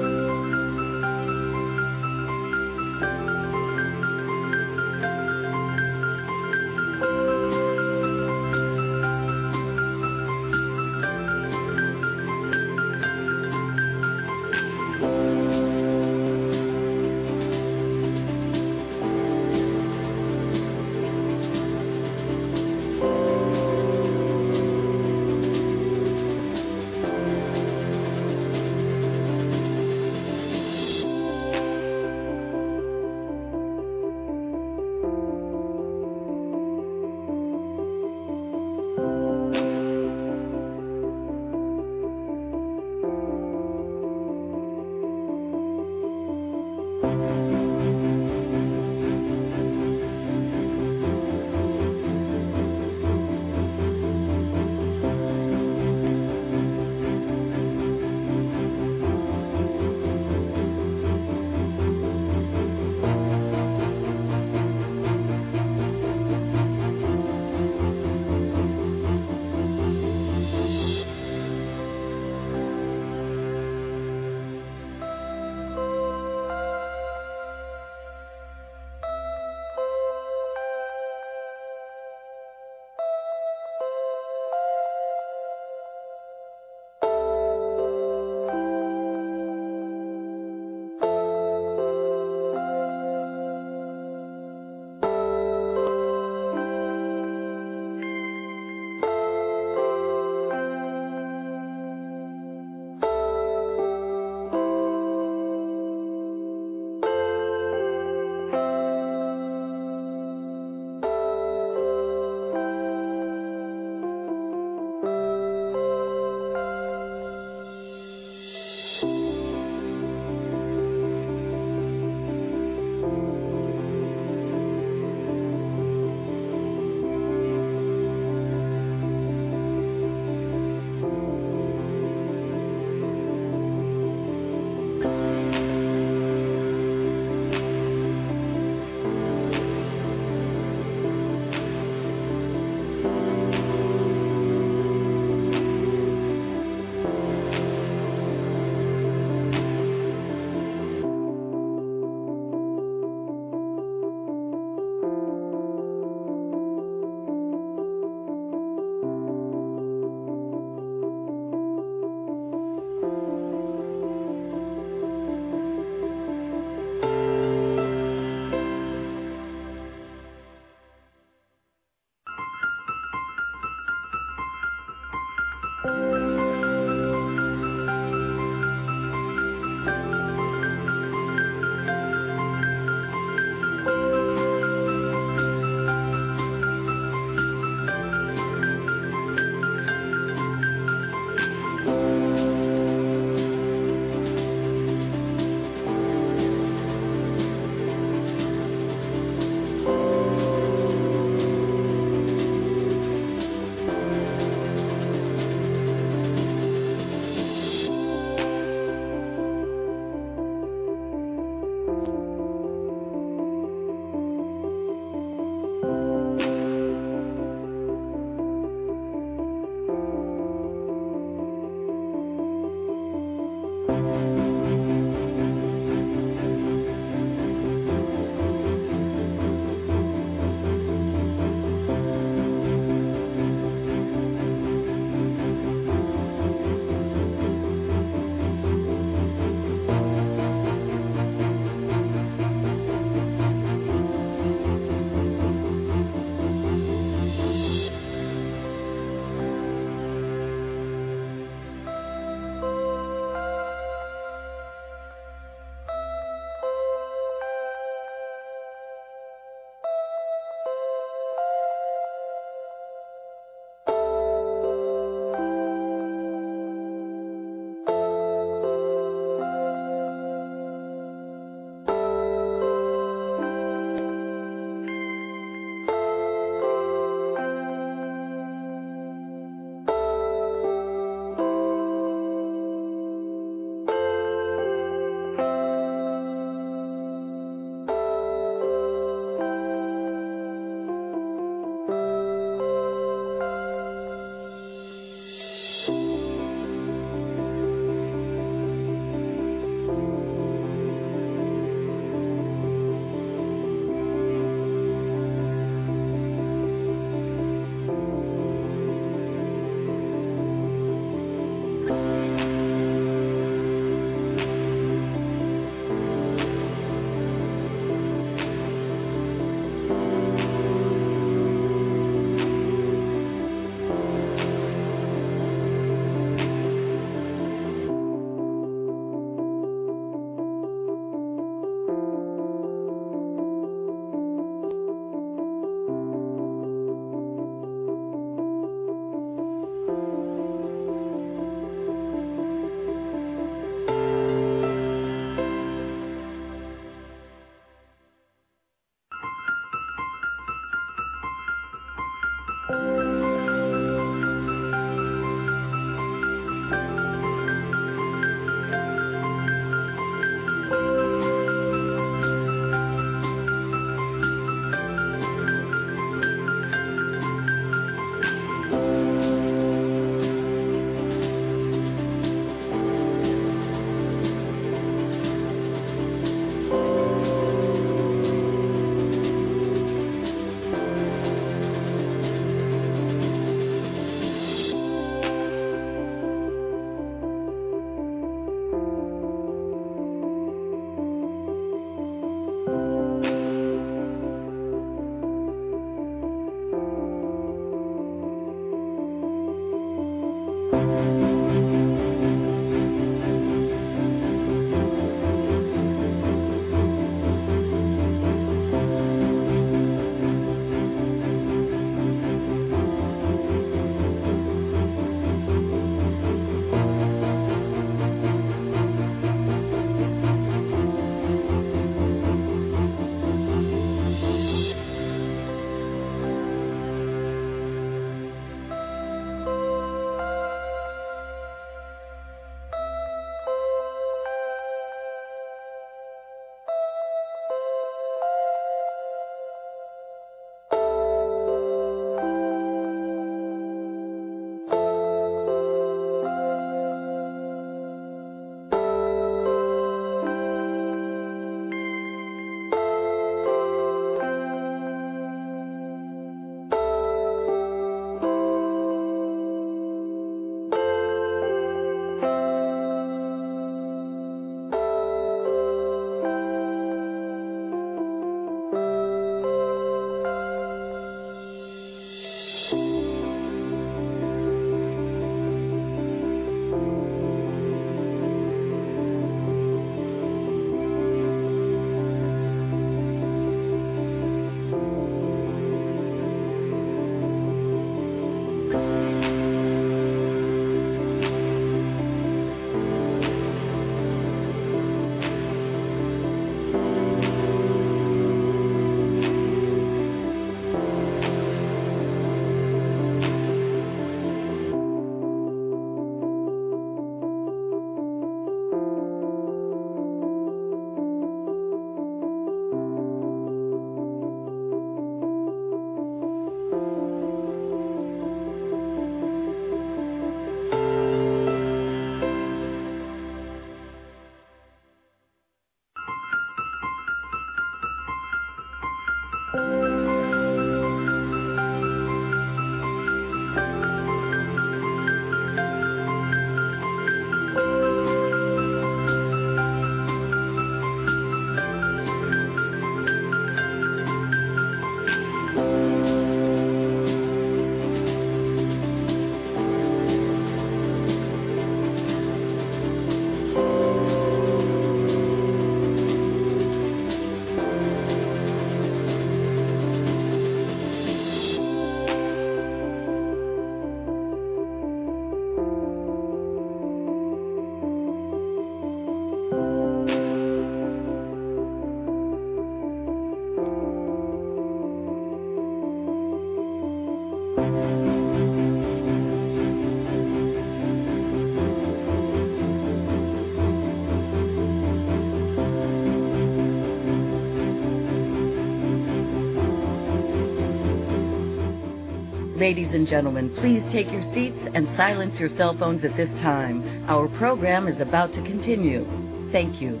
Ladies and gentlemen, please take your seats and silence your cell phones at this time. Our program is about to continue. Thank you.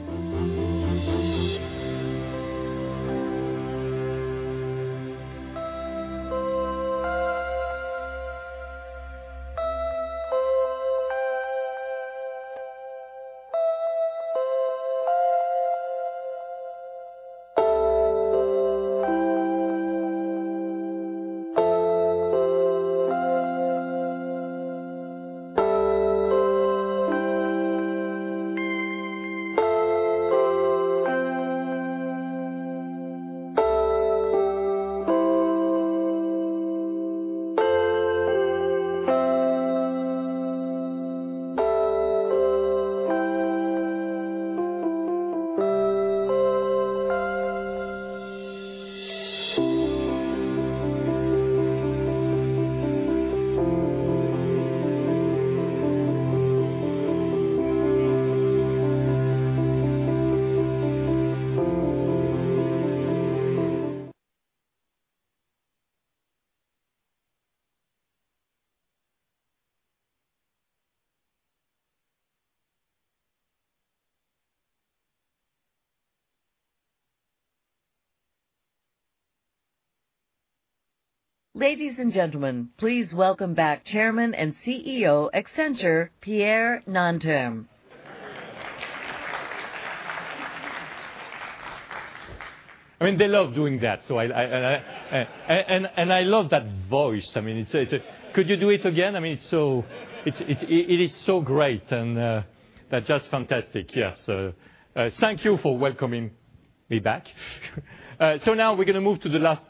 Ladies and gentlemen, please welcome back Chairman and CEO, Accenture, Pierre Nanterme. They love doing that. I love that voice. Could you do it again? It is so great and just fantastic. Yes. Thank you for welcoming me back. Now we're going to move to the last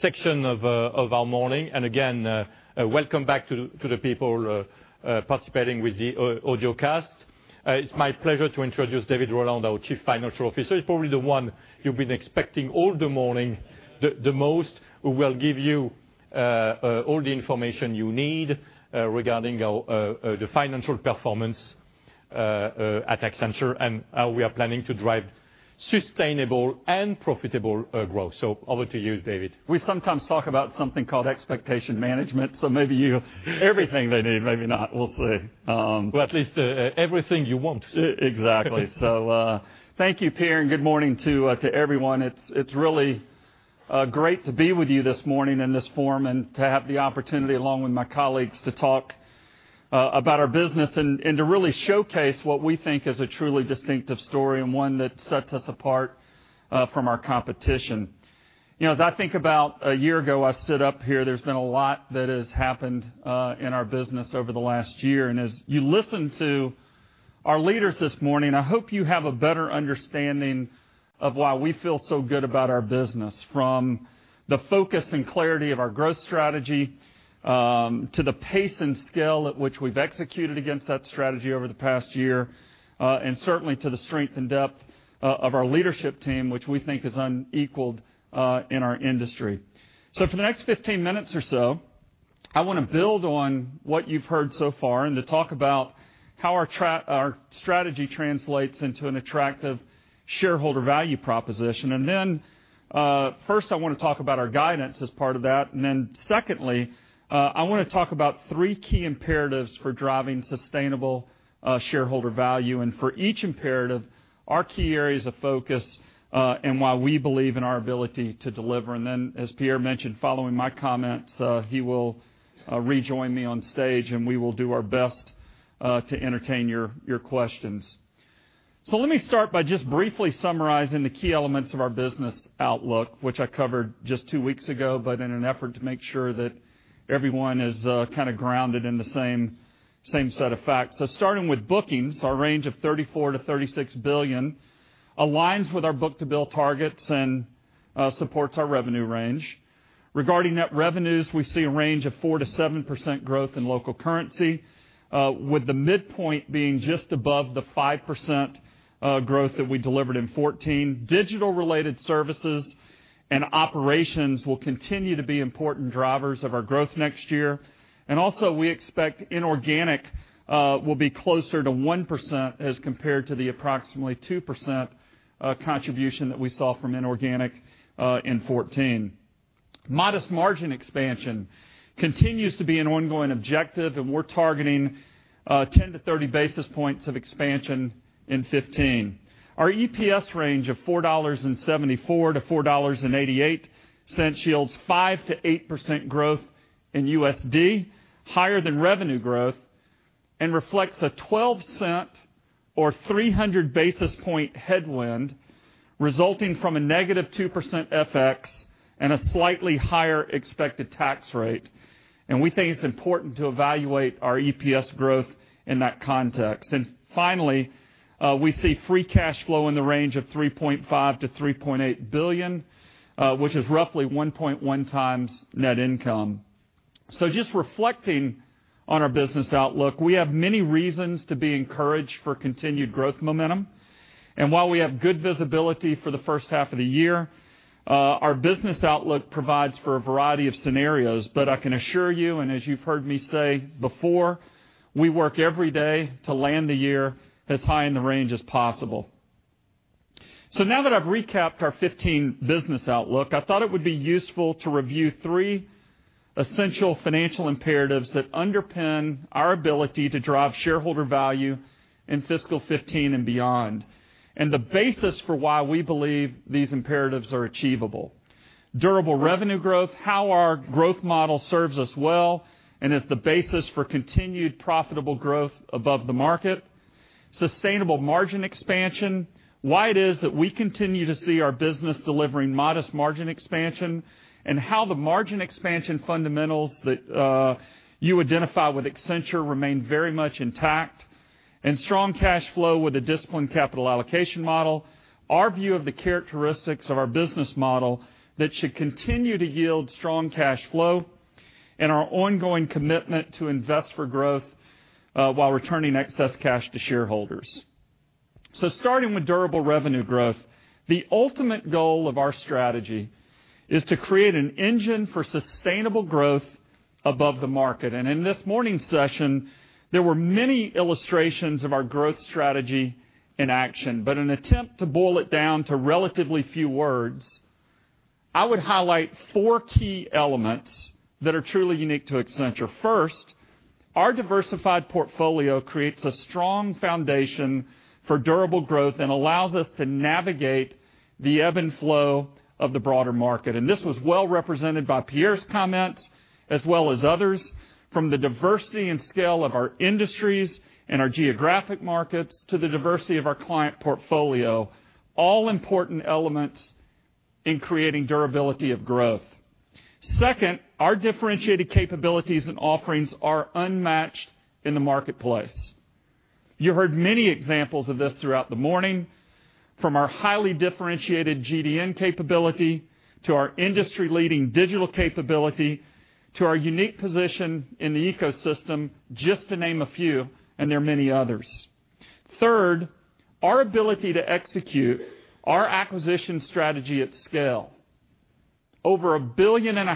section of our morning. Again, welcome back to the people participating with the audio cast. It's my pleasure to introduce David Rowland, our Chief Financial Officer. He's probably the one you've been expecting all the morning the most, who will give you all the information you need regarding the financial performance at Accenture and how we are planning to drive sustainable and profitable growth. Over to you, David. We sometimes talk about something called expectation management. Maybe everything they need, maybe not. We'll see. Well, at least everything you want. Exactly. Thank you, Pierre, and good morning to everyone. It's really great to be with you this morning in this forum and to have the opportunity along with my colleagues to talk about our business and to really showcase what we think is a truly distinctive story and one that sets us apart from our competition. As I think about a year ago, I stood up here, there's been a lot that has happened in our business over the last year. As you listen to our leaders this morning, I hope you have a better understanding of why we feel so good about our business, from the focus and clarity of our growth strategy, to the pace and scale at which we've executed against that strategy over the past year, and certainly to the strength and depth of our leadership team, which we think is unequaled in our industry. For the next 15 minutes or so, I want to build on what you've heard so far and to talk about how our strategy translates into an attractive shareholder value proposition. First I want to talk about our guidance as part of that, secondly, I want to talk about three key imperatives for driving sustainable shareholder value, and for each imperative, our key areas of focus and why we believe in our ability to deliver. As Pierre mentioned, following my comments, he will rejoin me on stage, and we will do our best to entertain your questions. Let me start by just briefly summarizing the key elements of our business outlook, which I covered just two weeks ago, but in an effort to make sure that everyone is grounded in the same set of facts. Starting with bookings, our range of $34 billion-$36 billion aligns with our book-to-bill targets and supports our revenue range. Regarding net revenues, we see a range of 4%-7% growth in local currency, with the midpoint being just above the 5% growth that we delivered in 2014. Digital-related services and Operations will continue to be important drivers of our growth next year. Also, we expect inorganic will be closer to 1% as compared to the approximately 2% contribution that we saw from inorganic in 2014. Modest margin expansion continues to be an ongoing objective, and we're targeting 10-30 basis points of expansion in 2015. Our EPS range of $4.74-$4.88 yields 5%-8% growth in USD, higher than revenue growth, and reflects a $0.12 or 300 basis point headwind resulting from a negative 2% FX and a slightly higher expected tax rate. We think it's important to evaluate our EPS growth in that context. Finally, we see free cash flow in the range of $3.5 billion-$3.8 billion, which is roughly 1.1 times net income. Just reflecting on our business outlook, we have many reasons to be encouraged for continued growth momentum. While we have good visibility for the first half of the year, our business outlook provides for a variety of scenarios. I can assure you, and as you've heard me say before, we work every day to land the year as high in the range as possible. Now that I've recapped our 2015 business outlook, I thought it would be useful to review three essential financial imperatives that underpin our ability to drive shareholder value in fiscal 2015 and beyond, and the basis for why we believe these imperatives are achievable. Durable revenue growth, how our growth model serves us well and is the basis for continued profitable growth above the market. Sustainable margin expansion, why it is that we continue to see our business delivering modest margin expansion, and how the margin expansion fundamentals that you identify with Accenture remain very much intact. Strong cash flow with a disciplined capital allocation model, our view of the characteristics of our business model that should continue to yield strong cash flow, our ongoing commitment to invest for growth, while returning excess cash to shareholders. Starting with durable revenue growth, the ultimate goal of our strategy is to create an engine for sustainable growth above the market. In this morning's session, there were many illustrations of our growth strategy in action. In an attempt to boil it down to relatively few words, I would highlight four key elements that are truly unique to Accenture. First, our diversified portfolio creates a strong foundation for durable growth and allows us to navigate the ebb and flow of the broader market. This was well represented by Pierre's comments as well as others', from the diversity and scale of our industries and our geographic markets, to the diversity of our client portfolio, all important elements in creating durability of growth. Second, our differentiated capabilities and offerings are unmatched in the marketplace. You heard many examples of this throughout the morning, from our highly differentiated GDN capability, to our industry-leading digital capability, to our unique position in the ecosystem, just to name a few, there are many others. Third, our ability to execute our acquisition strategy at scale. Over $1.5 billion in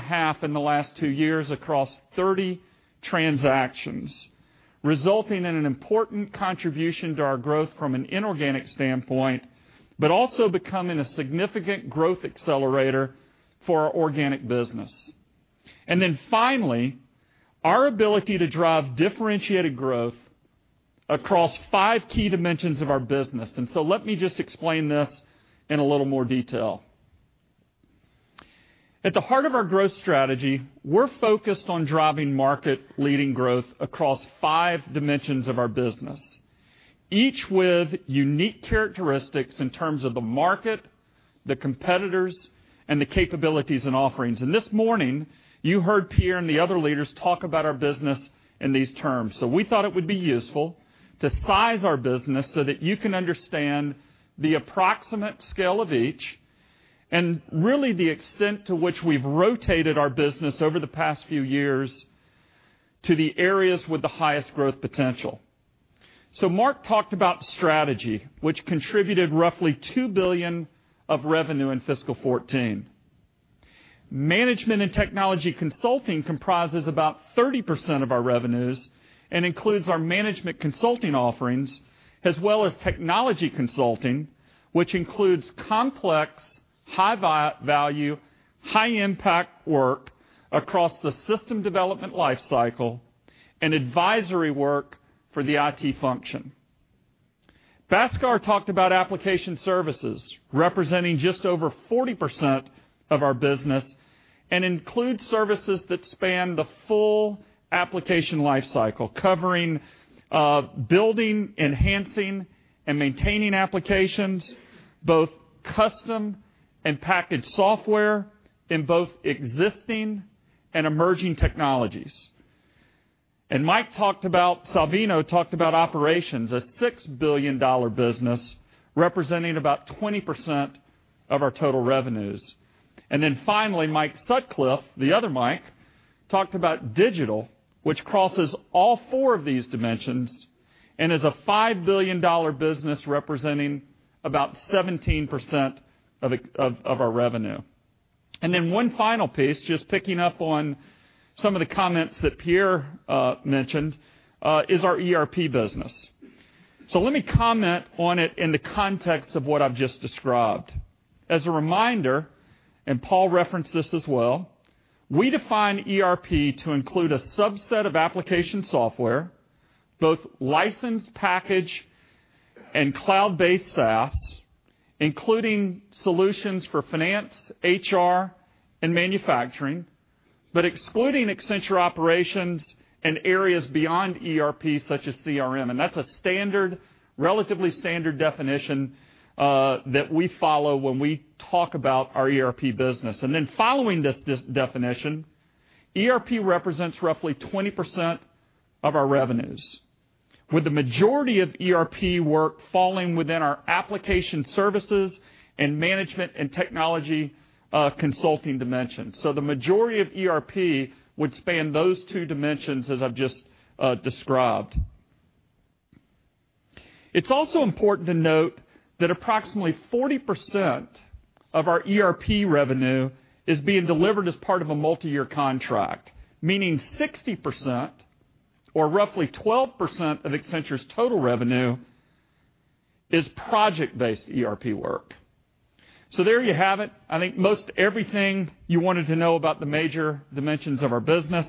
the last 2 years across 30 transactions, resulting in an important contribution to our growth from an inorganic standpoint, but also becoming a significant growth accelerator for our organic business. Finally, our ability to drive differentiated growth across 5 key dimensions of our business. Let me just explain this in a little more detail. At the heart of our growth strategy, we're focused on driving market-leading growth across 5 dimensions of our business, each with unique characteristics in terms of the market, the competitors, the capabilities and offerings. This morning, you heard Pierre and the other leaders talk about our business in these terms. We thought it would be useful to size our business so that you can understand the approximate scale of each, the extent to which we've rotated our business over the past few years to the areas with the highest growth potential. Mark talked about Strategy, which contributed roughly $2 billion of revenue in fiscal 2014. Management and technology consulting comprises about 30% of our revenues and includes our management consulting offerings as well as technology consulting, which includes complex, high-value, high-impact work across the system development life cycle and advisory work for the IT function. Bhaskar talked about application services, representing just over 40% of our business, includes services that span the full application life cycle, covering building, enhancing, and maintaining applications, both custom and packaged software, in both existing and emerging technologies. Mike Salvino talked about Operations, a $6 billion business representing about 20% of our total revenues. Finally, Mike Sutcliff, the other Mike, talked about Digital, which crosses all 4 of these dimensions and is a $5 billion business representing about 17% of our revenue. One final piece, just picking up on some of the comments that Pierre mentioned, is our ERP business. Let me comment on it in the context of what I've just described. As a reminder, Paul referenced this as well, we define ERP to include a subset of application software, both licensed package and cloud-based SaaS, including solutions for finance, HR, and manufacturing, but excluding Accenture Operations in areas beyond ERP such as CRM. That's a relatively standard definition that we follow when we talk about our ERP business. Following this definition, ERP represents roughly 20% of our revenues, with the majority of ERP work falling within our application services and management and technology consulting dimension. The majority of ERP would span those two dimensions as I've just described. It's also important to note that approximately 40% of our ERP revenue is being delivered as part of a multi-year contract, meaning 60%, or roughly 12% of Accenture's total revenue, is project-based ERP work. There you have it. I think most everything you wanted to know about the major dimensions of our business.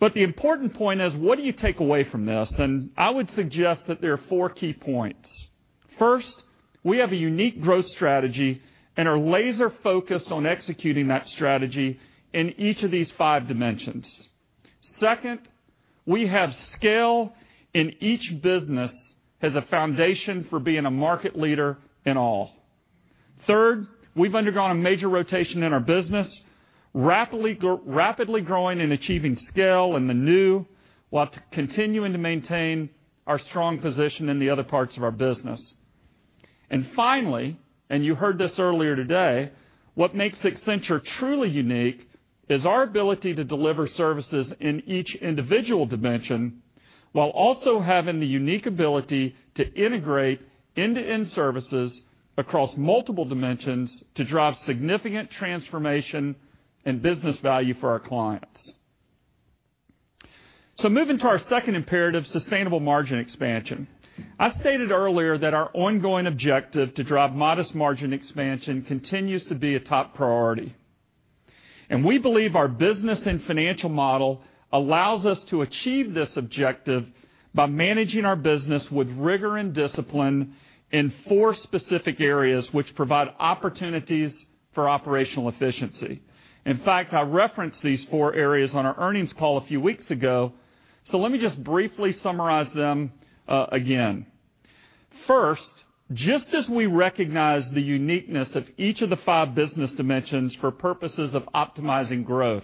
The important point is what do you take away from this? I would suggest that there are four key points. First, we have a unique growth strategy and are laser-focused on executing that strategy in each of these five dimensions. Second, we have scale in each business as a foundation for being a market leader in all. Third, we've undergone a major rotation in our business, rapidly growing and achieving scale in the new, while continuing to maintain our strong position in the other parts of our business. Finally, you heard this earlier today, what makes Accenture truly unique is our ability to deliver services in each individual dimension, while also having the unique ability to integrate end-to-end services across multiple dimensions to drive significant transformation and business value for our clients. Moving to our second imperative, sustainable margin expansion. I stated earlier that our ongoing objective to drive modest margin expansion continues to be a top priority. We believe our business and financial model allows us to achieve this objective by managing our business with rigor and discipline in four specific areas, which provide opportunities for operational efficiency. In fact, I referenced these four areas on our earnings call a few weeks ago, let me just briefly summarize them again. First, just as we recognize the uniqueness of each of the five business dimensions for purposes of optimizing growth,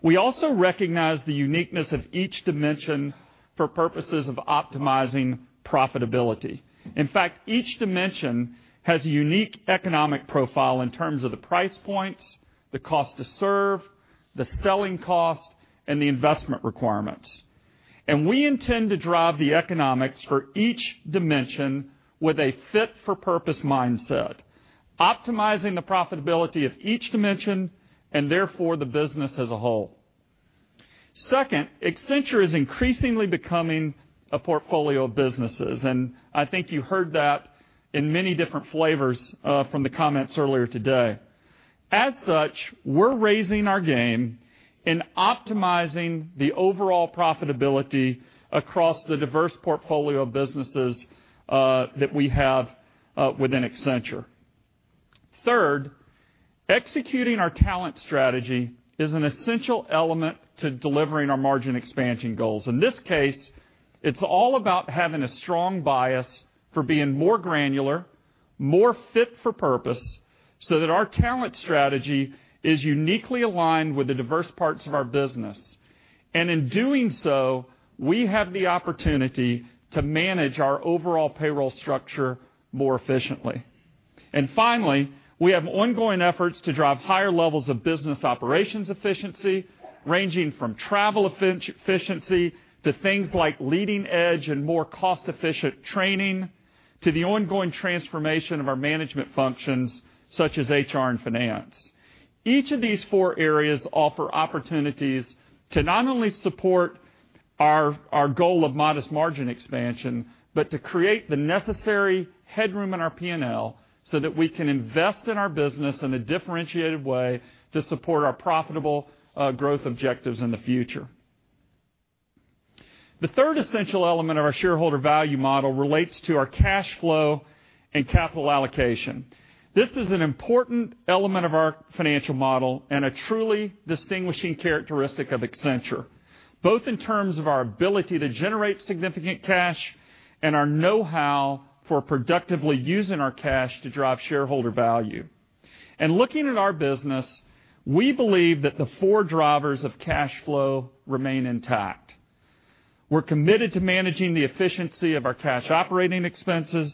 we also recognize the uniqueness of each dimension for purposes of optimizing profitability. In fact, each dimension has a unique economic profile in terms of the price points, the cost to serve, the selling cost, and the investment requirements. We intend to drive the economics for each dimension with a fit-for-purpose mindset, optimizing the profitability of each dimension, and therefore the business as a whole. Second, Accenture is increasingly becoming a portfolio of businesses, I think you heard that in many different flavors from the comments earlier today. As such, we're raising our game in optimizing the overall profitability across the diverse portfolio of businesses that we have within Accenture. Third, executing our talent strategy is an essential element to delivering our margin expansion goals. In this case, it's all about having a strong bias for being more granular, more fit for purpose, so that our talent strategy is uniquely aligned with the diverse parts of our business. In doing so, we have the opportunity to manage our overall payroll structure more efficiently. Finally, we have ongoing efforts to drive higher levels of business operations efficiency, ranging from travel efficiency to things like leading edge and more cost-efficient training to the ongoing transformation of our management functions such as HR and finance. Each of these four areas offer opportunities to not only support our goal of modest margin expansion, but to create the necessary headroom in our P&L so that we can invest in our business in a differentiated way to support our profitable growth objectives in the future. The third essential element of our shareholder value model relates to our cash flow and capital allocation. This is an important element of our financial model and a truly distinguishing characteristic of Accenture, both in terms of our ability to generate significant cash and our know-how for productively using our cash to drive shareholder value. Looking at our business, we believe that the four drivers of cash flow remain intact. We're committed to managing the efficiency of our cash operating expenses.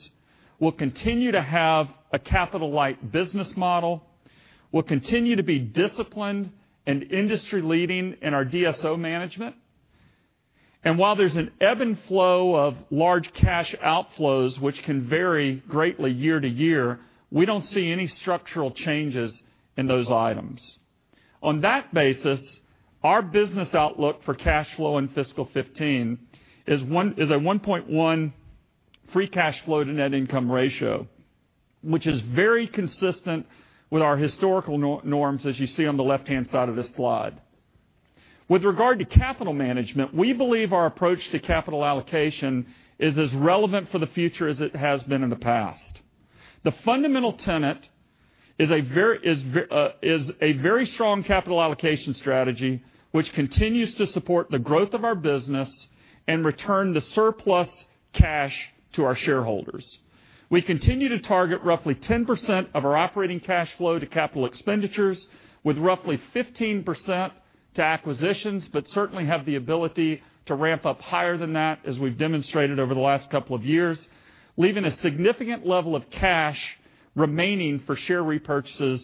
We'll continue to have a capital-light business model. We'll continue to be disciplined and industry-leading in our DSO management. While there's an ebb and flow of large cash outflows, which can vary greatly year to year, we don't see any structural changes in those items. On that basis, our business outlook for cash flow in fiscal 2015 is a 1.1 free cash flow to net income ratio, which is very consistent with our historical norms, as you see on the left-hand side of this slide. With regard to capital management, we believe our approach to capital allocation is as relevant for the future as it has been in the past. The fundamental tenet is a very strong capital allocation strategy, which continues to support the growth of our business and return the surplus cash to our shareholders. We continue to target roughly 10% of our operating cash flow to capital expenditures, with roughly 15% to acquisitions, but certainly have the ability to ramp up higher than that, as we've demonstrated over the last couple of years, leaving a significant level of cash remaining for share repurchases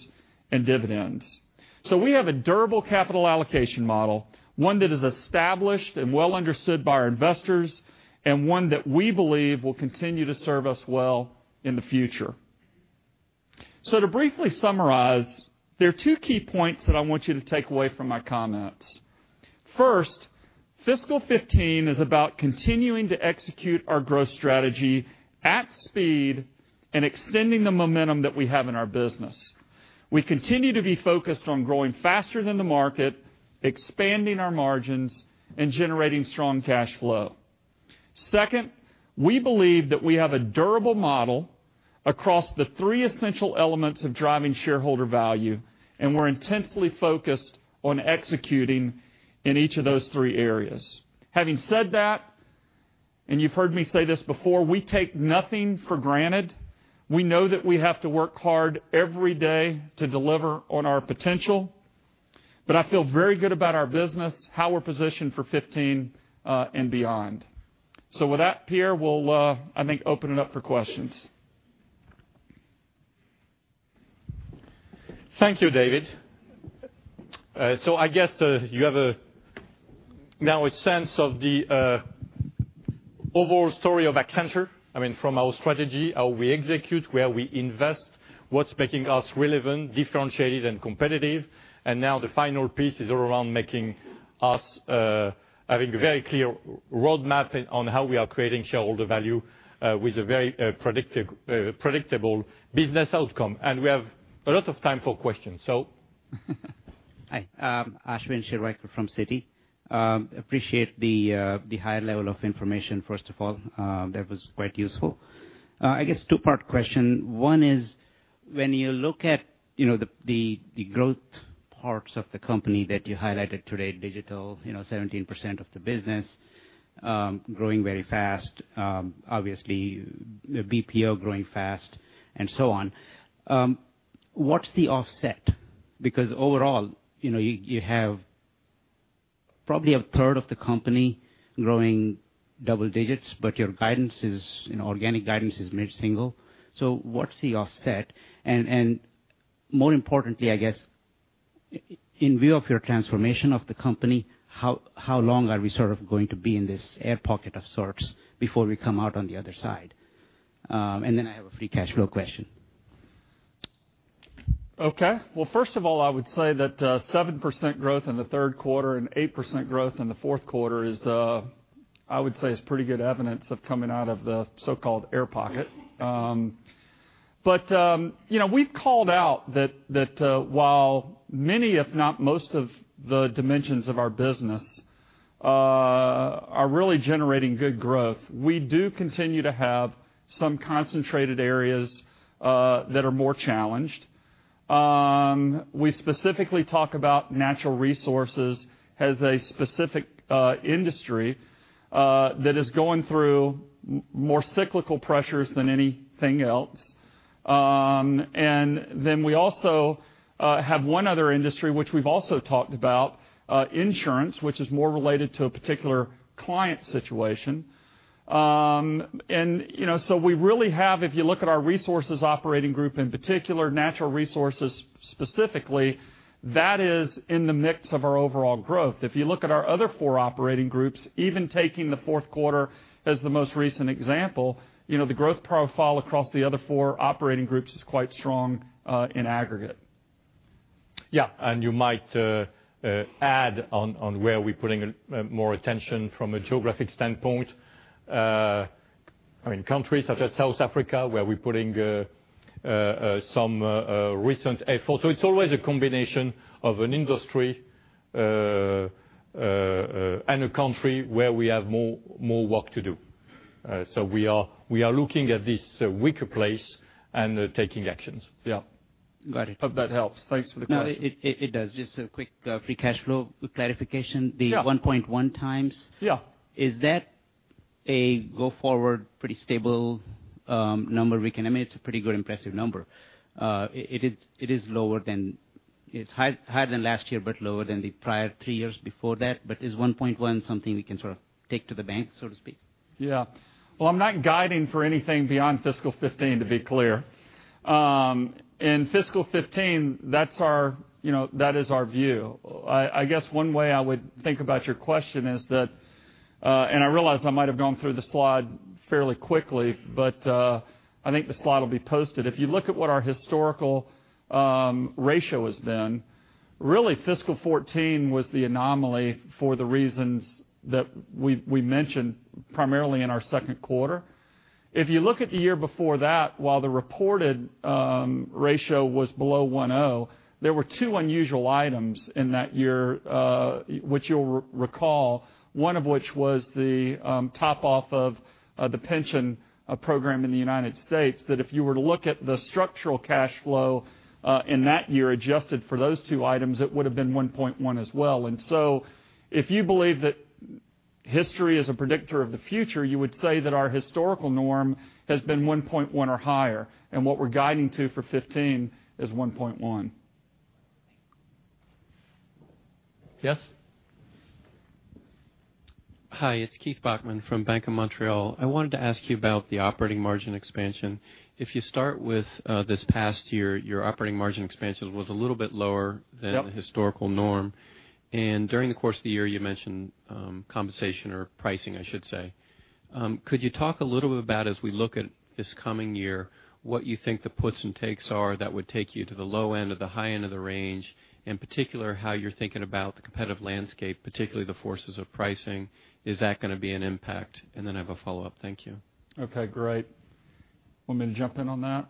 and dividends. We have a durable capital allocation model, one that is established and well understood by our investors, and one that we believe will continue to serve us well in the future. To briefly summarize, there are two key points that I want you to take away from my comments. First, fiscal 2015 is about continuing to execute our growth strategy at speed and extending the momentum that we have in our business. We continue to be focused on growing faster than the market, expanding our margins, and generating strong cash flow. Second, we believe that we have a durable model across the three essential elements of driving shareholder value, and we're intensely focused on executing in each of those three areas. Having said that, you've heard me say this before, we take nothing for granted. We know that we have to work hard every day to deliver on our potential. I feel very good about our business, how we are positioned for 2015, and beyond. With that, Pierre, we'll, I think, open it up for questions. Thank you, David. I guess you have now a sense of the overall story of Accenture. From our strategy, how we execute, where we invest, what's making us relevant, differentiated, and competitive. Now the final piece is around making us having a very clear roadmap on how we are creating shareholder value, with a very predictable business outcome. We have a lot of time for questions. Hi. Ashwin Shirvaikar from Citi. Appreciate the high level of information, first of all. That was quite useful. I guess two-part question. One is, when you look at the growth parts of the company that you highlighted today, Accenture Digital, 17% of the business, growing very fast. Obviously, BPO growing fast and so on. What's the offset? Overall, you have probably a third of the company growing double digits, but your organic guidance is mid-single. What's the offset? More importantly, I guess, in view of your transformation of the company, how long are we sort of going to be in this air pocket of sorts before we come out on the other side? Then I have a free cash flow question. First of all, I would say that 7% growth in the third quarter and 8% growth in the fourth quarter is, I would say is pretty good evidence of coming out of the so-called air pocket. We've called out that while many, if not most of the dimensions of our business are really generating good growth, we do continue to have some concentrated areas that are more challenged. We specifically talk about Natural Resources as a specific industry that is going through more cyclical pressures than anything else. Then we also have one other industry, which we've also talked about, insurance, which is more related to a particular client situation. So we really have, if you look at our Resources Operating Group, in particular Natural Resources specifically, that is in the mix of our overall growth. If you look at our other four Operating Groups, even taking the fourth quarter as the most recent example, the growth profile across the other four Operating Groups is quite strong in aggregate. Yeah. You might add on where we're putting more attention from a geographic standpoint. Countries such as South Africa, where we're putting some recent effort. It's always a combination of an industry and a country where we have more work to do. We are looking at this weaker place and taking actions. Yeah. Got it. Hope that helps. Thanks for the question. No, it does. Just a quick free cash flow clarification. Yeah. The 1.1 times. Yeah. Is that a go-forward pretty stable number we can I mean, it's a pretty good, impressive number. It is higher than last year, but lower than the prior two years before that. Is 1.1 something we can sort of take to the bank, so to speak? Yeah. Well, I'm not guiding for anything beyond fiscal 2015, to be clear. In fiscal 2015, that is our view. I guess one way I would think about your question is that I realize I might have gone through the slide fairly quickly, but I think the slide will be posted. If you look at what our historical ratio has been, really, fiscal 2014 was the anomaly for the reasons that we mentioned primarily in our second quarter. If you look at the year before that, while the reported ratio was below 1.0, there were two unusual items in that year, which you'll recall, one of which was the top-off of the pension program in the United States, that if you were to look at the structural cash flow, in that year, adjusted for those two items, it would have been 1.1 as well. If you believe that history is a predictor of the future, you would say that our historical norm has been 1.1 or higher. What we're guiding to for 2015 is 1.1. Yes? Hi, it's Keith Bachman from Bank of Montreal. I wanted to ask you about the operating margin expansion. If you start with this past year, your operating margin expansion was a little bit lower than- Yep the historical norm. During the course of the year, you mentioned compensation or pricing, I should say. Could you talk a little bit about, as we look at this coming year, what you think the puts and takes are that would take you to the low end or the high end of the range? In particular, how you're thinking about the competitive landscape, particularly the forces of pricing. Is that going to be an impact? I have a follow-up. Thank you. Okay, great. Want me to jump in on that?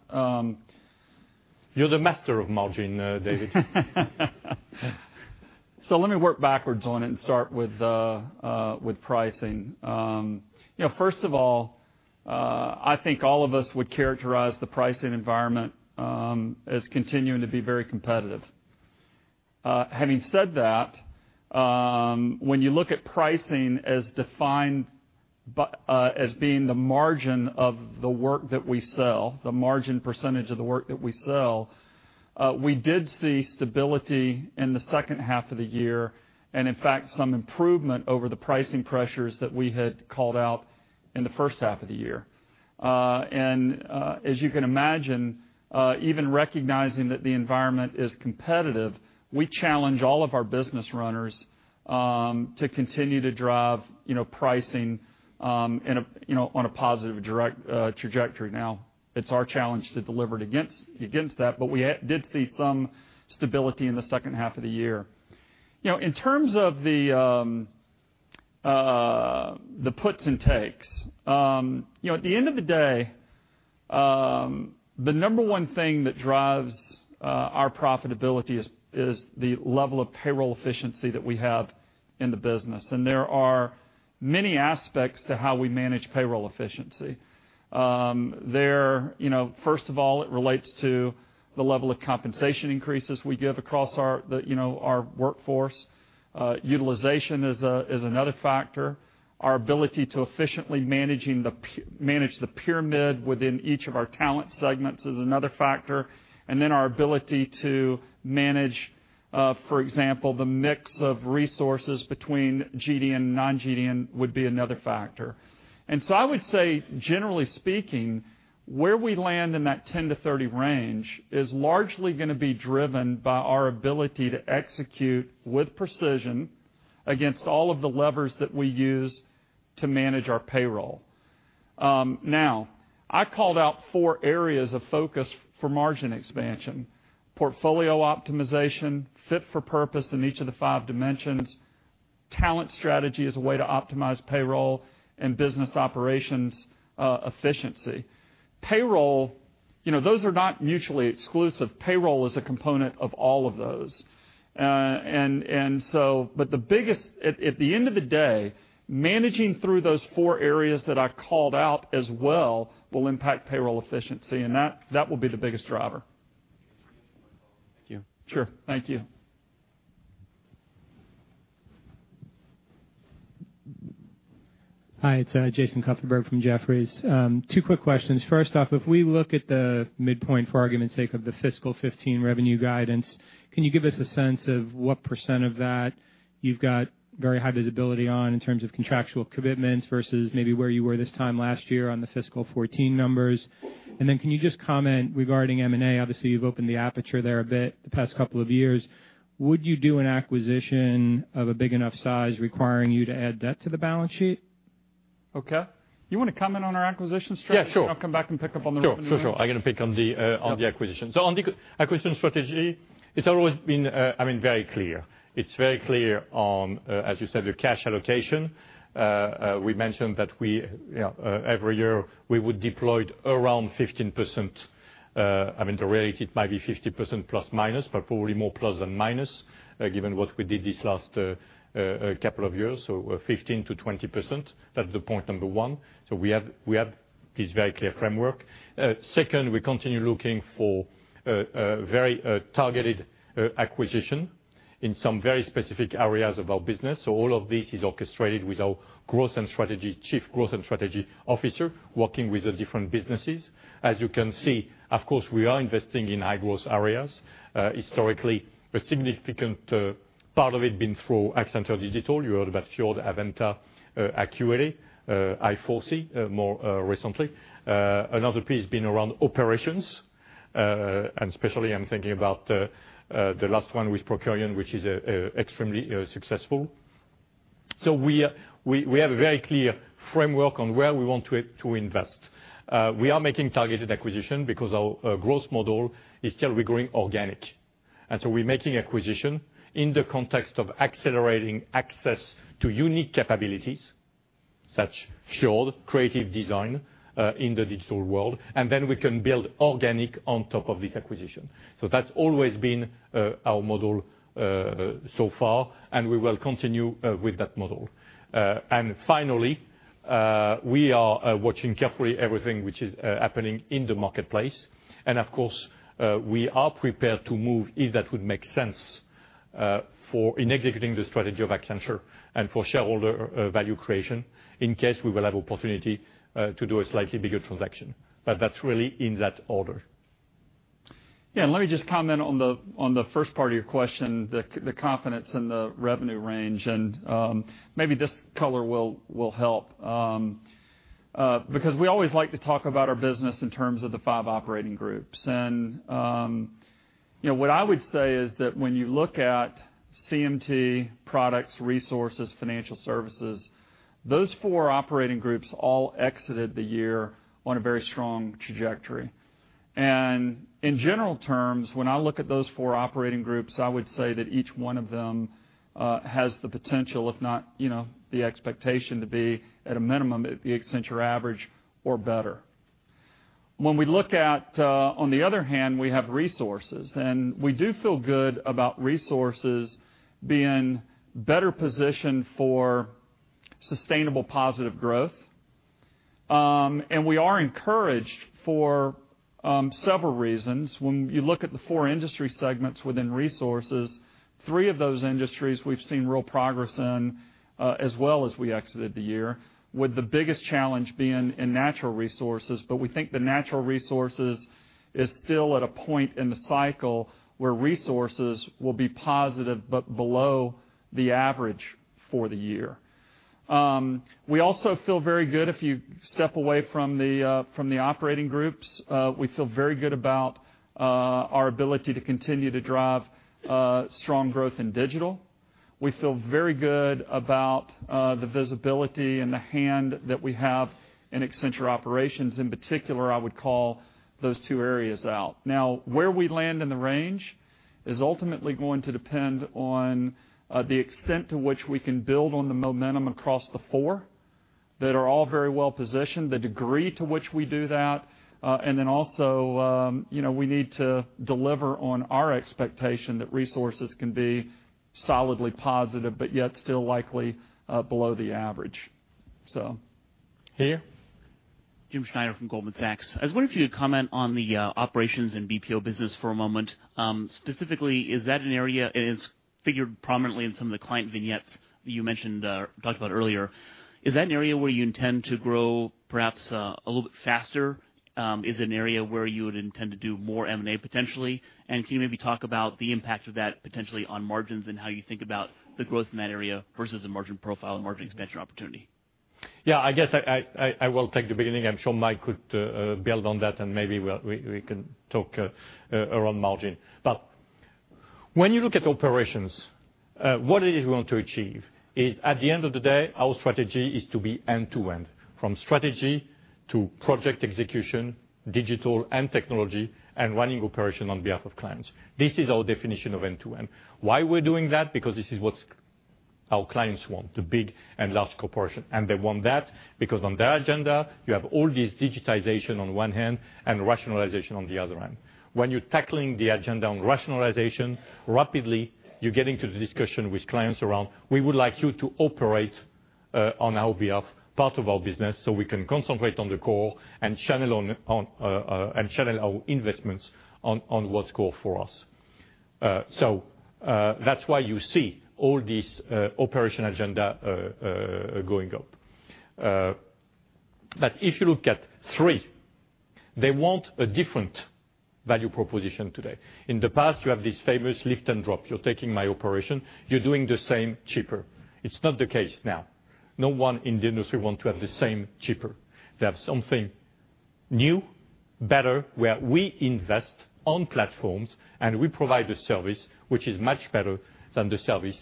You're the master of margin, David. Let me work backwards on it and start with pricing. First of all, I think all of us would characterize the pricing environment as continuing to be very competitive. Having said that, when you look at pricing as being the margin percentage of the work that we sell, we did see stability in the second half of the year, in fact, some improvement over the pricing pressures that we had called out in the first half of the year. As you can imagine, even recognizing that the environment is competitive, we challenge all of our business runners to continue to drive pricing on a positive trajectory. It's our challenge to deliver it against that, but we did see some stability in the second half of the year. In terms of the puts and takes, at the end of the day, the number one thing that drives our profitability is the level of payroll efficiency that we have in the business. There are many aspects to how we manage payroll efficiency. First of all, it relates to the level of compensation increases we give across our workforce. Utilization is another factor. Our ability to efficiently manage the pyramid within each of our talent segments is another factor. Our ability to manage, for example, the mix of resources between GD and non-GD would be another factor. I would say, generally speaking, where we land in that 10-30 range is largely going to be driven by our ability to execute with precision against all of the levers that we use to manage our payroll. I called out four areas of focus for margin expansion, portfolio optimization, fit for purpose in each of the five dimensions, talent strategy as a way to optimize payroll, and business operations efficiency. Those are not mutually exclusive. Payroll is a component of all of those. At the end of the day, managing through those four areas that I called out as well will impact payroll efficiency, and that will be the biggest driver. Thank you. Sure. Thank you. Hi, it's Jason Kupferberg from Jefferies. Two quick questions. First off, if we look at the midpoint, for argument's sake, of the fiscal 2015 revenue guidance, can you give us a sense of what % of that you've got very high visibility on in terms of contractual commitments versus maybe where you were this time last year on the fiscal 2014 numbers? Then can you just comment regarding M&A? Obviously, you've opened the aperture there a bit the past couple of years. Would you do an acquisition of a big enough size requiring you to add debt to the balance sheet? Okay. You want to comment on our acquisition strategy? Yeah, sure. I'll come back and pick up on the rest. Sure. I'm going to pick on the acquisition. On the acquisition strategy, it's always been very clear. It's very clear on, as you said, your cash allocation. We mentioned that every year, we would deploy around 15%. I mean, the rate, it might be 50% plus minus, but probably more plus than minus, given what we did these last couple of years. 15%-20%. That's point number 1. We have this very clear framework. Second, we continue looking for very targeted acquisition in some very specific areas of our business. All of this is orchestrated with our Chief Growth and Strategy Officer, working with the different businesses. As you can see, of course, we are investing in high-growth areas. Historically, a significant part of it been through Accenture Digital. You heard about Fjord, avVenta, Acquity, i4C more recently. Another piece been around operations, and especially I'm thinking about the last one with Procurian, which is extremely successful. We have a very clear framework on where we want to invest. We are making targeted acquisition because our growth model is still we're growing organic. We're making acquisition in the context of accelerating access to unique capabilities, such skilled creative design, in the digital world, and then we can build organic on top of this acquisition. That's always been our model so far, and we will continue with that model. Finally, we are watching carefully everything which is happening in the marketplace. Of course, we are prepared to move if that would make sense in executing the strategy of Accenture and for shareholder value creation in case we will have opportunity to do a slightly bigger transaction. That's really in that order. Yeah. Let me just comment on the first part of your question, the confidence in the revenue range, and maybe this color will help. We always like to talk about our business in terms of the five Operating Groups. What I would say is that when you look at CMT, products, resources, financial services, those four Operating Groups all exited the year on a very strong trajectory. In general terms, when I look at those four Operating Groups, I would say that each one of them has the potential, if not the expectation to be at a minimum at the Accenture average or better. When we look at, on the other hand, we have resources. We do feel good about resources being better positioned for sustainable positive growth. We are encouraged for several reasons. When you look at the four industry segments within resources, three of those industries we've seen real progress in, as well as we exited the year, with the biggest challenge being in natural resources. We think the natural resources is still at a point in the cycle where resources will be positive but below the average for the year. We also feel very good if you step away from the Operating Groups. We feel very good about our ability to continue to drive strong growth in digital. We feel very good about the visibility and the hand that we have in Accenture Operations. In particular, I would call those two areas out. Where we land in the range is ultimately going to depend on the extent to which we can build on the momentum across the four that are all very well positioned, the degree to which we do that. Also, we need to deliver on our expectation that resources can be solidly positive, but yet still likely below the average. Here. James Schneider from Goldman Sachs. I was wondering if you could comment on the operations in BPO business for a moment. Specifically, is that an area, it is figured prominently in some of the client vignettes you talked about earlier. Is that an area where you intend to grow perhaps a little bit faster? Is it an area where you would intend to do more M&A potentially? Can you maybe talk about the impact of that potentially on margins and how you think about the growth in that area versus the margin profile and margin expansion opportunity? I guess I will take the beginning. I'm sure Mike could build on that, and maybe we can talk around margin. When you look at operations, what it is we want to achieve is, at the end of the day, our strategy is to be end-to-end, from strategy to project execution, digital and technology, and running operations on behalf of clients. This is our definition of end-to-end. Why we're doing that? This is what our clients want, the big and large corporations. They want that because on their agenda, you have all this digitization on one hand and rationalization on the other hand. When you're tackling the agenda on rationalization rapidly, you're getting to the discussion with clients around, "We would like you to operate on our behalf part of our business so we can concentrate on the core and channel our investments on what's core for us." That's why you see all this operations agenda going up. If you look at three, they want a different value proposition today. In the past, you have this famous lift and drop. You're taking my operation, you're doing the same cheaper. It's not the case now. No one in the industry wants to have the same cheaper. They have something new, better, where we invest on platforms and we provide a service which is much better than the service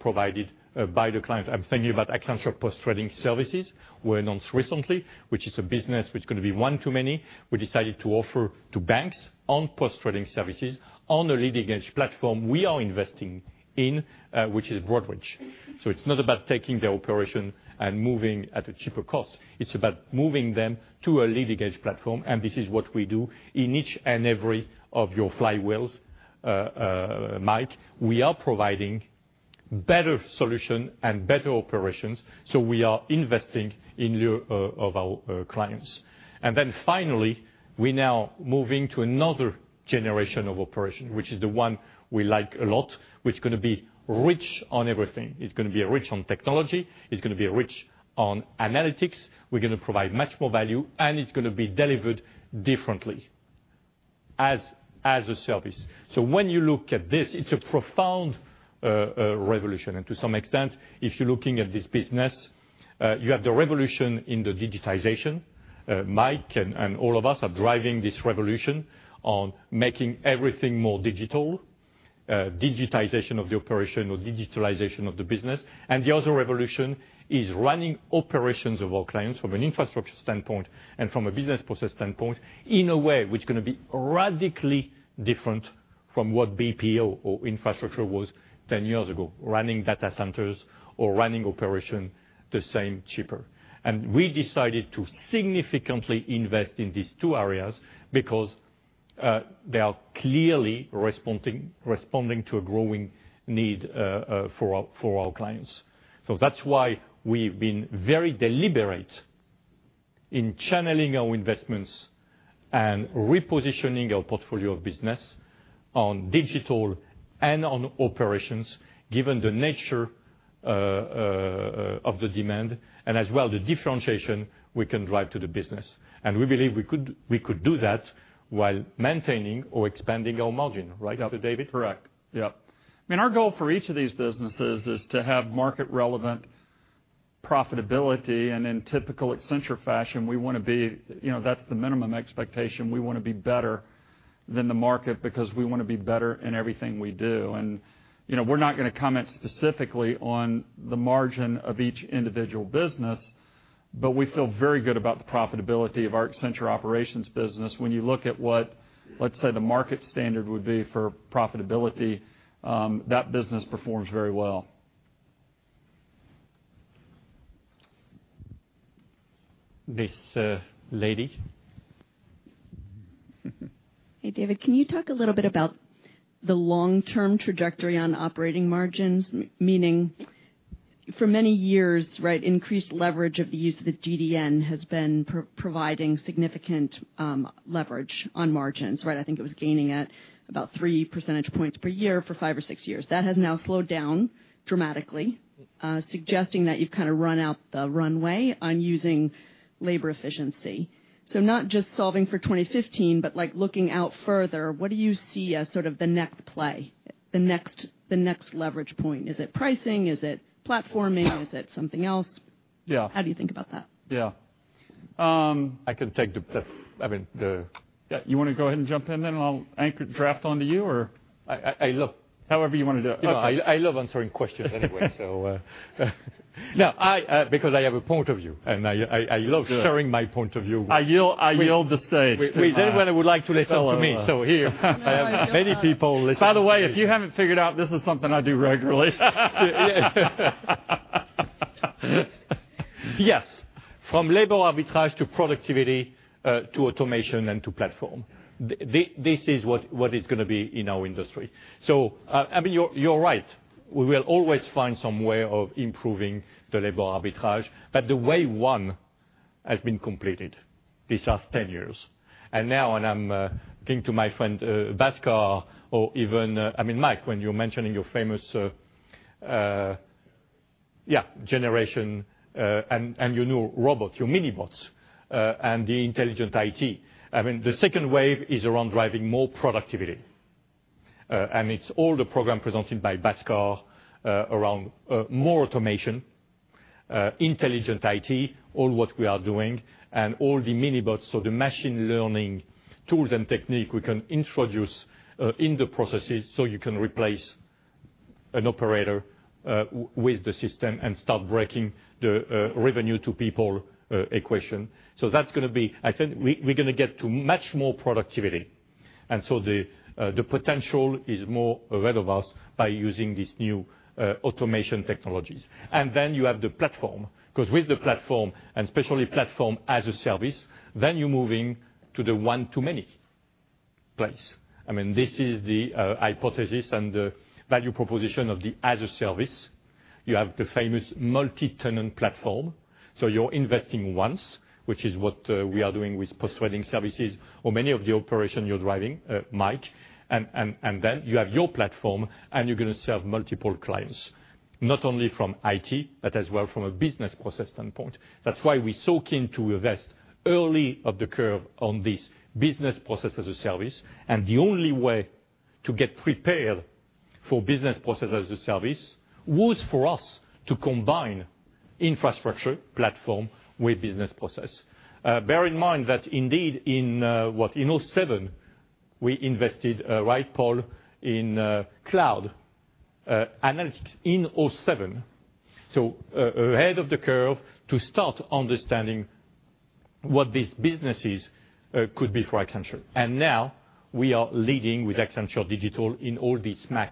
provided by the client. I'm thinking about Accenture Post-Trade Processing were announced recently, which is a business which is going to be one to many. We decided to offer to banks on post-trading services on a leading-edge platform we are investing in, which is Broadridge. It's not about taking the operations and moving at a cheaper cost. It's about moving them to a leading-edge platform, and this is what we do in each and every of your flywheels, Mike. We are providing better solutions and better operations, so we are investing in lieu of our clients. Finally, we are moving to another generation of operations, which is the one we like a lot, which is going to be rich on everything. It's going to be rich on technology, it's going to be rich on analytics. We're going to provide much more value, and it's going to be delivered differently as a service. When you look at this, it's a profound revolution. To some extent, if you're looking at this business, you have the revolution in the digitization. Mike and all of us are driving this revolution on making everything more digital, digitization of the operations or digitalization of the business. The other revolution is running operations of our clients from an infrastructure standpoint and from a business process standpoint, in a way which is going to be radically different from what BPO or infrastructure was 10 years ago, running data centers or running operations the same cheaper. We decided to significantly invest in these two areas because they are clearly responding to a growing need for our clients. We've been very deliberate in channeling our investments and repositioning our portfolio of business on digital and on operations, given the nature of the demand, as well the differentiation we can drive to the business. We believe we could do that while maintaining or expanding our margin. Right, David? Correct. Yep. Our goal for each of these businesses is to have market-relevant profitability, and in typical Accenture fashion, that's the minimum expectation. We want to be better than the market because we want to be better in everything we do. We're not going to comment specifically on the margin of each individual business, but we feel very good about the profitability of our Accenture Operations business. When you look at what, let's say, the market standard would be for profitability, that business performs very well. This lady. Hey, David, can you talk a little bit about the long-term trajectory on operating margins? Meaning for many years increased leverage of the use of the GDN has been providing significant leverage on margins, right? I think it was gaining at about three percentage points per year for five or six years. That has now slowed down dramatically, suggesting that you've kind of run out the runway on using labor efficiency. Not just solving for 2015, but looking out further, what do you see as sort of the next play, the next leverage point? Is it pricing? Is it platforming? Is it something else? Yeah. How do you think about that? Yeah. I can take the- You want to go ahead and jump in then and I'll anchor draft onto you or- I love- However you want to do it I love answering questions anyway. No, because I have a point of view, and I love sharing my point of view. I yield the stage. We then would like to listen to me. Here. I have many people listening to me. By the way, if you haven't figured out, this is something I do regularly. Yes. From labor arbitrage to productivity, to automation, and to platform. This is what is going to be in our industry. You're right. We will always find some way of improving the labor arbitrage. The way one has been completed these last 10 years. Now, I'm thinking to my friend, Bhaskar, or even Mike, when you're mentioning your famous generation and your new robot, your Mini Bots, and the intelligent IT. The second wave is around driving more productivity. It's all the program presented by Bhaskar around more automation, intelligent IT, all what we are doing, and all the Mini Bots. The machine learning tools and technique we can introduce in the processes so you can replace an operator with the system and start breaking the revenue to people equation. I think we're going to get to much more productivity. The potential is more relevance by using these new automation technologies. You have the platform, because with the platform, and especially platform-as-a-service, then you're moving to the one-to-many place. This is the hypothesis and the value proposition of the as-a-service. You have the famous multi-tenant platform. You're investing once, which is what we are doing with post-trading services or many of the operation you're driving, Mike. You have your platform, and you're going to serve multiple clients, not only from IT, but as well from a business process standpoint. That's why we're so keen to invest early of the curve on this business process-as-a-service. The only way to get prepared for business process as-a-service was for us to combine infrastructure platform with business process. Bear in mind that indeed in what, in 2007, we invested, right Paul, in cloud analytics in 2007. Ahead of the curve to start understanding what these businesses could be for Accenture. Now we are leading with Accenture Digital in all these SMAC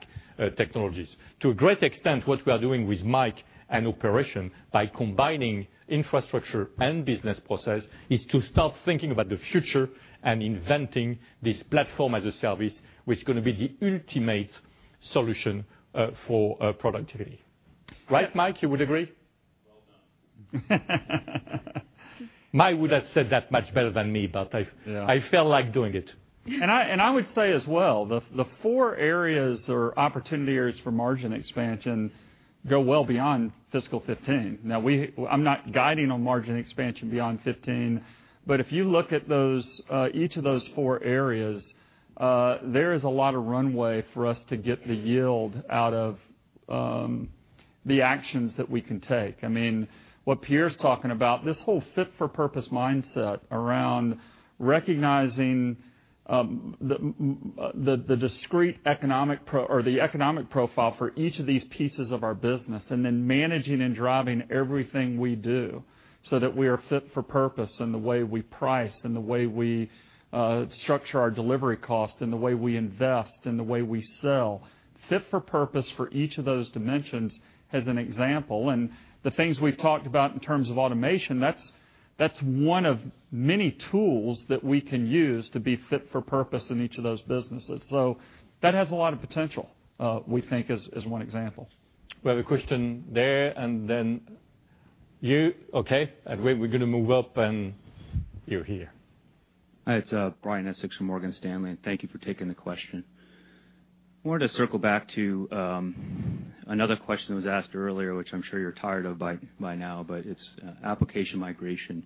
technologies. To a great extent, what we are doing with Mike and operation, by combining infrastructure and business process, is to start thinking about the future and inventing this platform as-a-service, which is going to be the ultimate solution for productivity. Right, Mike? You would agree? Well done. Mike would have said that much better than me, but I felt like doing it. I would say as well, the four areas or opportunity areas for margin expansion go well beyond fiscal 2015. Now I'm not guiding on margin expansion beyond 2015, but if you look at each of those four areas, there is a lot of runway for us to get the yield out of the actions that we can take. What Pierre's talking about, this whole fit-for-purpose mindset around recognizing the discrete economic profile for each of these pieces of our business, and then managing and driving everything we do so that we are fit for purpose in the way we price, in the way we structure our delivery cost, in the way we invest, in the way we sell. Fit for purpose for each of those dimensions, as an example, and the things we've talked about in terms of automation, that's one of many tools that we can use to be fit for purpose in each of those businesses. That has a lot of potential, we think, as one example. We have a question there and then you. Okay. We're going to move up, and you're here. Hi, it's Brian Essex from Morgan Stanley, thank you for taking the question. Wanted to circle back to another question that was asked earlier, which I'm sure you're tired of by now, but it's application migration.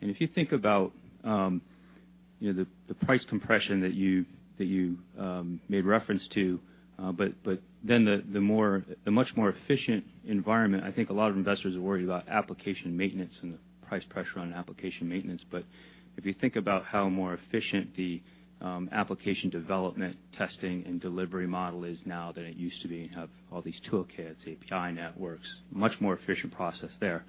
If you think about the price compression that you made reference to, then the much more efficient environment, I think a lot of investors are worried about application maintenance and the price pressure on application maintenance. If you think about how more efficient the application development, testing, and delivery model is now than it used to be, have all these toolkits, API networks, much more efficient process there.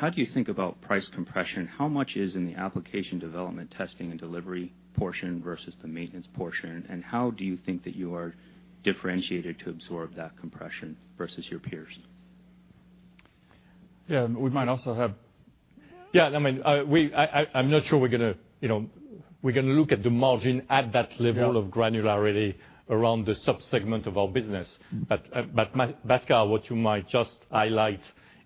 How do you think about price compression? How much is in the application development, testing, and delivery portion versus the maintenance portion, and how do you think that you are differentiated to absorb that compression versus your peers? Yeah, we might also have. Yeah, I'm not sure we're going to look at the margin at that level. Yeah of granularity around the sub-segment of our business. Bhaskar, what you might just highlight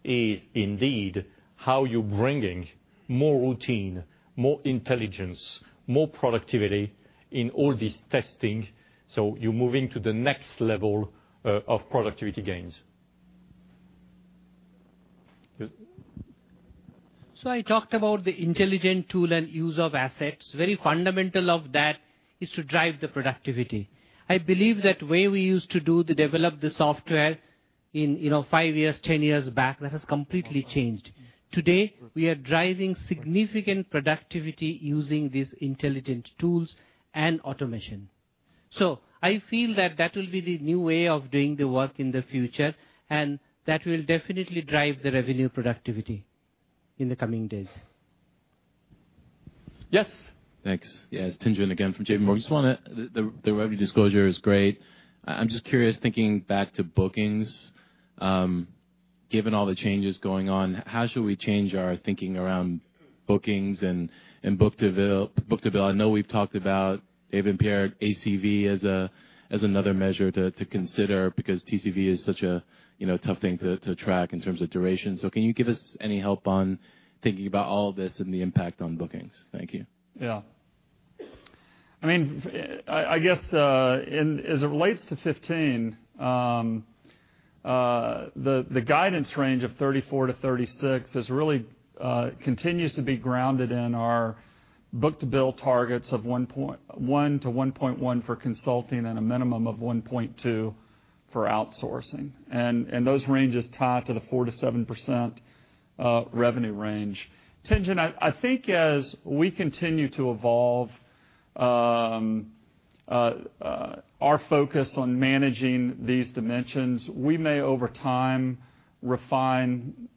is indeed how you're bringing more routine, more intelligence, more productivity in all this testing, so you're moving to the next level of productivity gains. Yes. I talked about the intelligent tool and use of assets. Very fundamental of that is to drive the productivity. I believe that way we used to do to develop the software in five years, 10 years back, that has completely changed. Today, we are driving significant productivity using these intelligent tools and automation. I feel that that will be the new way of doing the work in the future, and that will definitely drive the revenue productivity in the coming days. Yes. Thanks. Yes, it's Tien-Tsin again from J.P. Morgan. The revenue disclosure is great. I'm just curious, thinking back to bookings, given all the changes going on, how should we change our thinking around bookings and book-to-bill? I know we've talked about, even Pierre, ACV as another measure to consider because TCV is such a tough thing to track in terms of duration. Can you give us any help on thinking about all this and the impact on bookings? Thank you. I guess, as it relates to 2015, the guidance range of 34 to 36 really continues to be grounded in our book-to-bill targets of 1 to 1.1 for consulting and a minimum of 1.2 for outsourcing. Those ranges tie to the 4%-7% revenue range. Tien-Tsin, I think as we continue to evolve our focus on managing these dimensions, we may, over time, refine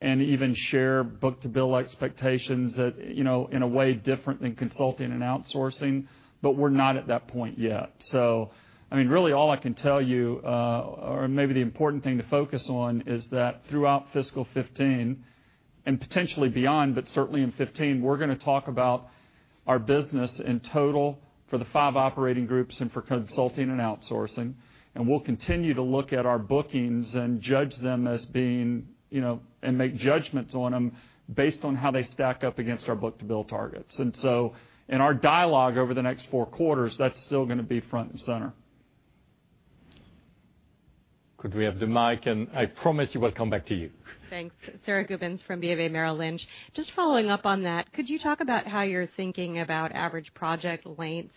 and even share book-to-bill expectations in a way different than consulting and outsourcing. We're not at that point yet. Really all I can tell you, or maybe the important thing to focus on, is that throughout fiscal 2015, and potentially beyond, but certainly in 2015, we're going to talk about our business in total for the five Operating Groups and for consulting and outsourcing. We'll continue to look at our bookings and make judgments on them based on how they stack up against our book-to-bill targets. In our dialogue over the next four quarters, that's still going to be front and center. Could we have the mic? I promise we will come back to you. Thanks. Sara Gubins from BofA Merrill Lynch. Just following up on that, could you talk about how you're thinking about average project length,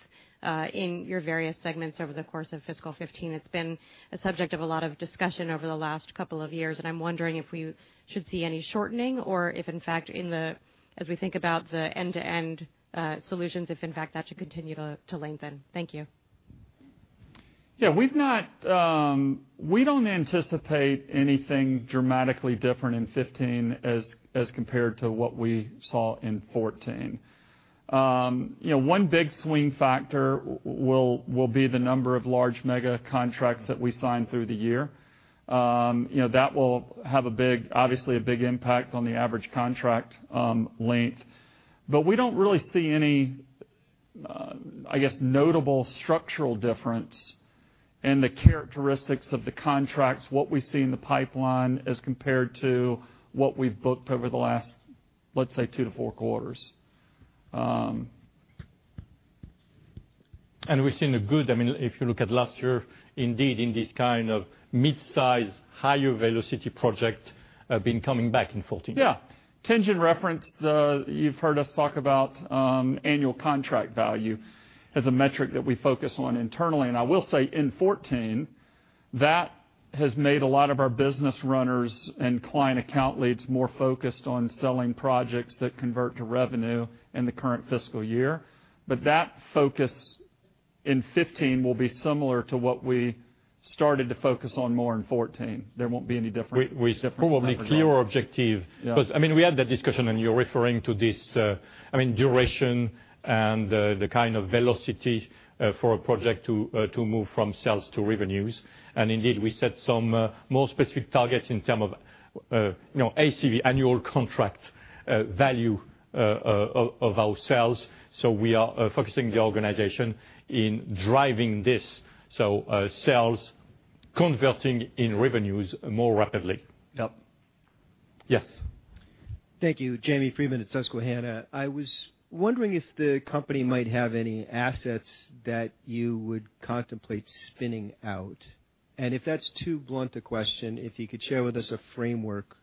in your various segments over the course of fiscal 2015? It's been a subject of a lot of discussion over the last couple of years, and I'm wondering if we should see any shortening or if, in fact, as we think about the end-to-end solutions, if in fact that should continue to lengthen. Thank you. Yeah. We don't anticipate anything dramatically different in 2015 as compared to what we saw in 2014. One big swing factor will be the number of large mega contracts that we sign through the year. That will have, obviously, a big impact on the average contract length. We don't really see any notable structural difference in the characteristics of the contracts, what we see in the pipeline as compared to what we've booked over the last, let's say, two to four quarters. We've seen a good If you look at last year, indeed, in this kind of mid-size, higher velocity project, have been coming back in 2014. Yeah. Tien-Tsin Huang referenced, you've heard us talk about annual contract value as a metric that we focus on internally. I will say in 2014, that has made a lot of our business runners and client account leads more focused on selling projects that convert to revenue in the current fiscal year. That focus in 2015 will be similar to what we started to focus on more in 2014. There won't be any difference in that regard. With probably clearer objective. Yeah. We had that discussion, and you're referring to this, duration and the kind of velocity for a project to move from sales to revenues. Indeed, we set some more specific targets in terms of ACV, annual contract value of our sales. We are focusing the organization in driving this. Sales converting in revenues more rapidly. Yep. Yes. Thank you. James Friedman at Susquehanna. I was wondering if the company might have any assets that you would contemplate spinning out. If that's too blunt a question, if you could share with us a framework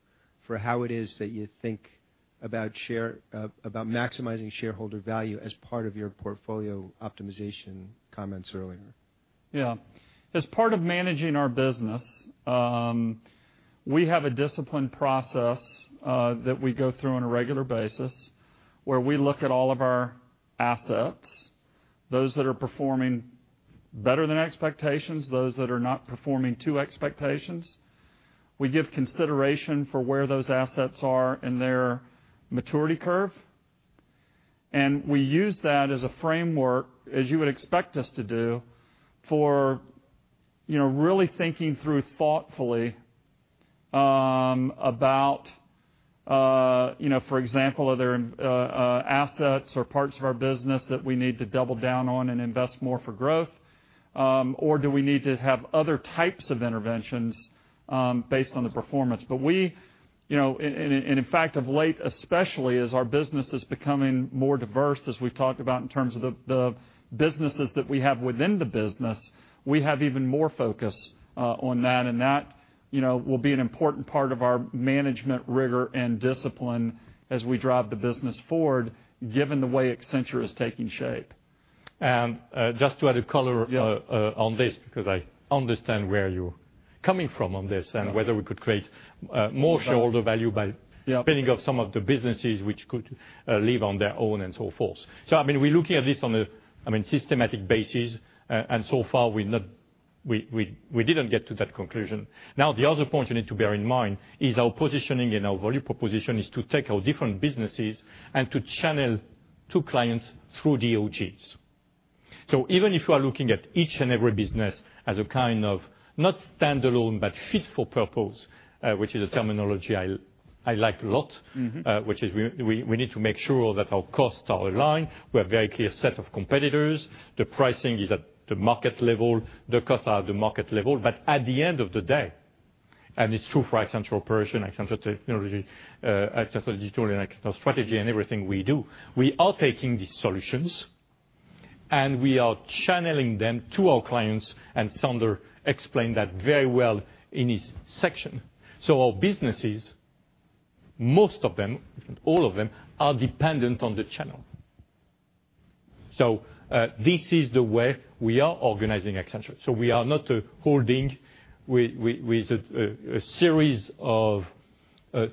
for how it is that you think about maximizing shareholder value as part of your portfolio optimization comments earlier. As part of managing our business, we have a disciplined process that we go through on a regular basis where we look at all of our assets, those that are performing better than expectations, those that are not performing to expectations. We give consideration for where those assets are in their maturity curve. We use that as a framework, as you would expect us to do, for really thinking through thoughtfully about, for example, are there assets or parts of our business that we need to double down on and invest more for growth? Do we need to have other types of interventions based on the performance? In fact, of late, especially as our business is becoming more diverse as we've talked about in terms of the businesses that we have within the business, we have even more focus on that. That will be an important part of our management rigor and discipline as we drive the business forward, given the way Accenture is taking shape. Just to add a color- Yeah on this because I understand where you're coming from on this. Yeah. Whether we could create more shareholder value. Yeah spinning off some of the businesses which could live on their own and so forth. We're looking at this on a systematic basis. So far we didn't get to that conclusion. The other point you need to bear in mind is our positioning and our value proposition is to take our different businesses and to channel to clients through Operating Groups. Even if you are looking at each and every business as a kind of not standalone, but fit for purpose, which is a terminology I like a lot. Which is we need to make sure that our costs are aligned. We have very clear set of competitors. The pricing is at the market level. The costs are at the market level. At the end of the day, and it's true for Accenture Operations, Accenture Technology, Accenture Digital, and Accenture Strategy, and everything we do. We are taking these solutions, and we are channeling them to our clients, and Sander explained that very well in his section. Our businesses, most of them, if not all of them, are dependent on the channel. This is the way we are organizing Accenture. We are not a holding with a series of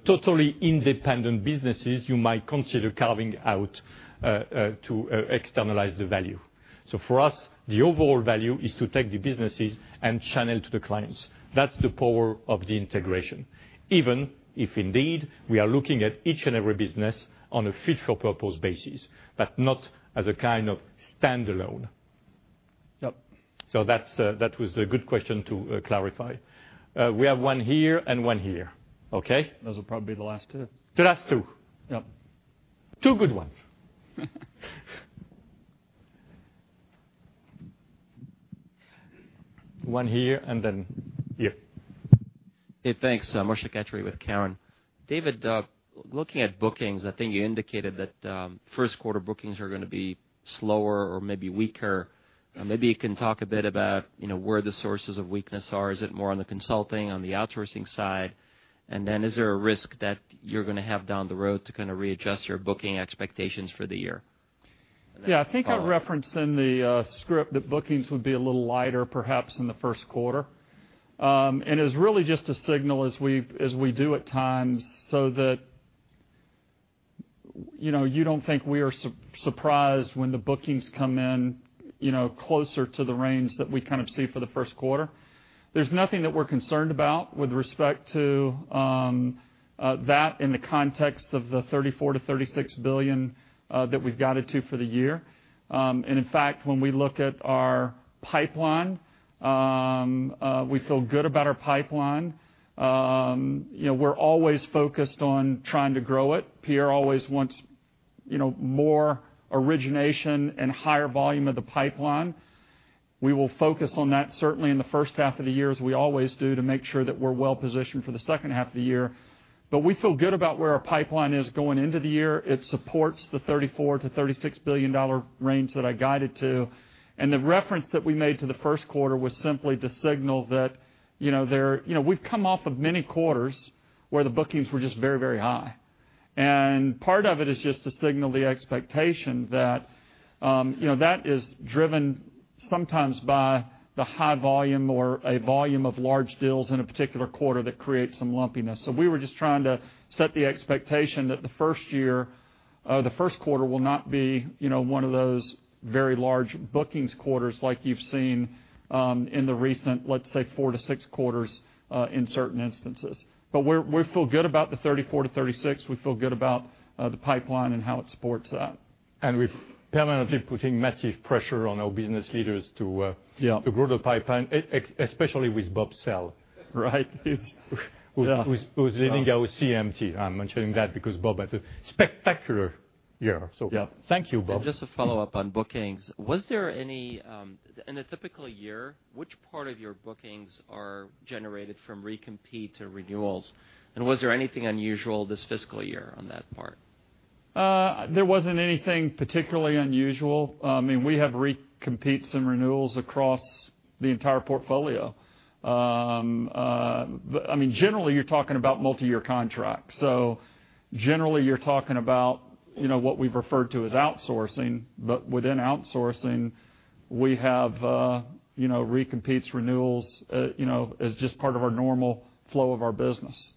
totally independent businesses you might consider carving out to externalize the value. For us, the overall value is to take the businesses and channel to the clients. That's the power of the integration. Even if indeed we are looking at each and every business on a fit for purpose basis, but not as a kind of standalone. Yep. That was a good question to clarify. We have one here and one here. Okay? Those will probably be the last two. The last two. Yep. Two good ones. One here and then here. Hey, thanks. Moshe Katri with Cowen. David, looking at bookings, I think you indicated that first quarter bookings are going to be slower or maybe weaker. Yeah. Maybe you can talk a bit about where the sources of weakness are. Is it more on the consulting, on the outsourcing side? Is there a risk that you're going to have down the road to readjust your booking expectations for the year? I'll follow up. Yeah, I think I referenced in the script that bookings would be a little lighter perhaps in the first quarter. It's really just a signal as we do at times, so that you don't think we are surprised when the bookings come in closer to the range that we kind of see for the first quarter. There's nothing that we're concerned about with respect to that in the context of the $34 billion-$36 billion that we've guided to for the year. In fact, when we look at our pipeline, we feel good about our pipeline. We're always focused on trying to grow it. Pierre always wants more origination and higher volume of the pipeline. We will focus on that certainly in the first half of the year, as we always do to make sure that we're well-positioned for the second half of the year. We feel good about where our pipeline is going into the year. It supports the $34 billion-$36 billion range that I guided to. The reference that we made to the first quarter was simply to signal that we've come off of many quarters where the bookings were just very, very high. Part of it is just to signal the expectation that is driven sometimes by the high volume or a volume of large deals in a particular quarter that creates some lumpiness. We were just trying to set the expectation that the first quarter will not be one of those very large bookings quarters like you've seen in the recent, let's say, four to six quarters in certain instances. We feel good about the $34 billion-$36 billion. We feel good about the pipeline and how it supports that. We're permanently putting massive pressure on our business leaders to- Yeah to grow the pipeline, especially with Bob Sell. Right. Who's leading our CMT. I'm mentioning that because Bob had a spectacular year. Yeah. Thank you, Bob. Just to follow up on bookings, in a typical year, which part of your bookings are generated from recompete or renewals? Was there anything unusual this fiscal year on that part? There wasn't anything particularly unusual. I mean, we have recompetes and renewals across the entire portfolio. Generally, you're talking about multi-year contracts. Generally you're talking about what we've referred to as outsourcing. Within outsourcing we have recompetes, renewals, as just part of our normal flow of our business.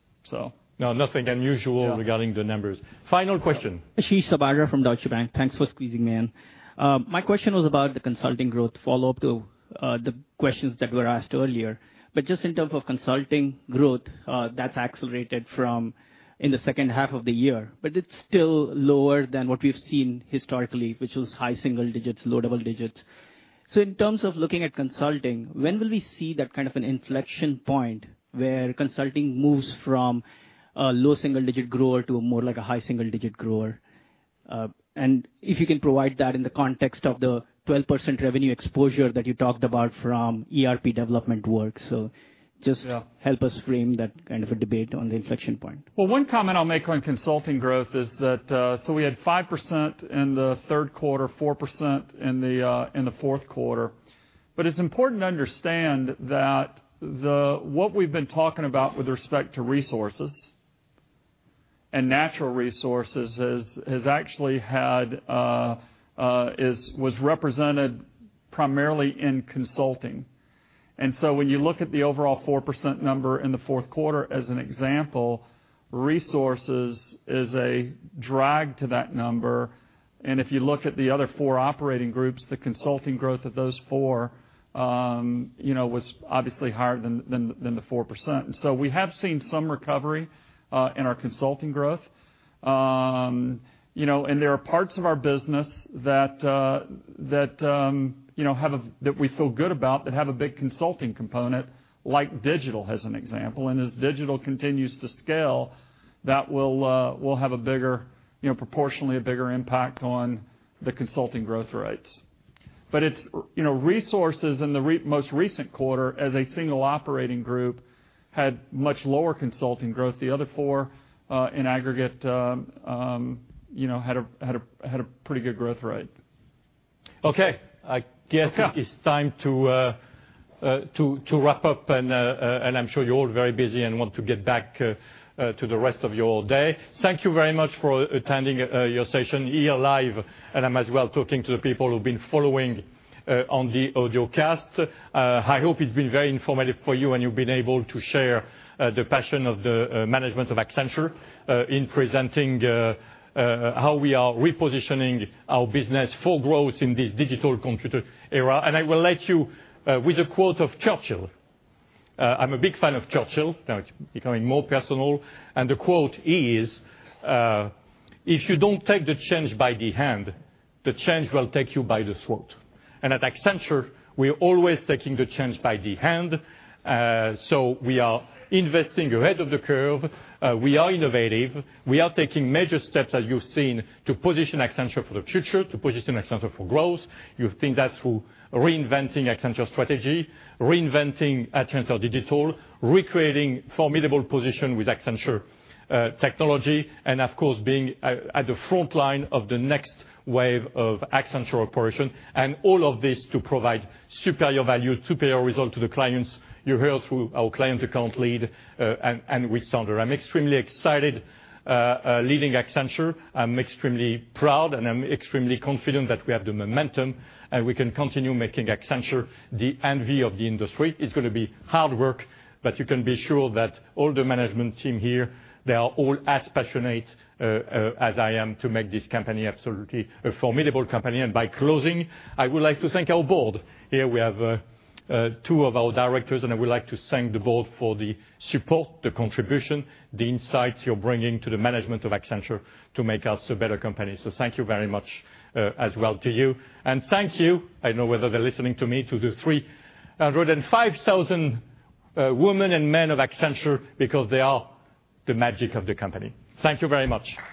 No, nothing unusual. Yeah regarding the numbers. Final question. Ashish Sabadra from Deutsche Bank. Thanks for squeezing me in. My question was about the consulting growth, follow-up to the questions that were asked earlier. Just in terms of consulting growth, that's accelerated from in the second half of the year, but it's still lower than what we've seen historically, which was high single digits, low double digits. In terms of looking at consulting, when will we see that kind of an inflection point where consulting moves from a low single digit grower to a more like a high single digit grower? And if you can provide that in the context of the 12% revenue exposure that you talked about from ERP development work. Just- Yeah help us frame that kind of a debate on the inflection point. Well, one comment I'll make on consulting growth is that, we had 5% in the third quarter, 4% in the fourth quarter. It's important to understand that what we've been talking about with respect to resources and natural resources has actually had, was represented primarily in consulting. When you look at the overall 4% number in the fourth quarter as an example, resources is a drag to that number. If you look at the other four Operating Groups, the consulting growth of those four was obviously higher than the 4%. We have seen some recovery in our consulting growth. There are parts of our business that we feel good about that have a big consulting component, like Digital as an example. As Digital continues to scale, that will have a bigger, proportionally a bigger impact on the consulting growth rates. Resources in the most recent quarter as a single Operating Group had much lower consulting growth. The other 4, in aggregate, had a pretty good growth rate. Okay. Yeah It is time to wrap up and I'm sure you're all very busy and want to get back to the rest of your day. Thank you very much for attending your session here live. I might as well talking to the people who've been following on the audiocast. I hope it's been very informative for you, and you've been able to share the passion of the management of Accenture, in presenting how we are repositioning our business for growth in this digital computer era. I will let you with a quote of Churchill. I'm a big fan of Churchill, now it's becoming more personal. The quote is, "If you don't take the change by the hand, the change will take you by the throat." At Accenture, we're always taking the change by the hand. We are investing ahead of the curve. We are innovative. We are taking major steps, as you've seen, to position Accenture for the future, to position Accenture for growth. You've seen that through reinventing Accenture Strategy, reinventing Accenture Digital, recreating formidable position with Accenture Technology, and of course, being at the frontline of the next wave of Accenture Operations. All of this to provide superior value, superior result to the clients. You heard through our Client Account Lead, and with Sander. I'm extremely excited leading Accenture. I'm extremely proud, and I'm extremely confident that we have the momentum, and we can continue making Accenture the envy of the industry. It's going to be hard work, but you can be sure that all the management team here, they are all as passionate as I am to make this company absolutely a formidable company. By closing, I would like to thank our Board. Here we have two of our directors, and I would like to thank the board for the support, the contribution, the insights you're bringing to the management of Accenture to make us a better company. Thank you very much, as well to you. Thank you, I know whether they're listening to me, to the 305,000 women and men of Accenture, because they are the magic of the company. Thank you very much